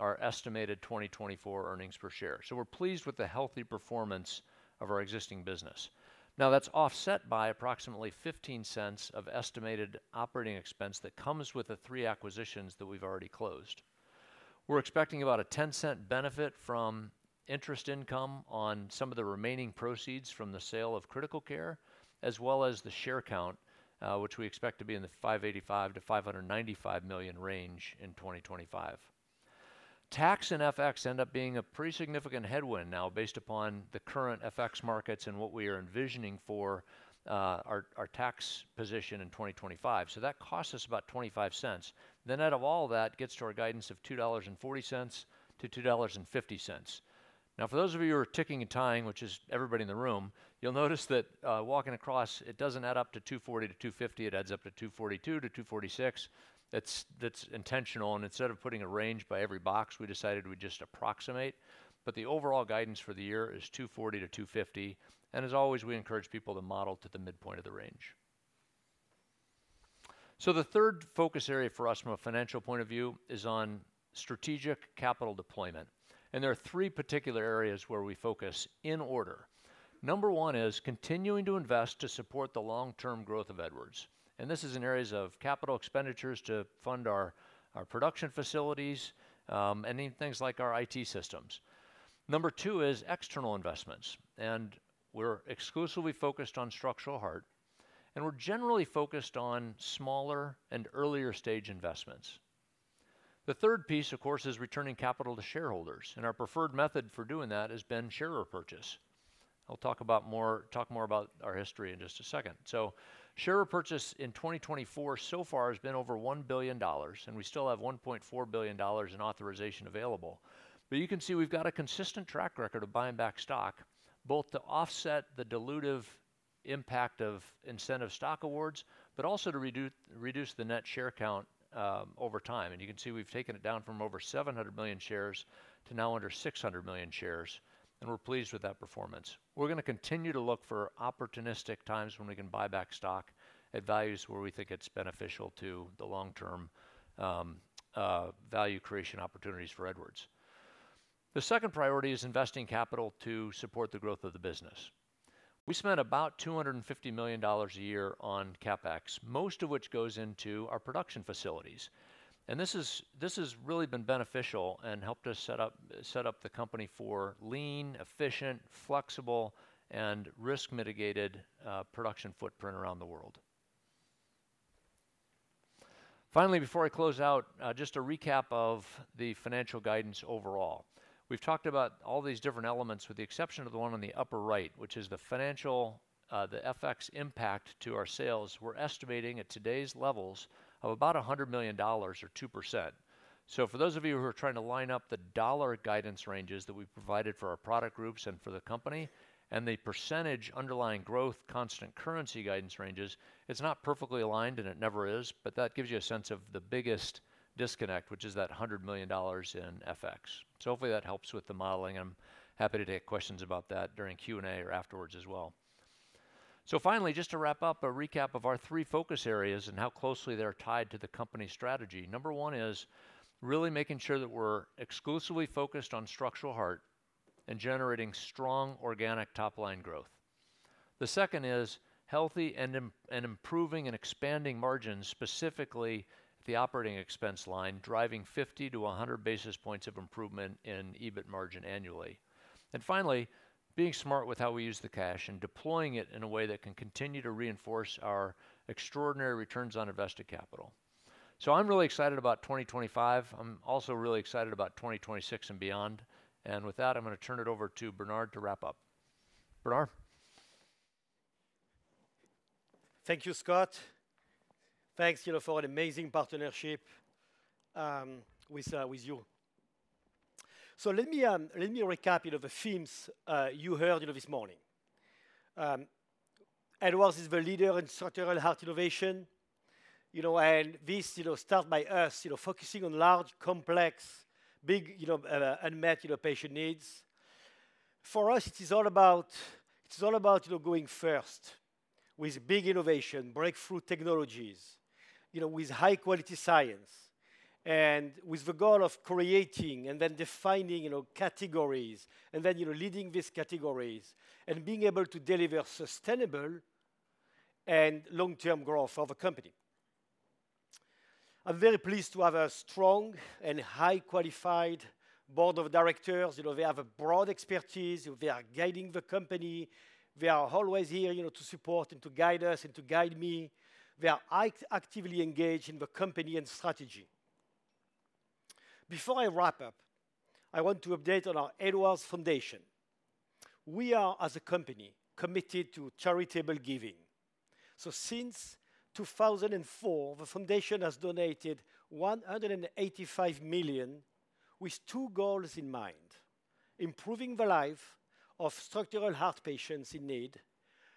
our estimated 2024 earnings per share. So we're pleased with the healthy performance of our existing business. Now, that's offset by approximately $0.15 of estimated operating expense that comes with the three acquisitions that we've already closed. We're expecting about a $0.10 benefit from interest income on some of the remaining proceeds from the sale of critical care, as well as the share count, which we expect to be in the 585-595 million range in 2025. Tax and FX end up being a pretty significant headwind now, based upon the current FX markets and what we are envisioning for our tax position in 2025. So that costs us about $0.25. Then out of all that, it gets to our guidance of $2.40-$2.50. Now, for those of you who are ticking and tying, which is everybody in the room, you'll notice that walking across, it doesn't add up to $2.40-$2.50. It adds up to $2.42-$2.46. That's intentional. And instead of putting a range by every box, we decided we'd just approximate. But the overall guidance for the year is $2.40-$2.50. And as always, we encourage people to model to the midpoint of the range. So the third focus area for us from a financial point of view is on strategic capital deployment. And there are three particular areas where we focus in order. Number one is continuing to invest to support the long-term growth of Edwards. And this is in areas of capital expenditures to fund our production facilities and even things like our IT systems. Number two is external investments. And we're exclusively focused on structural heart. And we're generally focused on smaller and earlier-stage investments. The third piece, of course, is returning capital to shareholders. And our preferred method for doing that has been share repurchase. I'll talk more about our history in just a second. So share repurchase in 2024 so far has been over $1 billion. And we still have $1.4 billion in authorization available. But you can see we've got a consistent track record of buying back stock, both to offset the dilutive impact of incentive stock awards, but also to reduce the net share count over time. And you can see we've taken it down from over 700 million shares to now under 600 million shares. We're pleased with that performance. We're going to continue to look for opportunistic times when we can buy back stock at values where we think it's beneficial to the long-term value creation opportunities for Edwards. The second priority is investing capital to support the growth of the business. We spend about $250 million a year on CapEx, most of which goes into our production facilities. This has really been beneficial and helped us set up the company for lean, efficient, flexible, and risk-mitigated production footprint around the world. Finally, before I close out, just a recap of the financial guidance overall. We've talked about all these different elements with the exception of the one on the upper right, which is the financial, the FX impact to our sales. We're estimating at today's levels of about $100 million or 2%. For those of you who are trying to line up the dollar guidance ranges that we provided for our product groups and for the company and the percentage underlying growth constant currency guidance ranges, it's not perfectly aligned, and it never is, but that gives you a sense of the biggest disconnect, which is that $100 million in FX. So hopefully that helps with the modeling. And I'm happy to take questions about that during Q&A or afterwards as well. So finally, just to wrap up, a recap of our three focus areas and how closely they're tied to the company strategy. Number one is really making sure that we're exclusively focused on structural heart and generating strong organic top-line growth. The second is healthy and improving and expanding margins, specifically the operating expense line, driving 50-100 basis points of improvement in EBIT margin annually. And finally, being smart with how we use the cash and deploying it in a way that can continue to reinforce our extraordinary returns on invested capital. So I'm really excited about 2025. I'm also really excited about 2026 and beyond. And with that, I'm going to turn it over to Bernard to wrap up. Bernard. Thank you, Scott. Thanks, you know, for an amazing partnership with you. So let me recap the themes you heard this morning. Edwards is the leader in structural heart innovation. And this starts by us focusing on large, complex, big, unmet patient needs. For us, it's all about going first with big innovation, breakthrough technologies, with high-quality science, and with the goal of creating and then defining categories and then leading these categories and being able to deliver sustainable and long-term growth of a company. I'm very pleased to have a strong and highly qualified board of directors. They have a broad expertise. They are guiding the company. They are always here to support and to guide us and to guide me. They are actively engaged in the company and strategy. Before I wrap up, I want to update on our Edwards Foundation. We are, as a company, committed to charitable giving. So since 2004, the foundation has donated $185 million with two goals in mind: improving the life of structural heart patients in need,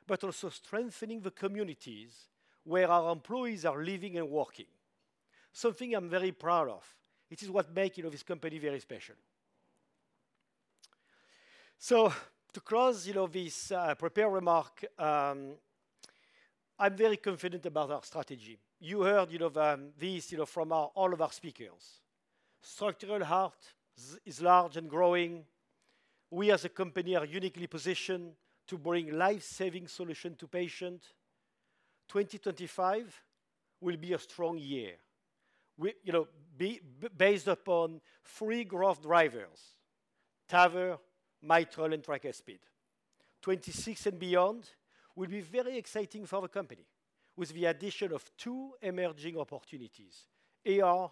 but also strengthening the communities where our employees are living and working, something I'm very proud of. It is what makes this company very special. So to close this prepared remark, I'm very confident about our strategy. You heard this from all of our speakers. Structural heart is large and growing. We, as a company, are uniquely positioned to bring life-saving solutions to patients. 2025 will be a strong year, based upon three growth drivers: TAVR, Mitral, and Tricuspid. 2026 and beyond will be very exciting for the company with the addition of two emerging opportunities: AR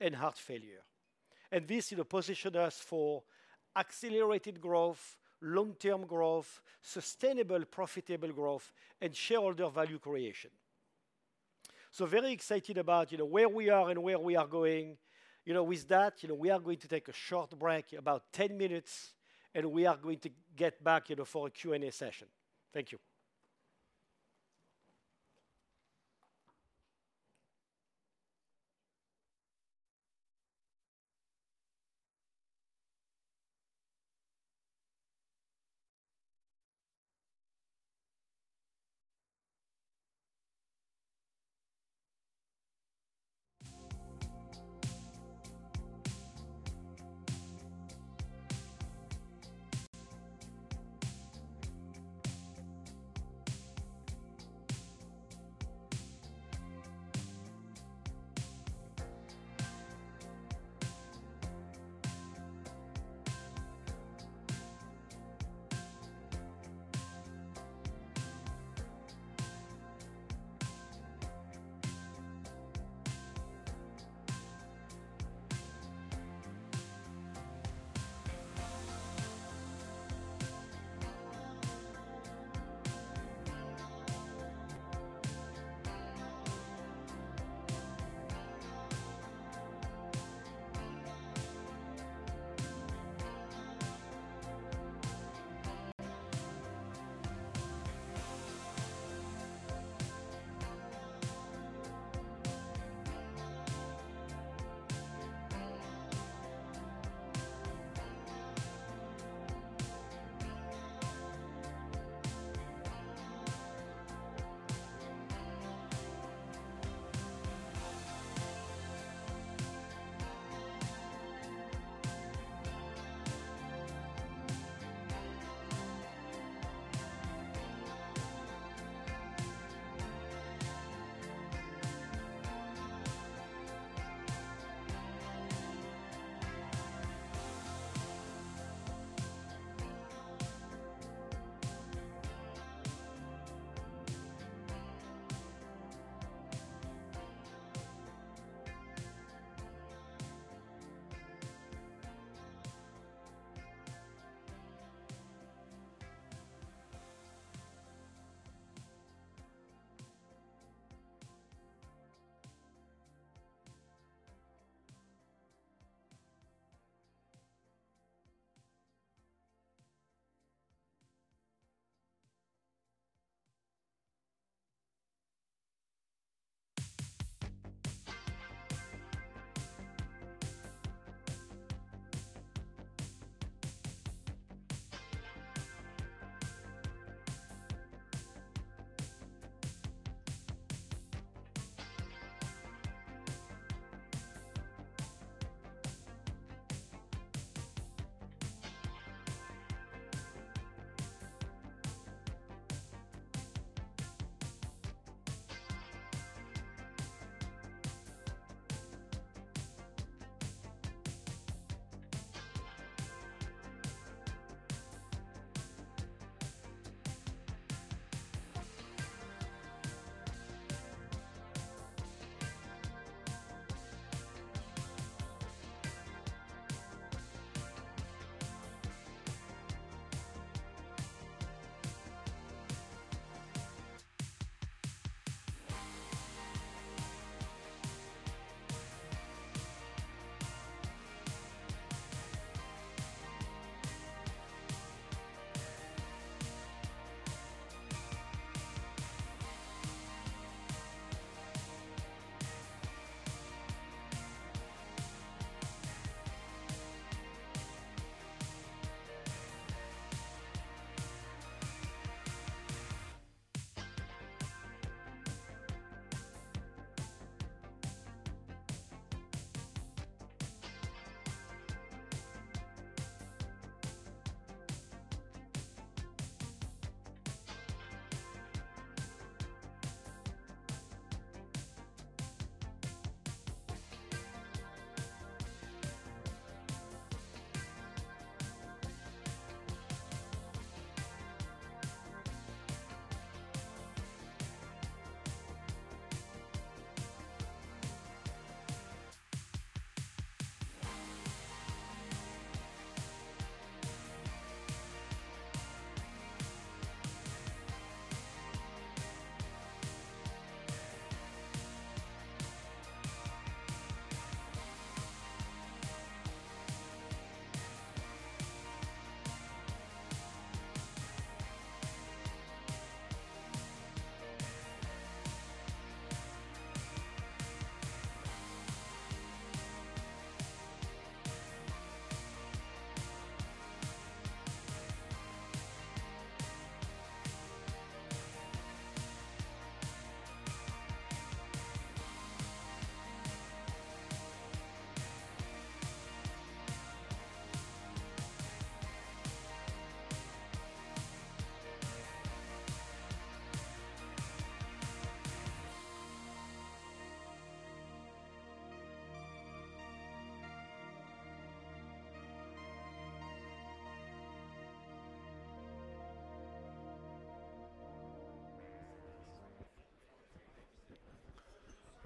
and heart failure, and this positioned us for accelerated growth, long-term growth, sustainable profitable growth, and shareholder value creation, so very excited about where we are and where we are going. With that, we are going to take a short break, about 10 minutes, and we are going to get back for a Q&A session. Thank you.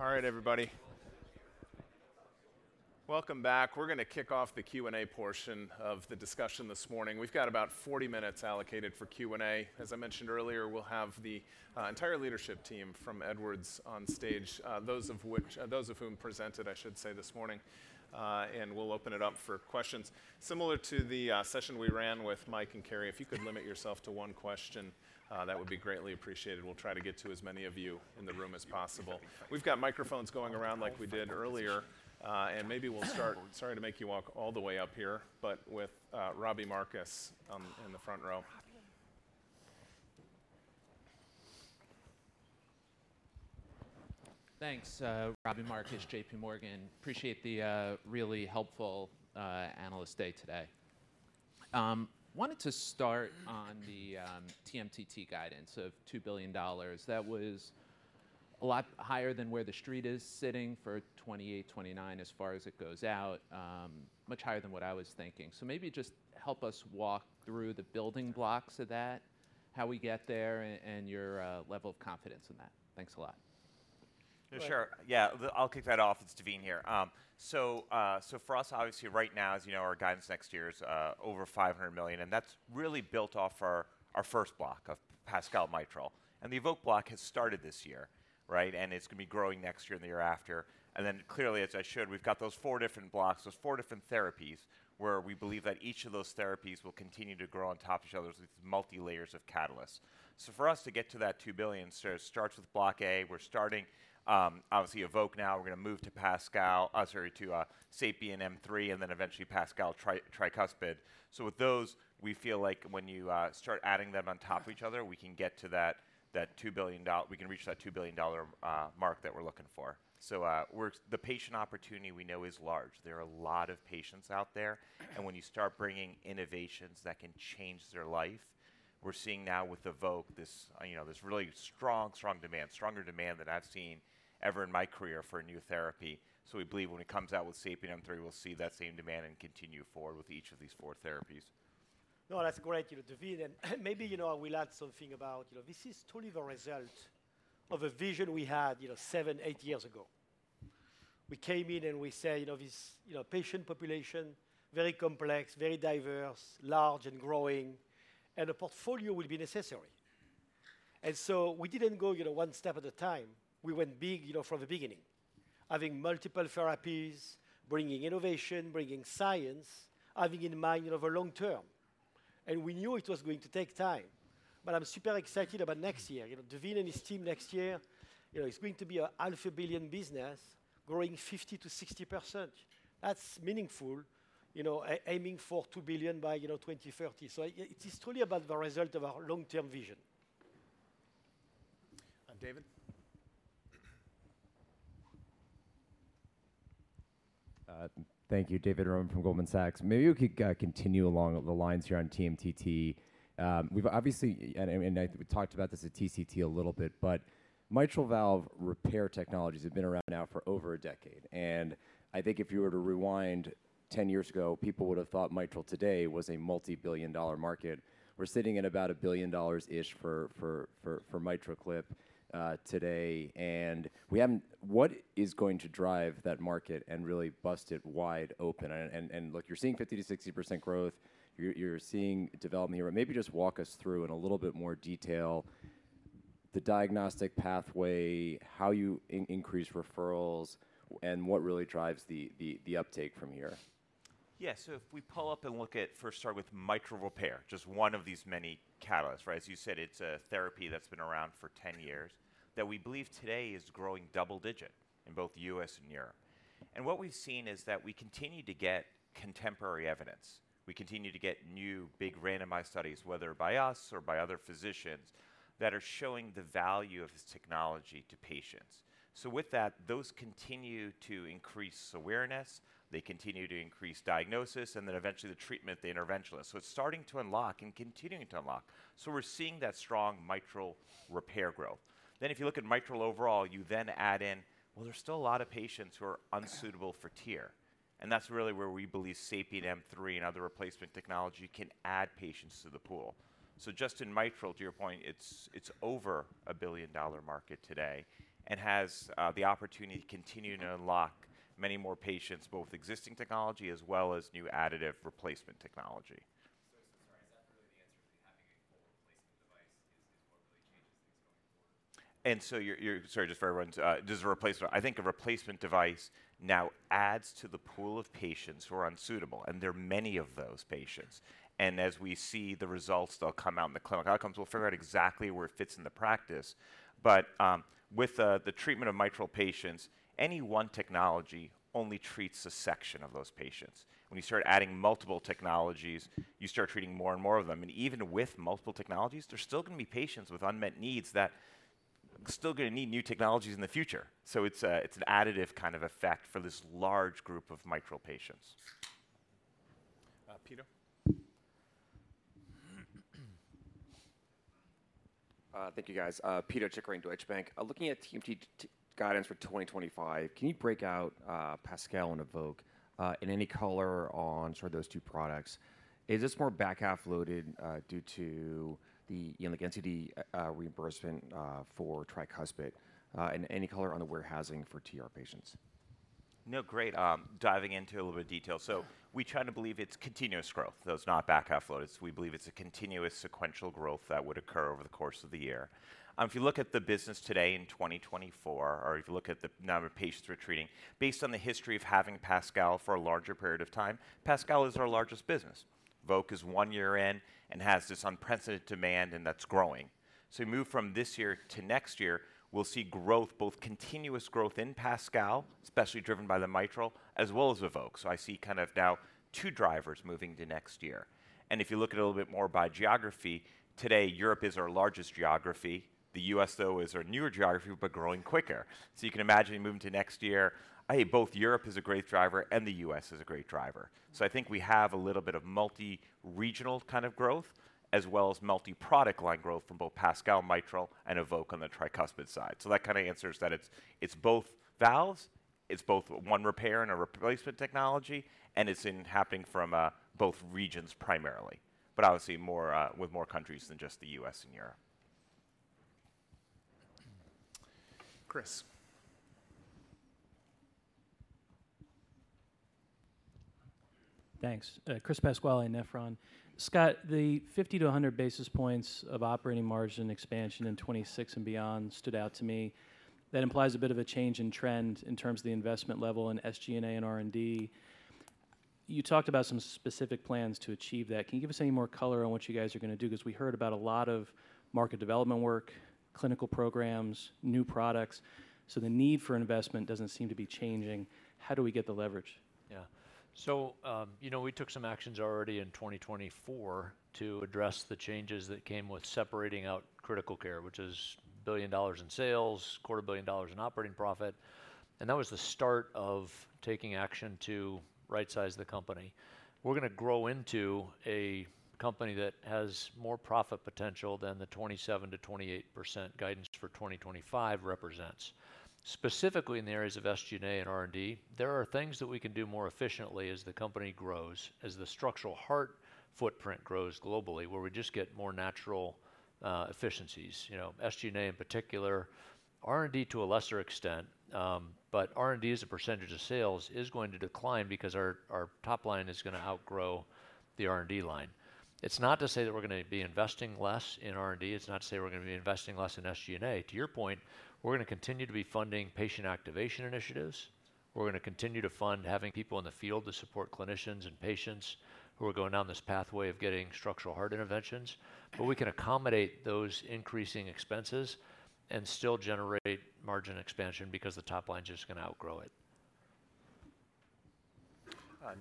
All right, everybody. Welcome back. We're going to kick off the Q&A portion of the discussion this morning. We've got about 40 minutes allocated for Q&A. As I mentioned earlier, we'll have the entire leadership team from Edwards on stage, those of whom presented, I should say, this morning. We'll open it up for questions. Similar to the session we ran with Mike and Carrie, if you could limit yourself to one question, that would be greatly appreciated. We'll try to get to as many of you in the room as possible. We've got microphones going around like we did earlier. Maybe we'll start. Sorry to make you walk all the way up here, but with Robbie Marcus in the front row. Thanks, Robbie Marcus, JPMorgan. Appreciate the really helpful analyst day today. Wanted to start on the TMTT guidance of $2 billion. That was a lot higher than where the street is sitting for 2028, 2029, as far as it goes out, much higher than what I was thinking. So maybe just help us walk through the building blocks of that, how we get there, and your level of confidence in that. Thanks a lot. Sure. Yeah, I'll kick that off. It's Daveen here. So for us, obviously, right now, as you know, our guidance next year is over $500 million. And that's really built off our first block of PASCAL mitral. And the EVOQUE block has started this year, right? And it's going to be growing next year and the year after. And then clearly, as I showed, we've got those four different blocks, those four different therapies, where we believe that each of those therapies will continue to grow on top of each other with multi-layers of catalysts. So for us to get to that $2 billion, so it starts with block A. We're starting, obviously, EVOQUE now. We're going to move to PASCAL, sorry, to SAPIEN M3, and then eventually PASCAL Tricuspid. So with those, we feel like when you start adding them on top of each other, we can get to that $2 billion. We can reach that $2 billion mark that we're looking for. So the patient opportunity we know is large. There are a lot of patients out there. And when you start bringing innovations that can change their life, we're seeing now with EVOQUE this really strong, strong demand, stronger demand than I've seen ever in my career for a new therapy. So we believe when it comes out with SAPIEN M3, we'll see that same demand and continue forward with each of these four therapies. No, that's great, Daveen. And maybe we'll add something about this. This is truly the result of a vision we had seven, eight years ago. We came in and we said this patient population, very complex, very diverse, large and growing, and a portfolio will be necessary. And so we didn't go one step at a time. We went big from the beginning, having multiple therapies, bringing innovation, bringing science, having in mind the long term. And we knew it was going to take time. But I'm super excited about next year. Daveen and his team next year, it's going to be a billion business, growing 50%-60%. That's meaningful, aiming for $2 billion by 2030. So it is truly about the result of our long-term vision. David? Thank you, David Roman from Goldman Sachs. Maybe we could continue along the lines here on TMTT. Obviously, and I think we talked about this at TCT a little bit, but mitral valve repair technologies have been around now for over a decade. I think if you were to rewind 10 years ago, people would have thought mitral today was a multi-billion-dollar market. We're sitting at about $1 billion-ish for MitraClip today. What is going to drive that market and really bust it wide open? Look, you're seeing 50%-60% growth. You're seeing development here. Maybe just walk us through in a little bit more detail the diagnostic pathway, how you increase referrals, and what really drives the uptake from here. Yeah, so if we pull up and look at, first, start with mitral repair, just one of these many catalysts, right? As you said, it's a therapy that's been around for 10 years that we believe today is growing double digit in both the U.S. and Europe. What we've seen is that we continue to get contemporary evidence. We continue to get new big randomized studies, whether by us or by other physicians, that are showing the value of this technology to patients. So with that, those continue to increase awareness. They continue to increase diagnosis and then eventually the treatment, the interventional. So it's starting to unlock and continuing to unlock. So we're seeing that strong mitral repair growth. Then if you look at mitral overall, you then add in, well, there's still a lot of patients who are unsuitable for TEER. And that's really where we believe SAPIEN M3 and other replacement technology can add patients to the pool. So just in mitral, to your point, it's over a $1 billion market today and has the opportunity to continue to unlock many more patients, both existing technology as well as new additive replacement technology. Sorry, is that really the answer to having a full replacement device? That is what really changes things going forward? And so, sorry, just for everyone, does a replacement, I think, a replacement device now adds to the pool of patients who are unsuitable. And there are many of those patients. And as we see the results, they'll come out in the clinical outcomes. We'll figure out exactly where it fits in the practice. But with the treatment of mitral patients, any one technology only treats a section of those patients. When you start adding multiple technologies, you start treating more and more of them. And even with multiple technologies, there's still going to be patients with unmet needs that are still going to need new technologies in the future. So it's an additive kind of effect for this large group of mitral patients. Peter? Thank you, guys. Peter Chickering, Deutsche Bank. Looking at TMT guidance for 2025, can you break out PASCAL and EVOQUE in any color on sort of those two products? Is this more back half loaded due to the NCD reimbursement for TEER and any color on the warehousing for TEER patients? No, great. Diving into a little bit of detail. So we try to believe it's continuous growth. That's not back half loaded. We believe it's a continuous sequential growth that would occur over the course of the year. If you look at the business today in 2024, or if you look at the number of patients we're treating, based on the history of having PASCAL for a larger period of time, PASCAL is our largest business. EVOQUE is one year in and has this unprecedented demand, and that's growing. We move from this year to next year. We'll see growth, both continuous growth in PASCAL, especially driven by the mitral, as well as EVOQUE. I see kind of now two drivers moving to next year. If you look at it a little bit more by geography, today, Europe is our largest geography. The U.S., though, is our newer geography, but growing quicker. You can imagine moving to next year, both Europe is a great driver and the U.S. is a great driver. I think we have a little bit of multi-regional kind of growth, as well as multi-product line growth from both PASCAL, mitral, and EVOQUE on the tricuspid side. So that kind of answers that it's both valves, it's both one repair and a replacement technology, and it's happening from both regions primarily, but obviously with more countries than just the U.S. and Europe. Chris? Thanks. Chris Pasquale in Nephron. Scott, the 50-100 basis points of operating margin expansion in 2026 and beyond stood out to me. That implies a bit of a change in trend in terms of the investment level in SG&A and R&D. You talked about some specific plans to achieve that. Can you give us any more color on what you guys are going to do? Because we heard about a lot of market development work, clinical programs, new products. So the need for investment doesn't seem to be changing. How do we get the leverage? Yeah. We took some actions already in 2024 to address the changes that came with separating out critical care, which is $1 billion in sales, $250 million in operating profit. That was the start of taking action to right-size the company. We're going to grow into a company that has more profit potential than the 27%-28% guidance for 2025 represents. Specifically in the areas of SG&A and R&D, there are things that we can do more efficiently as the company grows, as the structural heart footprint grows globally, where we just get more natural efficiencies. SG&A in particular, R&D to a lesser extent, but R&D as a percentage of sales is going to decline because our top line is going to outgrow the R&D line. It's not to say that we're going to be investing less in R&D. It's not to say we're going to be investing less in SG&A. To your point, we're going to continue to be funding patient activation initiatives. We're going to continue to fund having people in the field to support clinicians and patients who are going down this pathway of getting structural heart interventions. But we can accommodate those increasing expenses and still generate margin expansion because the top line's just going to outgrow it.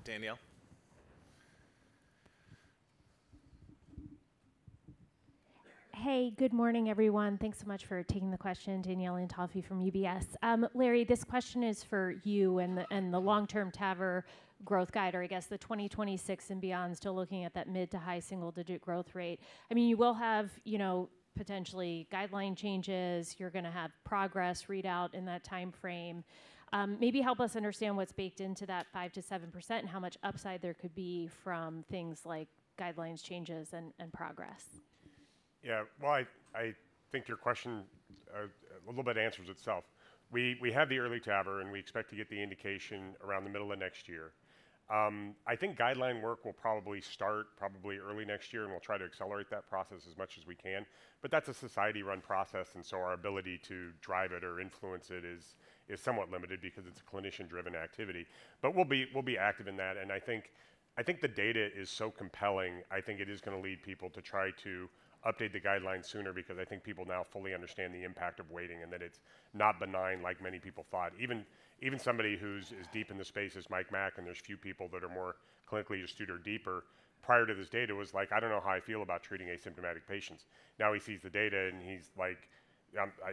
Danielle? Hey, good morning, everyone. Thanks so much for taking the question, Danielle Antalffy from UBS. Larry, this question is for you and the long-term TAVR growth guide, or I guess the 2026 and beyond, still looking at that mid- to high-single-digit growth rate. I mean, you will have potentially guideline changes. You're going to have PROGRESS readout in that time frame. Maybe help us understand what's baked into that 5%-7% and how much upside there could be from things like guidelines changes and PROGRESS. Yeah, well, I think your question a little bit answers itself. We have the EARLY TAVR, and we expect to get the indication around the middle of next year. I think guideline work will probably start early next year, and we'll try to accelerate that process as much as we can. But that's a society-run process, and so our ability to drive it or influence it is somewhat limited because it's a clinician-driven activity. But we'll be active in that. And I think the data is so compelling. I think it is going to lead people to try to update the guidelines sooner because I think people now fully understand the impact of waiting and that it's not benign like many people thought. Even somebody who's as deep in the space as Mike Mack, and there's few people that are more clinically astute or deeper. Prior to this data, it was like, "I don't know how I feel about treating asymptomatic patients." Now he sees the data, and he's like,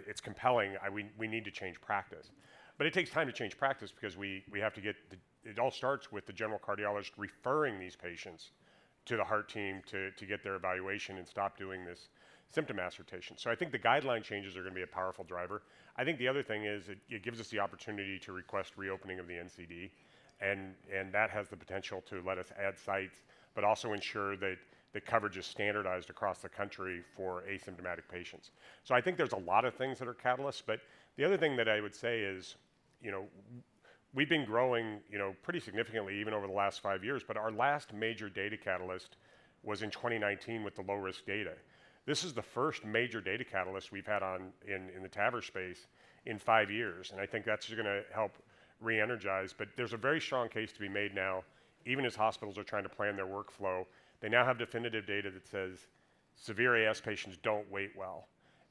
"It's compelling. We need to change practice." But it takes time to change practice because we have to get it all starts with the general cardiologist referring these patients to the heart team to get their evaluation and stop doing this symptom assessment. So I think the guideline changes are going to be a powerful driver. I think the other thing is it gives us the opportunity to request reopening of the NCD, and that has the potential to let us add sites, but also ensure that the coverage is standardized across the country for asymptomatic patients. So I think there's a lot of things that are catalysts. But the other thing that I would say is we've been growing pretty significantly even over the last five years, but our last major data catalyst was in 2019 with the low-risk data. This is the first major data catalyst we've had in the TAVR space in five years. And I think that's going to help reenergize. But there's a very strong case to be made now, even as hospitals are trying to plan their workflow. They now have definitive data that says severe AS patients don't wait well.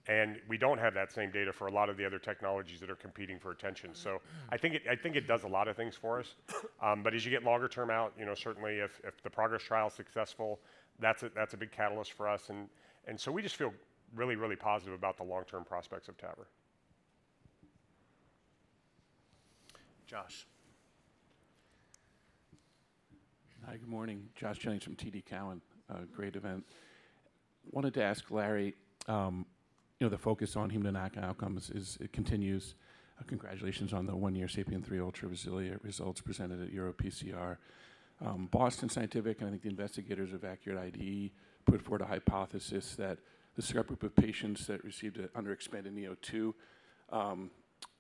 And we don't have that same data for a lot of the other technologies that are competing for attention. So I think it does a lot of things for us. But as you get longer term out, certainly if the PROGRESS trial is successful, that's a big catalyst for us. We just feel really, really positive about the long-term prospects of TAVR. Josh? Hi, good morning. Josh Jennings from TD Cowen. Great event. Wanted to ask Larry, the focus on hemodynamic outcomes continues. Congratulations on the one-year SAPIEN 3 Ultra results presented at EuroPCR. Boston Scientific, and I think the investigators of ACURATE IDE, put forward a hypothesis that the scar group of patients that received underexpanded neo2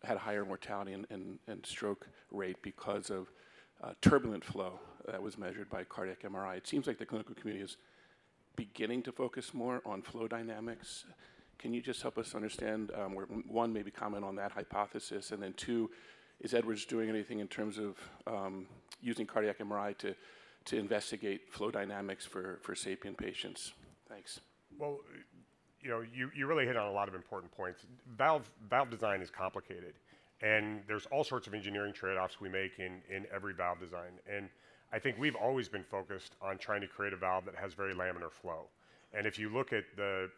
had a higher mortality and stroke rate because of turbulent flow that was measured by cardiac MRI. It seems like the clinical community is beginning to focus more on flow dynamics. Can you just help us understand, one, maybe comment on that hypothesis? And then two, is Edwards doing anything in terms of using cardiac MRI to investigate flow dynamics for SAPIEN patients? Thanks. Well, you really hit on a lot of important points. Valve design is complicated, and there's all sorts of engineering trade-offs we make in every valve design. And I think we've always been focused on trying to create a valve that has very laminar flow. And if you look at the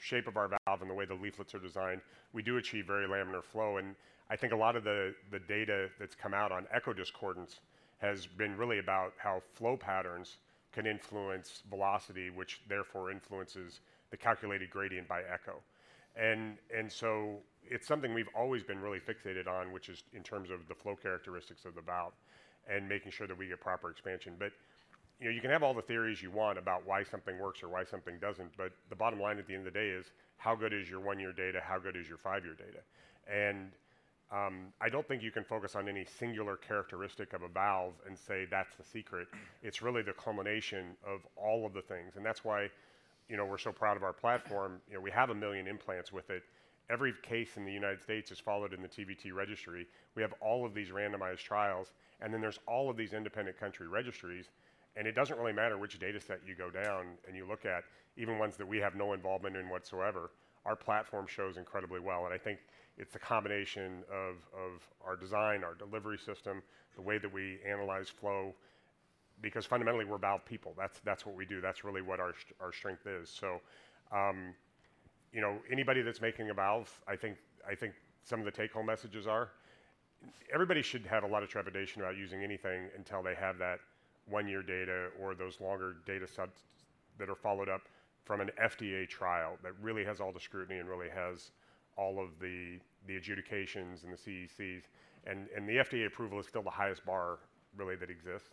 shape of our valve and the way the leaflets are designed, we do achieve very laminar flow. And I think a lot of the data that's come out on echodiscordance has been really about how flow patterns can influence velocity, which therefore influences the calculated gradient by echo. And so it's something we've always been really fixated on, which is in terms of the flow characteristics of the valve and making sure that we get proper expansion. But you can have all the theories you want about why something works or why something doesn't, but the bottom line at the end of the day is how good is your one-year data, how good is your five-year data? And I don't think you can focus on any singular characteristic of a valve and say that's the secret. It's really the culmination of all of the things. And that's why we're so proud of our platform. We have a million implants with it. Every case in the United States is followed in the TVT registry. We have all of these randomized trials, and then there's all of these independent country registries. And it doesn't really matter which data set you go down and you look at, even ones that we have no involvement in whatsoever. Our platform shows incredibly well. And I think it's a combination of our design, our delivery system, the way that we analyze flow, because fundamentally we're valve people. That's what we do. That's really what our strength is. So anybody that's making a valve, I think some of the take-home messages are, everybody should have a lot of trepidation about using anything until they have that one-year data or those longer data sets that are followed up from an FDA trial that really has all the scrutiny and really has all of the adjudications and the CECs. And the FDA approval is still the highest bar really that exists.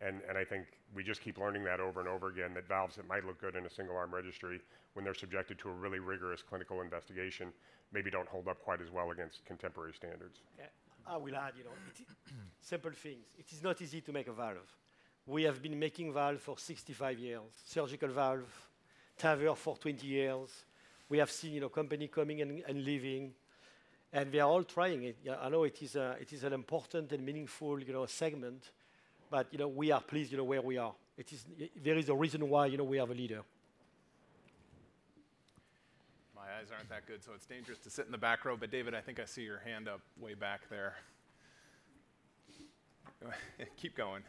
And I think we just keep learning that over and over again, that valves that might look good in a single-arm registry when they're subjected to a really rigorous clinical investigation maybe don't hold up quite as well against contemporary standards. We'll add simple things. It is not easy to make a valve. We have been making valves for 65 years. Surgical valve, TAVR for 20 years. We have seen a company coming and leaving, and we are all trying it. I know it is an important and meaningful segment, but we are pleased where we are. There is a reason why we have a leader. My eyes aren't that good, so it's dangerous to sit in the back row, but David, I think I see your hand up way back there. Keep going.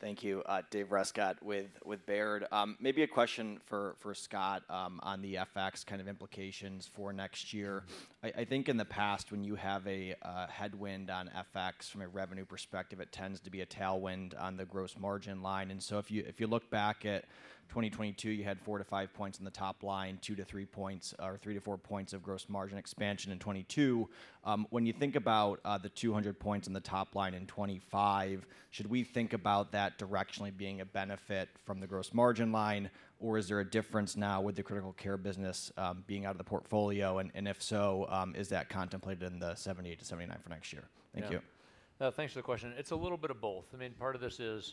Thank you. David Rescott with Baird. Maybe a question for Scott on the FX kind of implications for next year. I think in the past, when you have a headwind on FX from a revenue perspective, it tends to be a tailwind on the gross margin line. And so if you look back at 2022, you had four-to-five points in the top line, two-to-three points, or three-to-four points of gross margin expansion in 2022. When you think about the 200 points in the top line in 2025, should we think about that directionally being a benefit from the gross margin line, or is there a difference now with the critical care business being out of the portfolio? And if so, is that contemplated in the 78% to 79% for next year? Thank you. Thanks for the question. It's a little bit of both. I mean, part of this is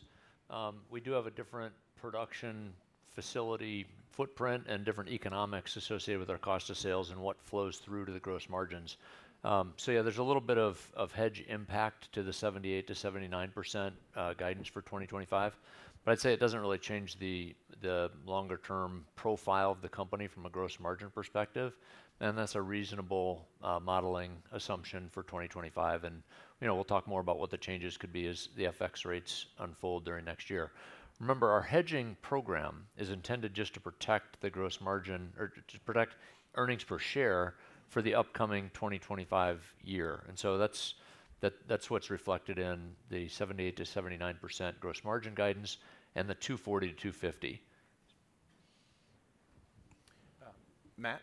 we do have a different production facility footprint and different economics associated with our cost of sales and what flows through to the gross margins. So yeah, there's a little bit of headwind impact to the 78% to 79% guidance for 2025. But I'd say it doesn't really change the longer-term profile of the company from a gross margin perspective. And that's a reasonable modeling assumption for 2025. And we'll talk more about what the changes could be as the FX rates unfold during next year. Remember, our hedging program is intended just to protect the gross margin or to protect earnings per share for the upcoming 2025 year. And so that's what's reflected in the 78%-79% gross margin guidance and the 240%-250%. Matt? Matt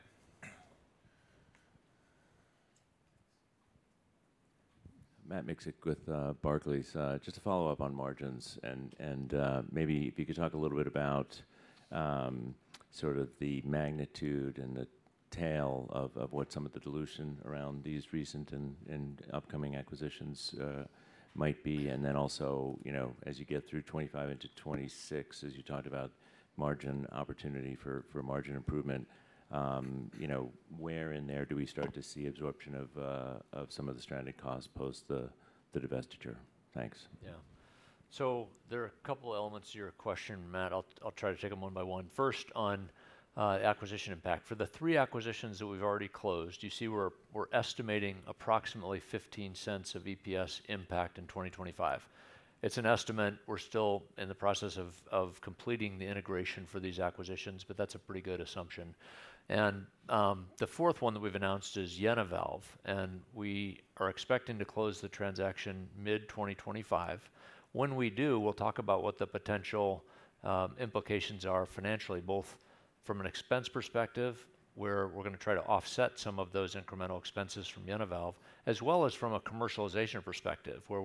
Miksic with Barclays. Just to follow up on margins, and maybe if you could talk a little bit about sort of the magnitude and the tail of what some of the dilution around these recent and upcoming acquisitions might be. And then also, as you get through 2025 into 2026, as you talked about margin opportunity for margin improvement, where in there do we start to see absorption of some of the stranded costs post the divestiture? Thanks. Yeah. There are a couple of elements to your question, Matt. I'll try to take them one by one. First, on acquisition impact. For the three acquisitions that we've already closed, you see we're estimating approximately $0.15 of EPS impact in 2025. It's an estimate. We're still in the process of completing the integration for these acquisitions, but that's a pretty good assumption. The fourth one that we've announced is JenaValve. We are expecting to close the transaction mid-2025. When we do, we'll talk about what the potential implications are financially, both from an expense perspective, where we're going to try to offset some of those incremental expenses from JenaValve, as well as from a commercialization perspective, where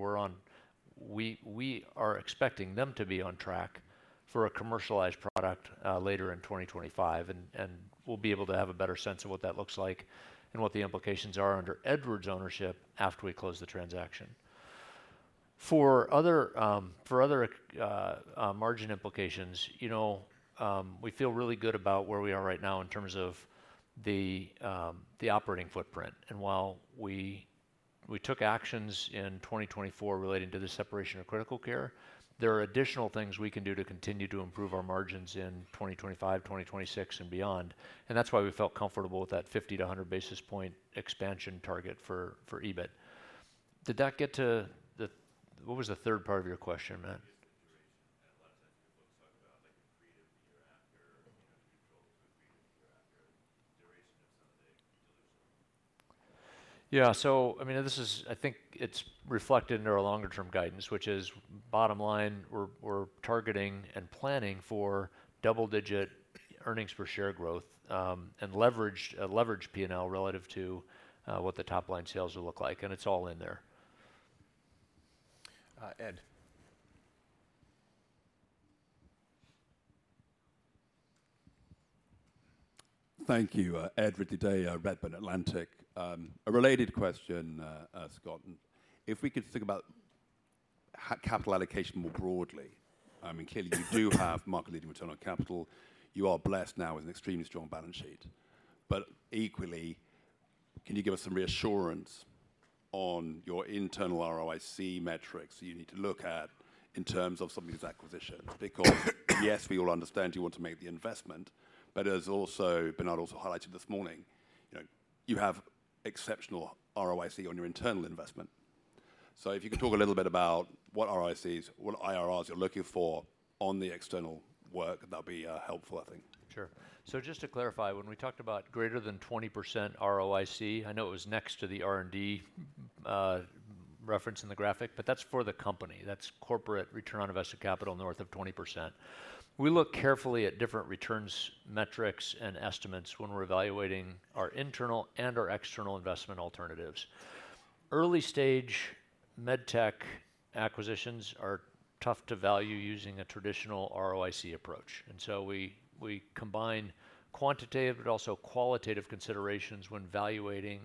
we are expecting them to be on track for a commercialized product later in 2025, and we'll be able to have a better sense of what that looks like and what the implications are under Edwards' ownership after we close the transaction. For other margin implications, we feel really good about where we are right now in terms of the operating footprint, and while we took actions in 2024 relating to the separation of critical care, there are additional things we can do to continue to improve our margins in 2025, 2026, and beyond, and that's why we felt comfortable with that 50-100 basis point expansion target for EBIT. Did that get to what was the third part of your question, Matt? Duration? A lot of times people talk about the accretive year after, if you build to an accretive year after, the duration of some of the dilution. Yeah. So I mean, I think it's reflected in our longer-term guidance, which is bottom line, we're targeting and planning for double-digit earnings per share growth and leveraged P&L relative to what the top line sales will look like. And it's all in there. Ed. Thank you. Ed Ridley-Day, Redburn Atlantic. A related question, Scott. If we could think about capital allocation more broadly, I mean, clearly you do have market-leading return on capital. You are blessed now with an extremely strong balance sheet. But equally, can you give us some reassurance on your internal ROIC metrics that you need to look at in terms of some of these acquisitions? Because yes, we all understand you want to make the investment, but as Bernard also highlighted this morning, you have exceptional ROIC on your internal investment. So if you could talk a little bit about what ROICs, what IRRs you're looking for on the external work, that would be helpful, I think. Sure. So just to clarify, when we talked about greater than 20% ROIC, I know it was next to the R&D reference in the graphic, but that's for the company. That's corporate return on invested capital north of 20%. We look carefully at different returns metrics and estimates when we're evaluating our internal and our external investment alternatives. Early-stage med tech acquisitions are tough to value using a traditional ROIC approach, and so we combine quantitative, but also qualitative considerations when valuing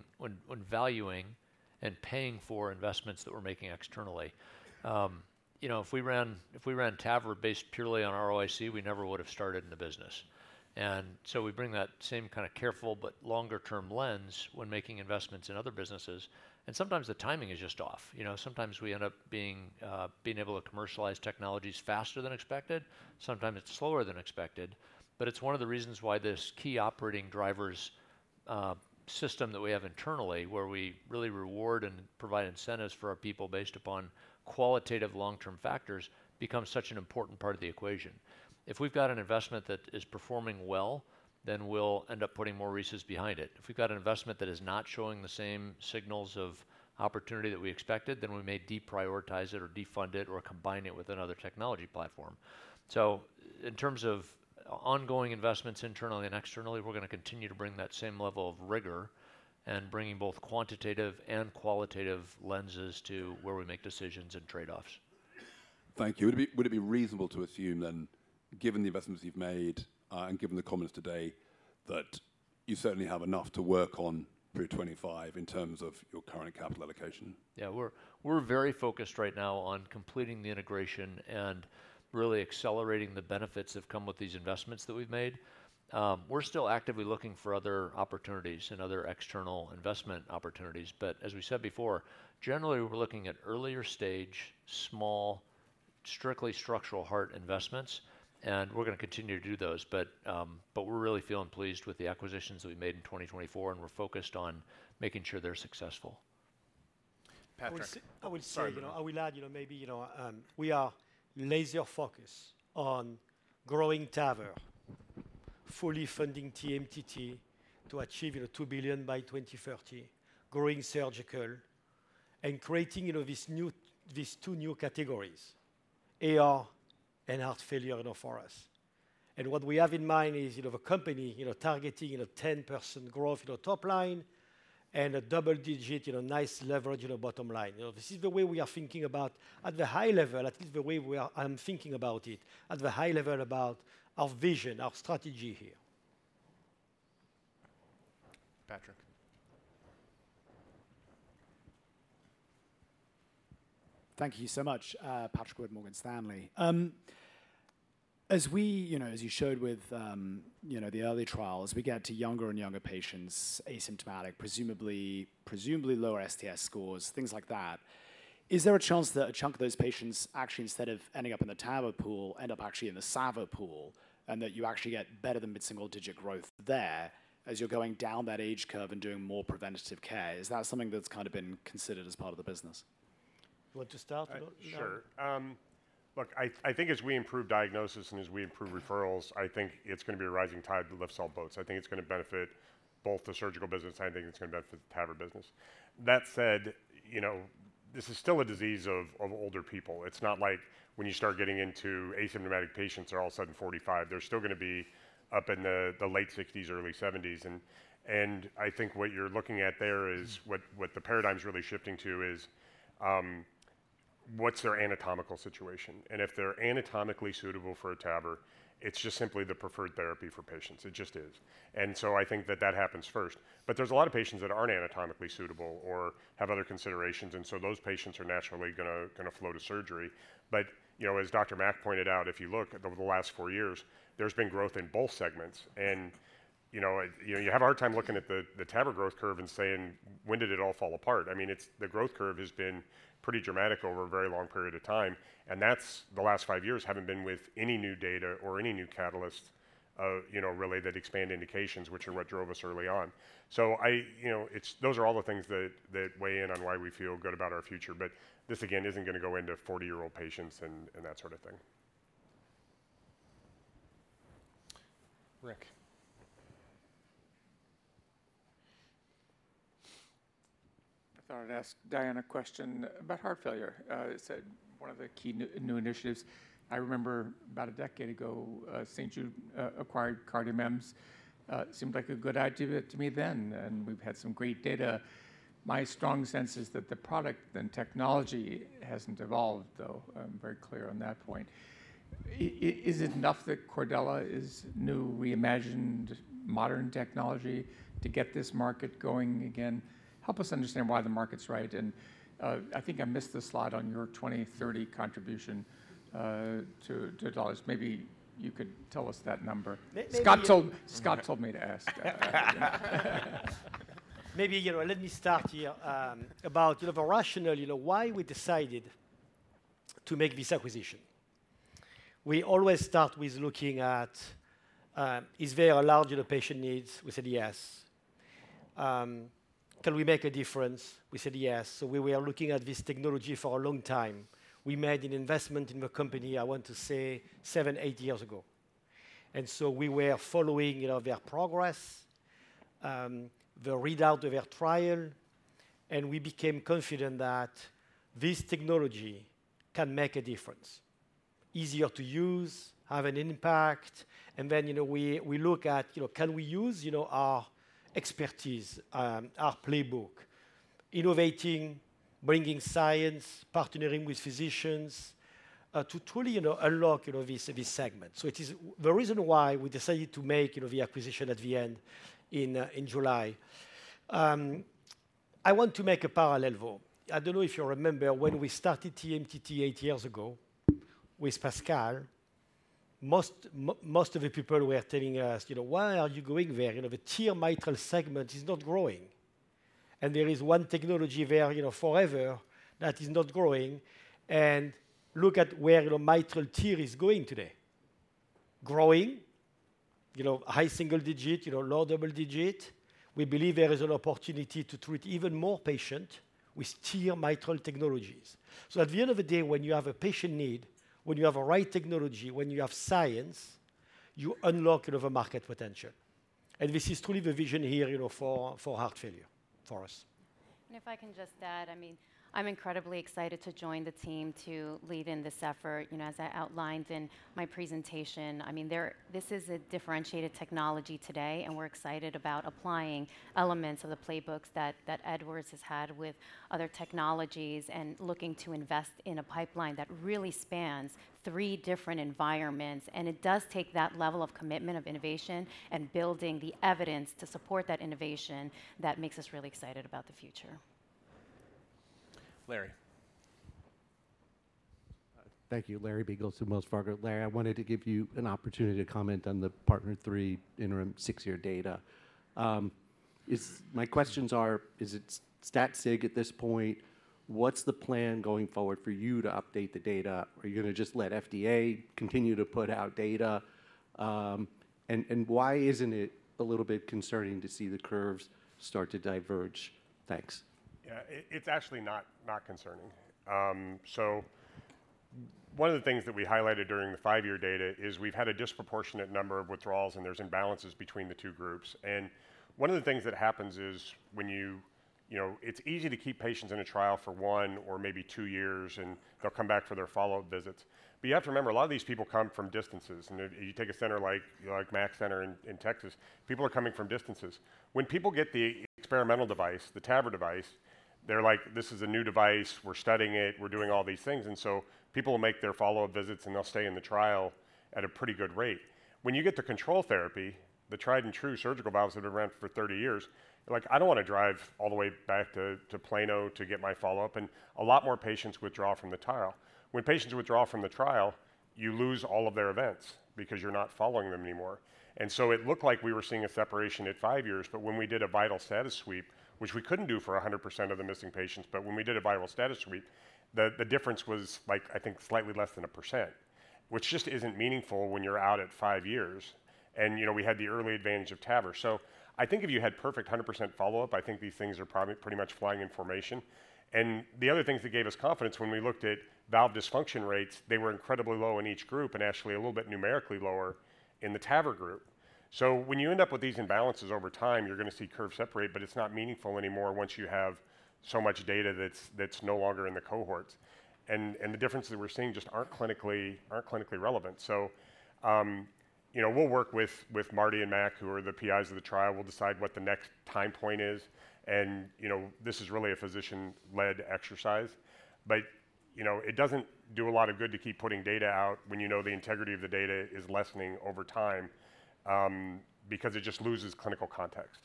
and paying for investments that we're making externally. If we ran TAVR based purely on ROIC, we never would have started in the business. And so we bring that same kind of careful, but longer-term lens when making investments in other businesses. And sometimes the timing is just off. Sometimes we end up being able to commercialize technologies faster than expected. Sometimes it's slower than expected. But it's one of the reasons why this key operating drivers system that we have internally, where we really reward and provide incentives for our people based upon qualitative long-term factors, becomes such an important part of the equation. If we've got an investment that is performing well, then we'll end up putting more reasons behind it. If we've got an investment that is not showing the same signals of opportunity that we expected, then we may deprioritize it or defund it or combine it with another technology platform. So in terms of ongoing investments internally and externally, we're going to continue to bring that same level of rigor and bringing both quantitative and qualitative lenses to where we make decisions and trade-offs. Thank you. Would it be reasonable to assume then, given the investments you've made and given the comments today, that you certainly have enough to work on through 2025 in terms of your current capital allocation? Yeah. We're very focused right now on completing the integration and really accelerating the benefits that have come with these investments that we've made. We're still actively looking for other opportunities and other external investment opportunities. But as we said before, generally, we're looking at earlier-stage, small, strictly structural heart investments. And we're going to continue to do those. But we're really feeling pleased with the acquisitions that we made in 2024, and we're focused on making sure they're successful. Patrick. I would say, I will add maybe we are laser-focused on growing TAVR, fully funding TMTT to achieve $2 billion by 2030, growing surgical, and creating these two new categories, AR and heart failure for us. And what we have in mind is a company targeting 10% growth in the top line and a double-digit, nice leverage in the bottom line. This is the way we are thinking about, at the high level, at least the way I'm thinking about it, at the high level about our vision, our strategy here. Patrick. Thank you so much. Patrick Wood, Morgan Stanley. As you showed with the early trials, we get to younger and younger patients, asymptomatic, presumably lower STS scores, things like that. Is there a chance that a chunk of those patients actually, instead of ending up in the TAVR pool, end up actually in the SAVR pool, and that you actually get better than mid-single-digit growth there as you're going down that age curve and doing more preventative care? Is that something that's kind of been considered as part of the business? Well, to start, sure. Look, I think as we improve diagnosis and as we improve referrals, I think it's going to be a rising tide that lifts all boats. I think it's going to benefit both the surgical business, and I think it's going to benefit the TAVR business. That said, this is still a disease of older people. It's not like when you start getting into asymptomatic patients, they're all of a sudden 45. They're still going to be up in the late 60s, early 70s. I think what you're looking at there is what the paradigm's really shifting to is what's their anatomical situation. If they're anatomically suitable for a TAVR, it's just simply the preferred therapy for patients. It just is. I think that that happens first. There's a lot of patients that aren't anatomically suitable or have other considerations. Those patients are naturally going to flow to surgery. As Dr. Mack pointed out, if you look at the last four years, there's been growth in both segments. You have a hard time looking at the TAVR growth curve and saying, "When did it all fall apart?" I mean, the growth curve has been pretty dramatic over a very long period of time. And that's the last five years haven't been with any new data or any new catalysts related that expand indications, which are what drove us early on. So those are all the things that weigh in on why we feel good about our future. But this, again, isn't going to go into 40-year-old patients and that sort of thing. Rick. I thought I'd ask Diane a question about heart failure. It's one of the key new initiatives. I remember about a decade ago, St. Jude acquired CardioMEMS. Seemed like a good idea to me then. And we've had some great data. My strong sense is that the product and technology hasn't evolved, though. I'm very clear on that point. Is it enough that Cordella is new, reimagined, modern technology to get this market going again? Help us understand why the market's right. I think I missed the slide on your 2030 contribution to dollars. Maybe you could tell us that number. Scott told me to ask. Maybe let me start here about a rationale, why we decided to make this acquisition. We always start with looking at, is there a large patient need? We said, "Yes." Can we make a difference? We said, "Yes." So we were looking at this technology for a long time. We made an investment in the company, I want to say, seven, eight years ago. And so we were following their progress, the readout of their trial, and we became confident that this technology can make a difference, easier to use, have an impact. And then we look at, can we use our expertise, our playbook, innovating, bringing science, partnering with physicians to truly unlock this segment? So it is the reason why we decided to make the acquisition at the end in July. I want to make a parallel, though. I don't know if you remember when we started TMTT eight years ago with PASCAL, most of the people were telling us, "Why are you going there? The TEER mitral segment is not growing. And there is one technology there forever that is not growing. And look at where mitral TEER is going today. Growing, high single digit, low double digit. We believe there is an opportunity to treat even more patients with TEER mitral technologies." So at the end of the day, when you have a patient need, when you have a right technology, when you have science, you unlock a market potential. And this is truly the vision here for heart failure for us. If I can just add, I mean, I'm incredibly excited to join the team to lead in this effort. As I outlined in my presentation, I mean, this is a differentiated technology today, and we're excited about applying elements of the playbooks that Edwards has had with other technologies and looking to invest in a pipeline that really spans three different environments. It does take that level of commitment of innovation and building the evidence to support that innovation that makes us really excited about the future. Larry. Thank you. Larry Biegelsen, Wells Fargo. Larry, I wanted to give you an opportunity to comment on the PARTNER 3 interim six-year data. My questions are, is it stat-sig at this point? What's the plan going forward for you to update the data? Are you going to just let FDA continue to put out data? And why isn't it a little bit concerning to see the curves start to diverge? Thanks. Yeah. It's actually not concerning. So one of the things that we highlighted during the five-year data is we've had a disproportionate number of withdrawals, and there's imbalances between the two groups. And one of the things that happens is when it's easy to keep patients in a trial for one or maybe two years, and they'll come back for their follow-up visits. But you have to remember, a lot of these people come from distances. And you take a center like Mack Center in Texas. People are coming from distances. When people get the experimental device, the TAVR device, they're like, "This is a new device. We're studying it. We're doing all these things." And so people will make their follow-up visits, and they'll stay in the trial at a pretty good rate. When you get the control therapy, the tried-and-true surgical valves that have been around for 30 years, they're like, "I don't want to drive all the way back to Plano to get my follow-up." And a lot more patients withdraw from the trial. When patients withdraw from the trial, you lose all of their events because you're not following them anymore. And so it looked like we were seeing a separation at five years. But when we did a vital status sweep, which we couldn't do for 100% of the missing patients, but when we did a vital status sweep, the difference was, I think, slightly less than 1%, which just isn't meaningful when you're out at five years. And we had the early advantage of TAVR. So I think if you had perfect 100% follow-up, I think these things are probably pretty much flying in formation. And the other things that gave us confidence when we looked at valve dysfunction rates, they were incredibly low in each group and actually a little bit numerically lower in the TAVR group. So when you end up with these imbalances over time, you're going to see curves separate, but it's not meaningful anymore once you have so much data that's no longer in the cohorts. And the differences that we're seeing just aren't clinically relevant. So we'll work with Mark and Mack, who are the PIs of the trial. We'll decide what the next time point is. And this is really a physician-led exercise. But it doesn't do a lot of good to keep putting data out when you know the integrity of the data is lessening over time because it just loses clinical context.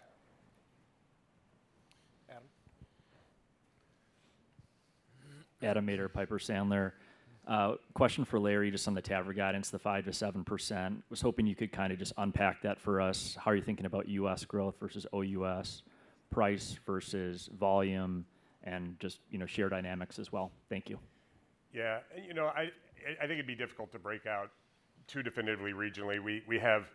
Adam. Adam Maeder, Piper Sandler. Question for Larry just on the TAVR guidance, the 5%-7%. Was hoping you could kind of just unpack that for us. How are you thinking about US growth versus OUS, price versus volume, and just share dynamics as well? Thank you. Yeah. And I think it'd be difficult to break out too definitively regionally. We have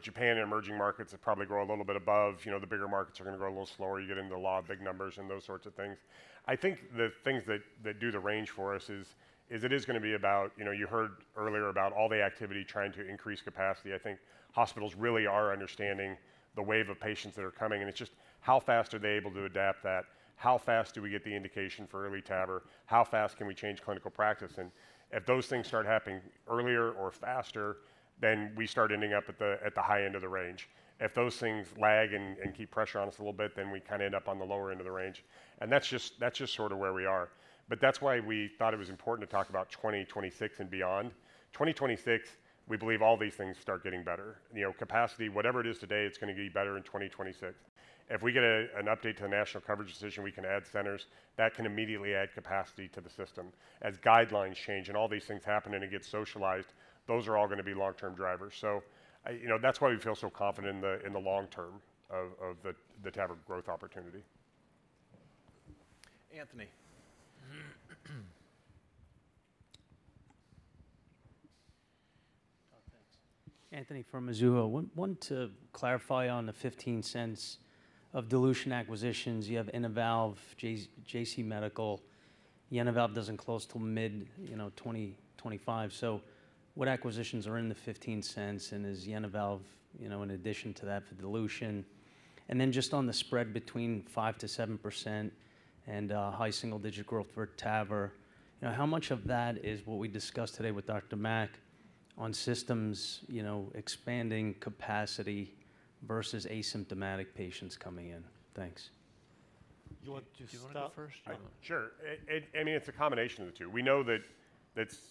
Japan and emerging markets that probably grow a little bit above. The bigger markets are going to grow a little slower. You get into a lot of big numbers and those sorts of things. I think the things that do the range for us is it is going to be about you heard earlier about all the activity trying to increase capacity. I think hospitals really are understanding the wave of patients that are coming. And it's just how fast are they able to adapt that? How fast do we get the indication for early TAVR? How fast can we change clinical practice? And if those things start happening earlier or faster, then we start ending up at the high end of the range. If those things lag and keep pressure on us a little bit, then we kind of end up on the lower end of the range. And that's just sort of where we are. But that's why we thought it was important to talk about 2026 and beyond. 2026, we believe all these things start getting better. Capacity, whatever it is today, it's going to get better in 2026. If we get an update to the National Coverage Determination, we can add centers. That can immediately add capacity to the system. As guidelines change and all these things happen and it gets socialized, those are all going to be long-term drivers. So that's why we feel so confident in the long term of the TAVR growth opportunity. Anthony. Todd, thanks. Anthony from Mizuho. Want to clarify on the $0.15 of dilution acquisitions. You have JenaValve, JC Medical. JenaValve doesn't close till mid-2025. So what acquisitions are in the $0.15? And is JenaValve, in addition to that, for dilution? And then just on the spread between 5%-7% and high single-digit growth for TAVR, how much of that is what we discussed today with Dr. Mack on systems expanding capacity versus asymptomatic patients coming in? Thanks. Do you want to start first? Sure. I mean, it's a combination of the two. We know that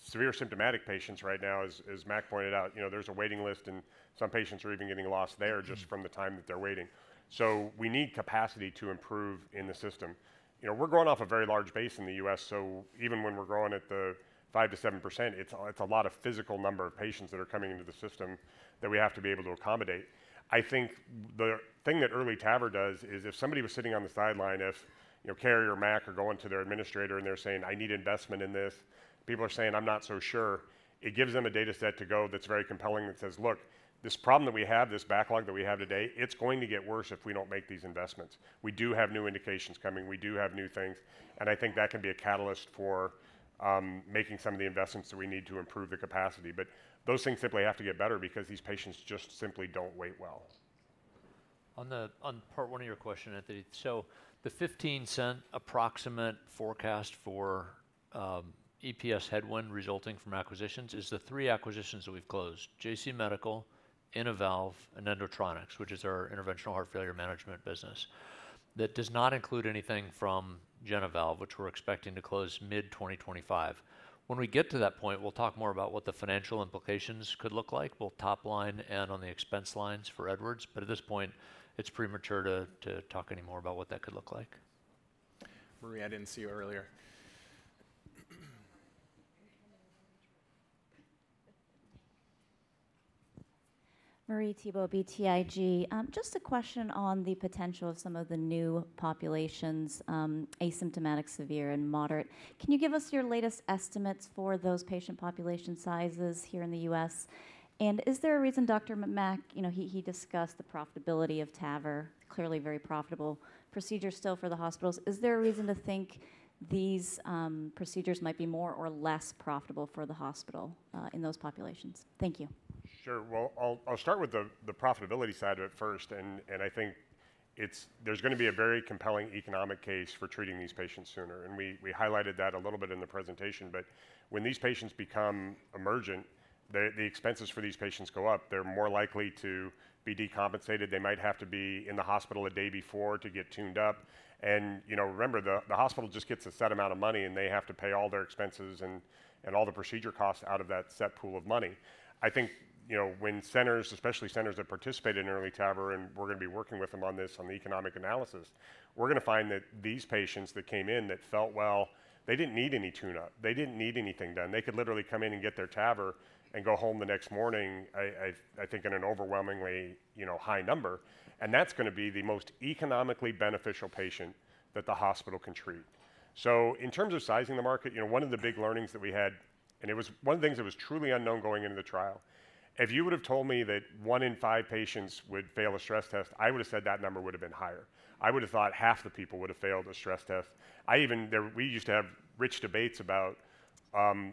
severe symptomatic patients right now, as Mack pointed out, there's a waiting list, and some patients are even getting lost there just from the time that they're waiting. So we need capacity to improve in the system. We're growing off a very large base in the U.S. So even when we're growing at the 5%-7%, it's a lot of sheer number of patients that are coming into the system that we have to be able to accommodate. I think the thing that early TAVR does is if somebody was sitting on the sideline, if Carrie or Mack are going to their administrator and they're saying, "I need investment in this," people are saying, "I'm not so sure." It gives them a dataset to go that's very compelling that says, "Look, this problem that we have, this backlog that we have today, it's going to get worse if we don't make these investments. We do have new indications coming. We do have new things." And I think that can be a catalyst for making some of the investments that we need to improve the capacity. But those things simply have to get better because these patients just simply don't wait well. On part one of your question, Anthony, so the $0.15 approximate forecast for EPS headwind resulting from acquisitions is the three acquisitions that we've closed: JC Medical, JenaValve, and Endotronix, which is our interventional heart failure management business. That does not include anything from JenaValve, which we're expecting to close mid-2025. When we get to that point, we'll talk more about what the financial implications could look like. We'll topline and on the expense lines for Edwards. But at this point, it's premature to talk anymore about what that could look like. Marie, I didn't see you earlier. Marie Thibault, BTIG. Just a question on the potential of some of the new populations, asymptomatic, severe, and moderate. Can you give us your latest estimates for those patient population sizes here in the US? And is there a reason, Dr. Mack, he discussed the profitability of TAVR, clearly very profitable procedure still for the hospitals. Is there a reason to think these procedures might be more or less profitable for the hospital in those populations? Thank you. Sure. I'll start with the profitability side of it first. I think there's going to be a very compelling economic case for treating these patients sooner. We highlighted that a little bit in the presentation. When these patients become emergent, the expenses for these patients go up. They're more likely to be decompensated. They might have to be in the hospital a day before to get tuned up. Remember, the hospital just gets a set amount of money, and they have to pay all their expenses and all the procedure costs out of that set pool of money. I think when centers, especially centers that participated in early TAVR, and we're going to be working with them on this, on the economic analysis, we're going to find that these patients that came in that felt well, they didn't need any tune-up. They didn't need anything done. They could literally come in and get their TAVR and go home the next morning, I think, in an overwhelmingly high number. And that's going to be the most economically beneficial patient that the hospital can treat. So in terms of sizing the market, one of the big learnings that we had, and it was one of the things that was truly unknown going into the trial, if you would have told me that one in five patients would fail a stress test, I would have said that number would have been higher. I would have thought half the people would have failed a stress test. We used to have rich debates about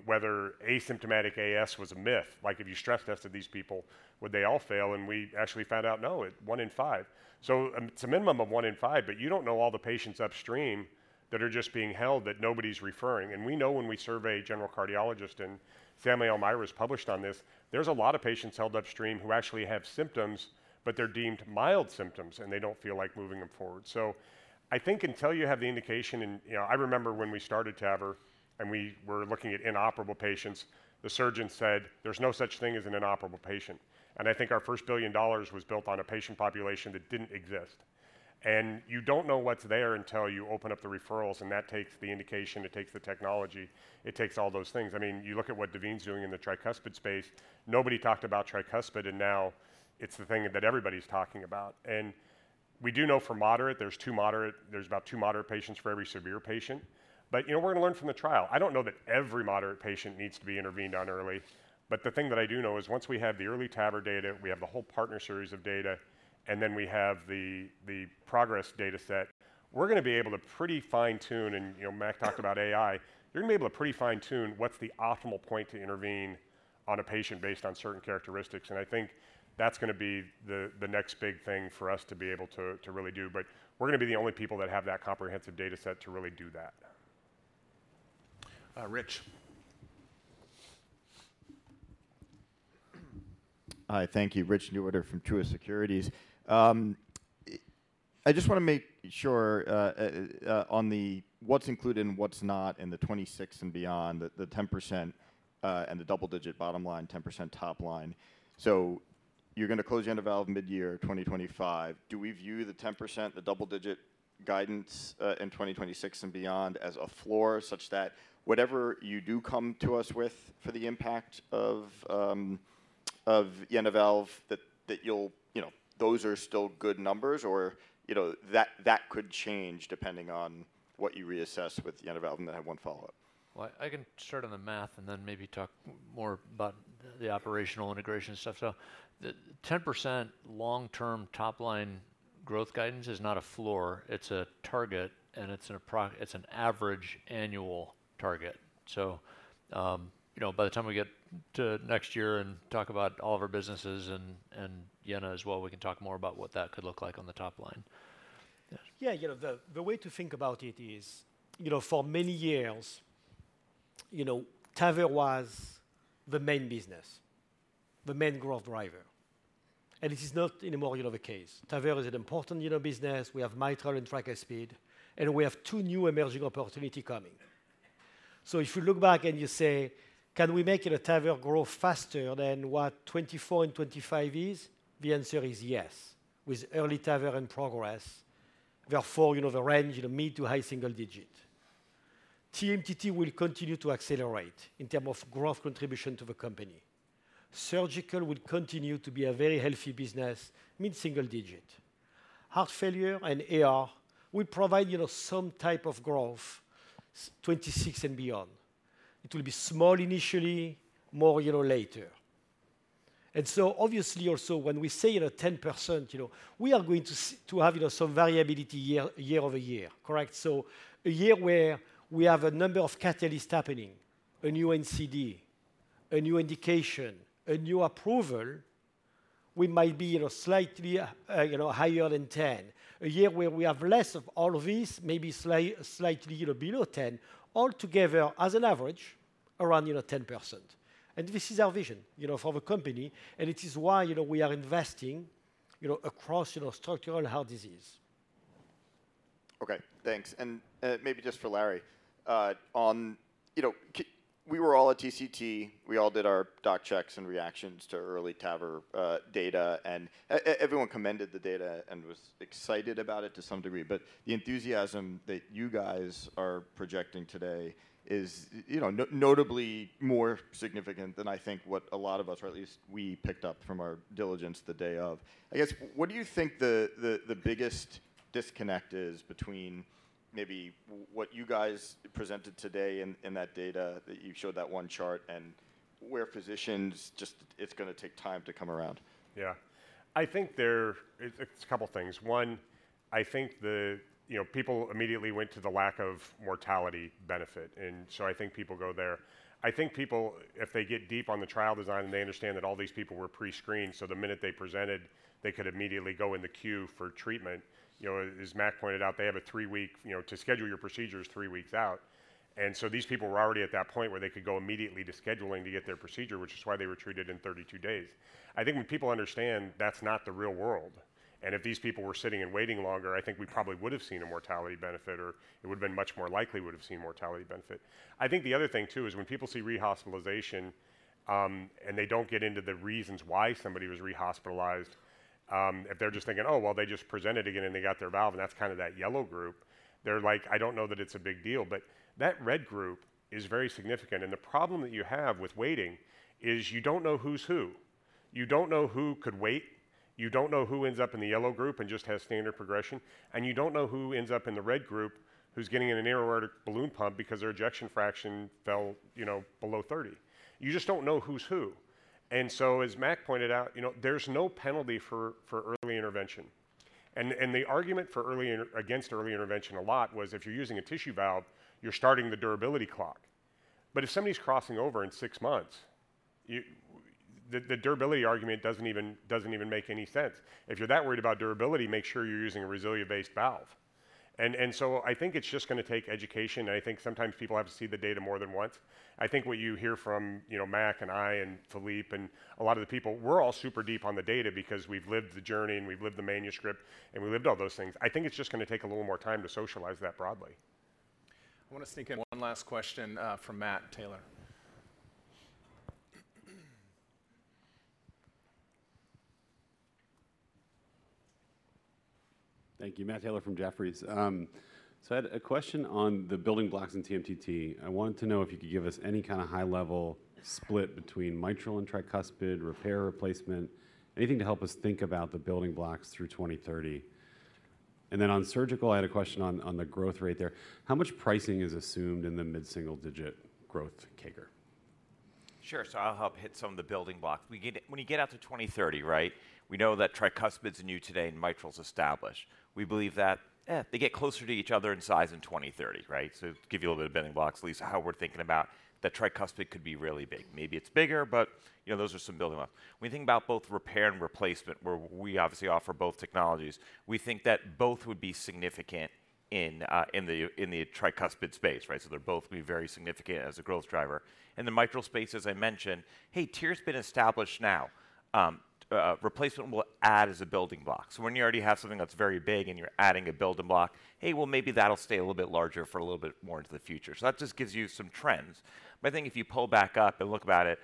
whether asymptomatic AS was a myth. Like if you stress tested these people, would they all fail? And we actually found out, no, one in five. So it's a minimum of one in five, but you don't know all the patients upstream that are just being held that nobody's referring. And we know when we surveyed general cardiologists, and Samuel Myers published on this, there's a lot of patients held upstream who actually have symptoms, but they're deemed mild symptoms, and they don't feel like moving them forward. So I think until you have the indication, and I remember when we started TAVR and we were looking at inoperable patients, the surgeon said, "There's no such thing as an inoperable patient." And I think our first $1 billion was built on a patient population that didn't exist. And you don't know what's there until you open up the referrals, and that takes the indication, it takes the technology, it takes all those things. I mean, you look at what Daveen's doing in the tricuspid space. Nobody talked about tricuspid, and now it's the thing that everybody's talking about. And we do know for moderate, there's two moderate patients for every severe patient. But we're going to learn from the trial. I don't know that every moderate patient needs to be intervened on early. But the thing that I do know is once we have the EARLY TAVR data, we have the whole PARTNER series of data, and then we have the PROGRESS dataset, we're going to be able to pretty fine-tune, and Mack talked about AI, you're going to be able to pretty fine-tune what's the optimal point to intervene on a patient based on certain characteristics. And I think that's going to be the next big thing for us to be able to really do. But we're going to be the only people that have that comprehensive dataset to really do that. Rich. Hi. Thank you. Rich Newitter from Truist Securities. I just want to make sure on what's included and what's not in the 2026 and beyond, the 10% and the double-digit bottom line, 10% top line. So you're going to close JenaValve mid-year 2025. Do we view the 10%, the double-digit guidance in 2026 and beyond as a floor such that whatever you do come to us with for the impact of JenaValve, that those are still good numbers or that could change depending on what you reassess with JenaValve and then have one follow-up? I can start on the math and then maybe talk more about the operational integration stuff. The 10% long-term top line growth guidance is not a floor. It's a target, and it's an average annual target. By the time we get to next year and talk about all of our businesses and Jena as well, we can talk more about what that could look like on the top line. Yeah. The way to think about it is for many years, TAVR was the main business, the main growth driver. It is not anymore the case. TAVR is an important business. We have Mitra and Tricuspid, and we have two new emerging opportunities coming. So if you look back and you say, "Can we make it a TAVR grow faster than what 2024 and 2025 is?" The answer is yes. With Early TAVR in progress, therefore the range in the mid- to high single digit. TMTT will continue to accelerate in terms of growth contribution to the company. Surgical will continue to be a very healthy business, mid-single digit. Heart failure and AR will provide some type of growth, 2026 and beyond. It will be small initially, more later. And so obviously also when we say 10%, we are going to have some variability year over year, correct? So a year where we have a number of catalysts happening, a new NCD, a new indication, a new approval, we might be slightly higher than 10%. A year where we have less of all of these, maybe slightly below 10%, altogether as an average around 10%. And this is our vision for the company, and it is why we are investing across structural heart disease. Okay. Thanks. And maybe just for Larry, we were all at TCT. We all did our doc checks and reactions to early TAVR data, and everyone commended the data and was excited about it to some degree. But the enthusiasm that you guys are projecting today is notably more significant than I think what a lot of us, or at least we picked up from our diligence the day of. I guess, what do you think the biggest disconnect is between maybe what you guys presented today in that data that you showed that one chart and where physicians just it's going to take time to come around? Ye ah. I think there's a couple of things. One, I think people immediately went to the lack of mortality benefit. And so I think people go there. I think people, if they get deep on the trial design and they understand that all these people were pre-screened, so the minute they presented, they could immediately go in the queue for treatment. As Mack pointed out, they have a three-week to schedule your procedures three weeks out. And so these people were already at that point where they could go immediately to scheduling to get their procedure, which is why they were treated in 32 days. I think when people understand that's not the real world, and if these people were sitting and waiting longer, I think we probably would have seen a mortality benefit or it would have been much more likely we would have seen a mortality benefit. I think the other thing too is when people see rehospitalization and they don't get into the reasons why somebody was rehospitalized, if they're just thinking, "Oh, well, they just presented again and they got their valve," and that's kind of that yellow group, they're like, "I don't know that it's a big deal," but that red group is very significant, and the problem that you have with waiting is you don't know who's who. You don't know who could wait. You don't know who ends up in the yellow group and just has standard progression. You don't know who ends up in the red group who's getting an aortic balloon pump because their ejection fraction fell below 30. You just don't know who's who. As Mack pointed out, there's no penalty for early intervention. The argument against early intervention a lot was if you're using a tissue valve, you're starting the durability clock. But if somebody's crossing over in six months, the durability argument doesn't even make any sense. If you're that worried about durability, make sure you're using a RESILIA-based valve. I think it's just going to take education. I think sometimes people have to see the data more than once. I think what you hear from Mack and I and Philippe and a lot of the people, we're all super deep on the data because we've lived the journey and we've lived the manuscript and we lived all those things. I think it's just going to take a little more time to socialize that broadly. I want to sneak in one last question from Matt Taylor. Thank you. Matt Taylor from Jefferies. So I had a question on the building blocks in TMTT. I wanted to know if you could give us any kind of high-level split between mitral and tricuspid, repair, replacement, anything to help us think about the building blocks through 2030. And then on surgical, I had a question on the growth rate there. How much pricing is assumed in the mid-single digit growth kicker? Sure. So I'll help hit some of the building blocks. When you get out to 2030, right, we know that tricuspid is new today and mitral is established. We believe that they get closer to each other in size in 2030, right? So to give you a little bit of building blocks, at least how we're thinking about that tricuspid could be really big. Maybe it's bigger, but those are some building blocks. When you think about both repair and replacement, where we obviously offer both technologies, we think that both would be significant in the tricuspid space, right? So they're both going to be very significant as a growth driver. And the mitral space, as I mentioned, hey, TEER has been established now. Replacement will add as a building block. So when you already have something that's very big and you're adding a building block, hey, well, maybe that'll stay a little bit larger for a little bit more into the future. So that just gives you some trends. But I think if you pull back up and look about it,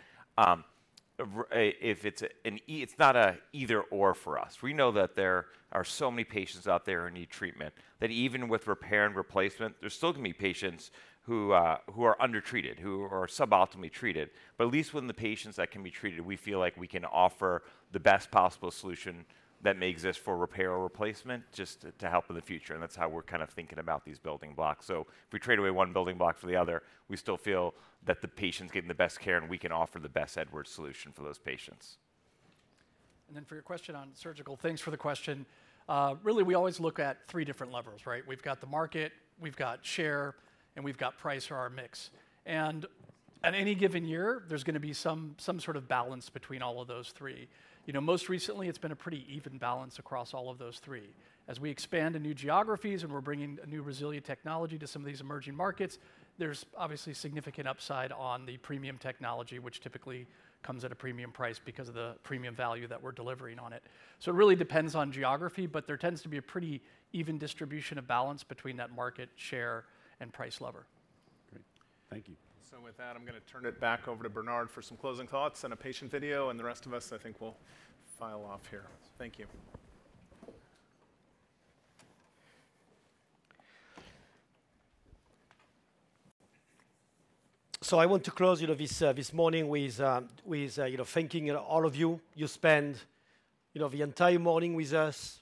it's not an either/or for us. We know that there are so many patients out there who need treatment that even with repair and replacement, there's still going to be patients who are undertreated, who are suboptimally treated. But at least with the patients that can be treated, we feel like we can offer the best possible solution that may exist for repair or replacement just to help in the future. And that's how we're kind of thinking about these building blocks. So if we trade away one building block for the other, we still feel that the patient's getting the best care and we can offer the best Edwards solution for those patients. And then for your question on surgical, thanks for the question. Really, we always look at three different levels, right? We've got the market, we've got share, and we've got price or our mix. And at any given year, there's going to be some sort of balance between all of those three. Most recently, it's been a pretty even balance across all of those three. As we expand in new geographies and we're bringing a new resilient technology to some of these emerging markets, there's obviously significant upside on the premium technology, which typically comes at a premium price because of the premium value that we're delivering on it. So it really depends on geography, but there tends to be a pretty even distribution of balance between that market, share, and price level. Great. Thank you. So with that, I'm going to turn it back over to Bernard for some closing thoughts and a patient video, and the rest of us, I think we'll file off here. Thank you. So I want to close this morning with thanking all of you. You spent the entire morning with us.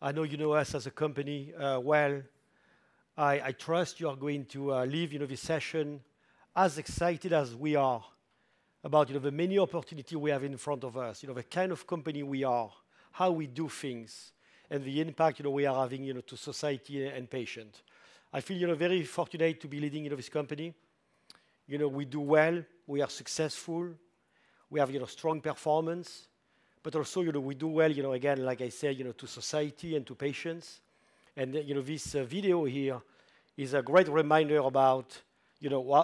I know you know us as a company well. I trust you are going to leave this session as excited as we are about the many opportunities we have in front of us, the kind of company we are, how we do things, and the impact we are having to society and patients. I feel very fortunate to be leading this company. We do well. We are successful. We have strong performance. But also we do well, again, like I said, to society and to patients. And this video here is a great reminder about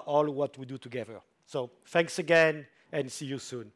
all what we do together. So thanks again and see you soon.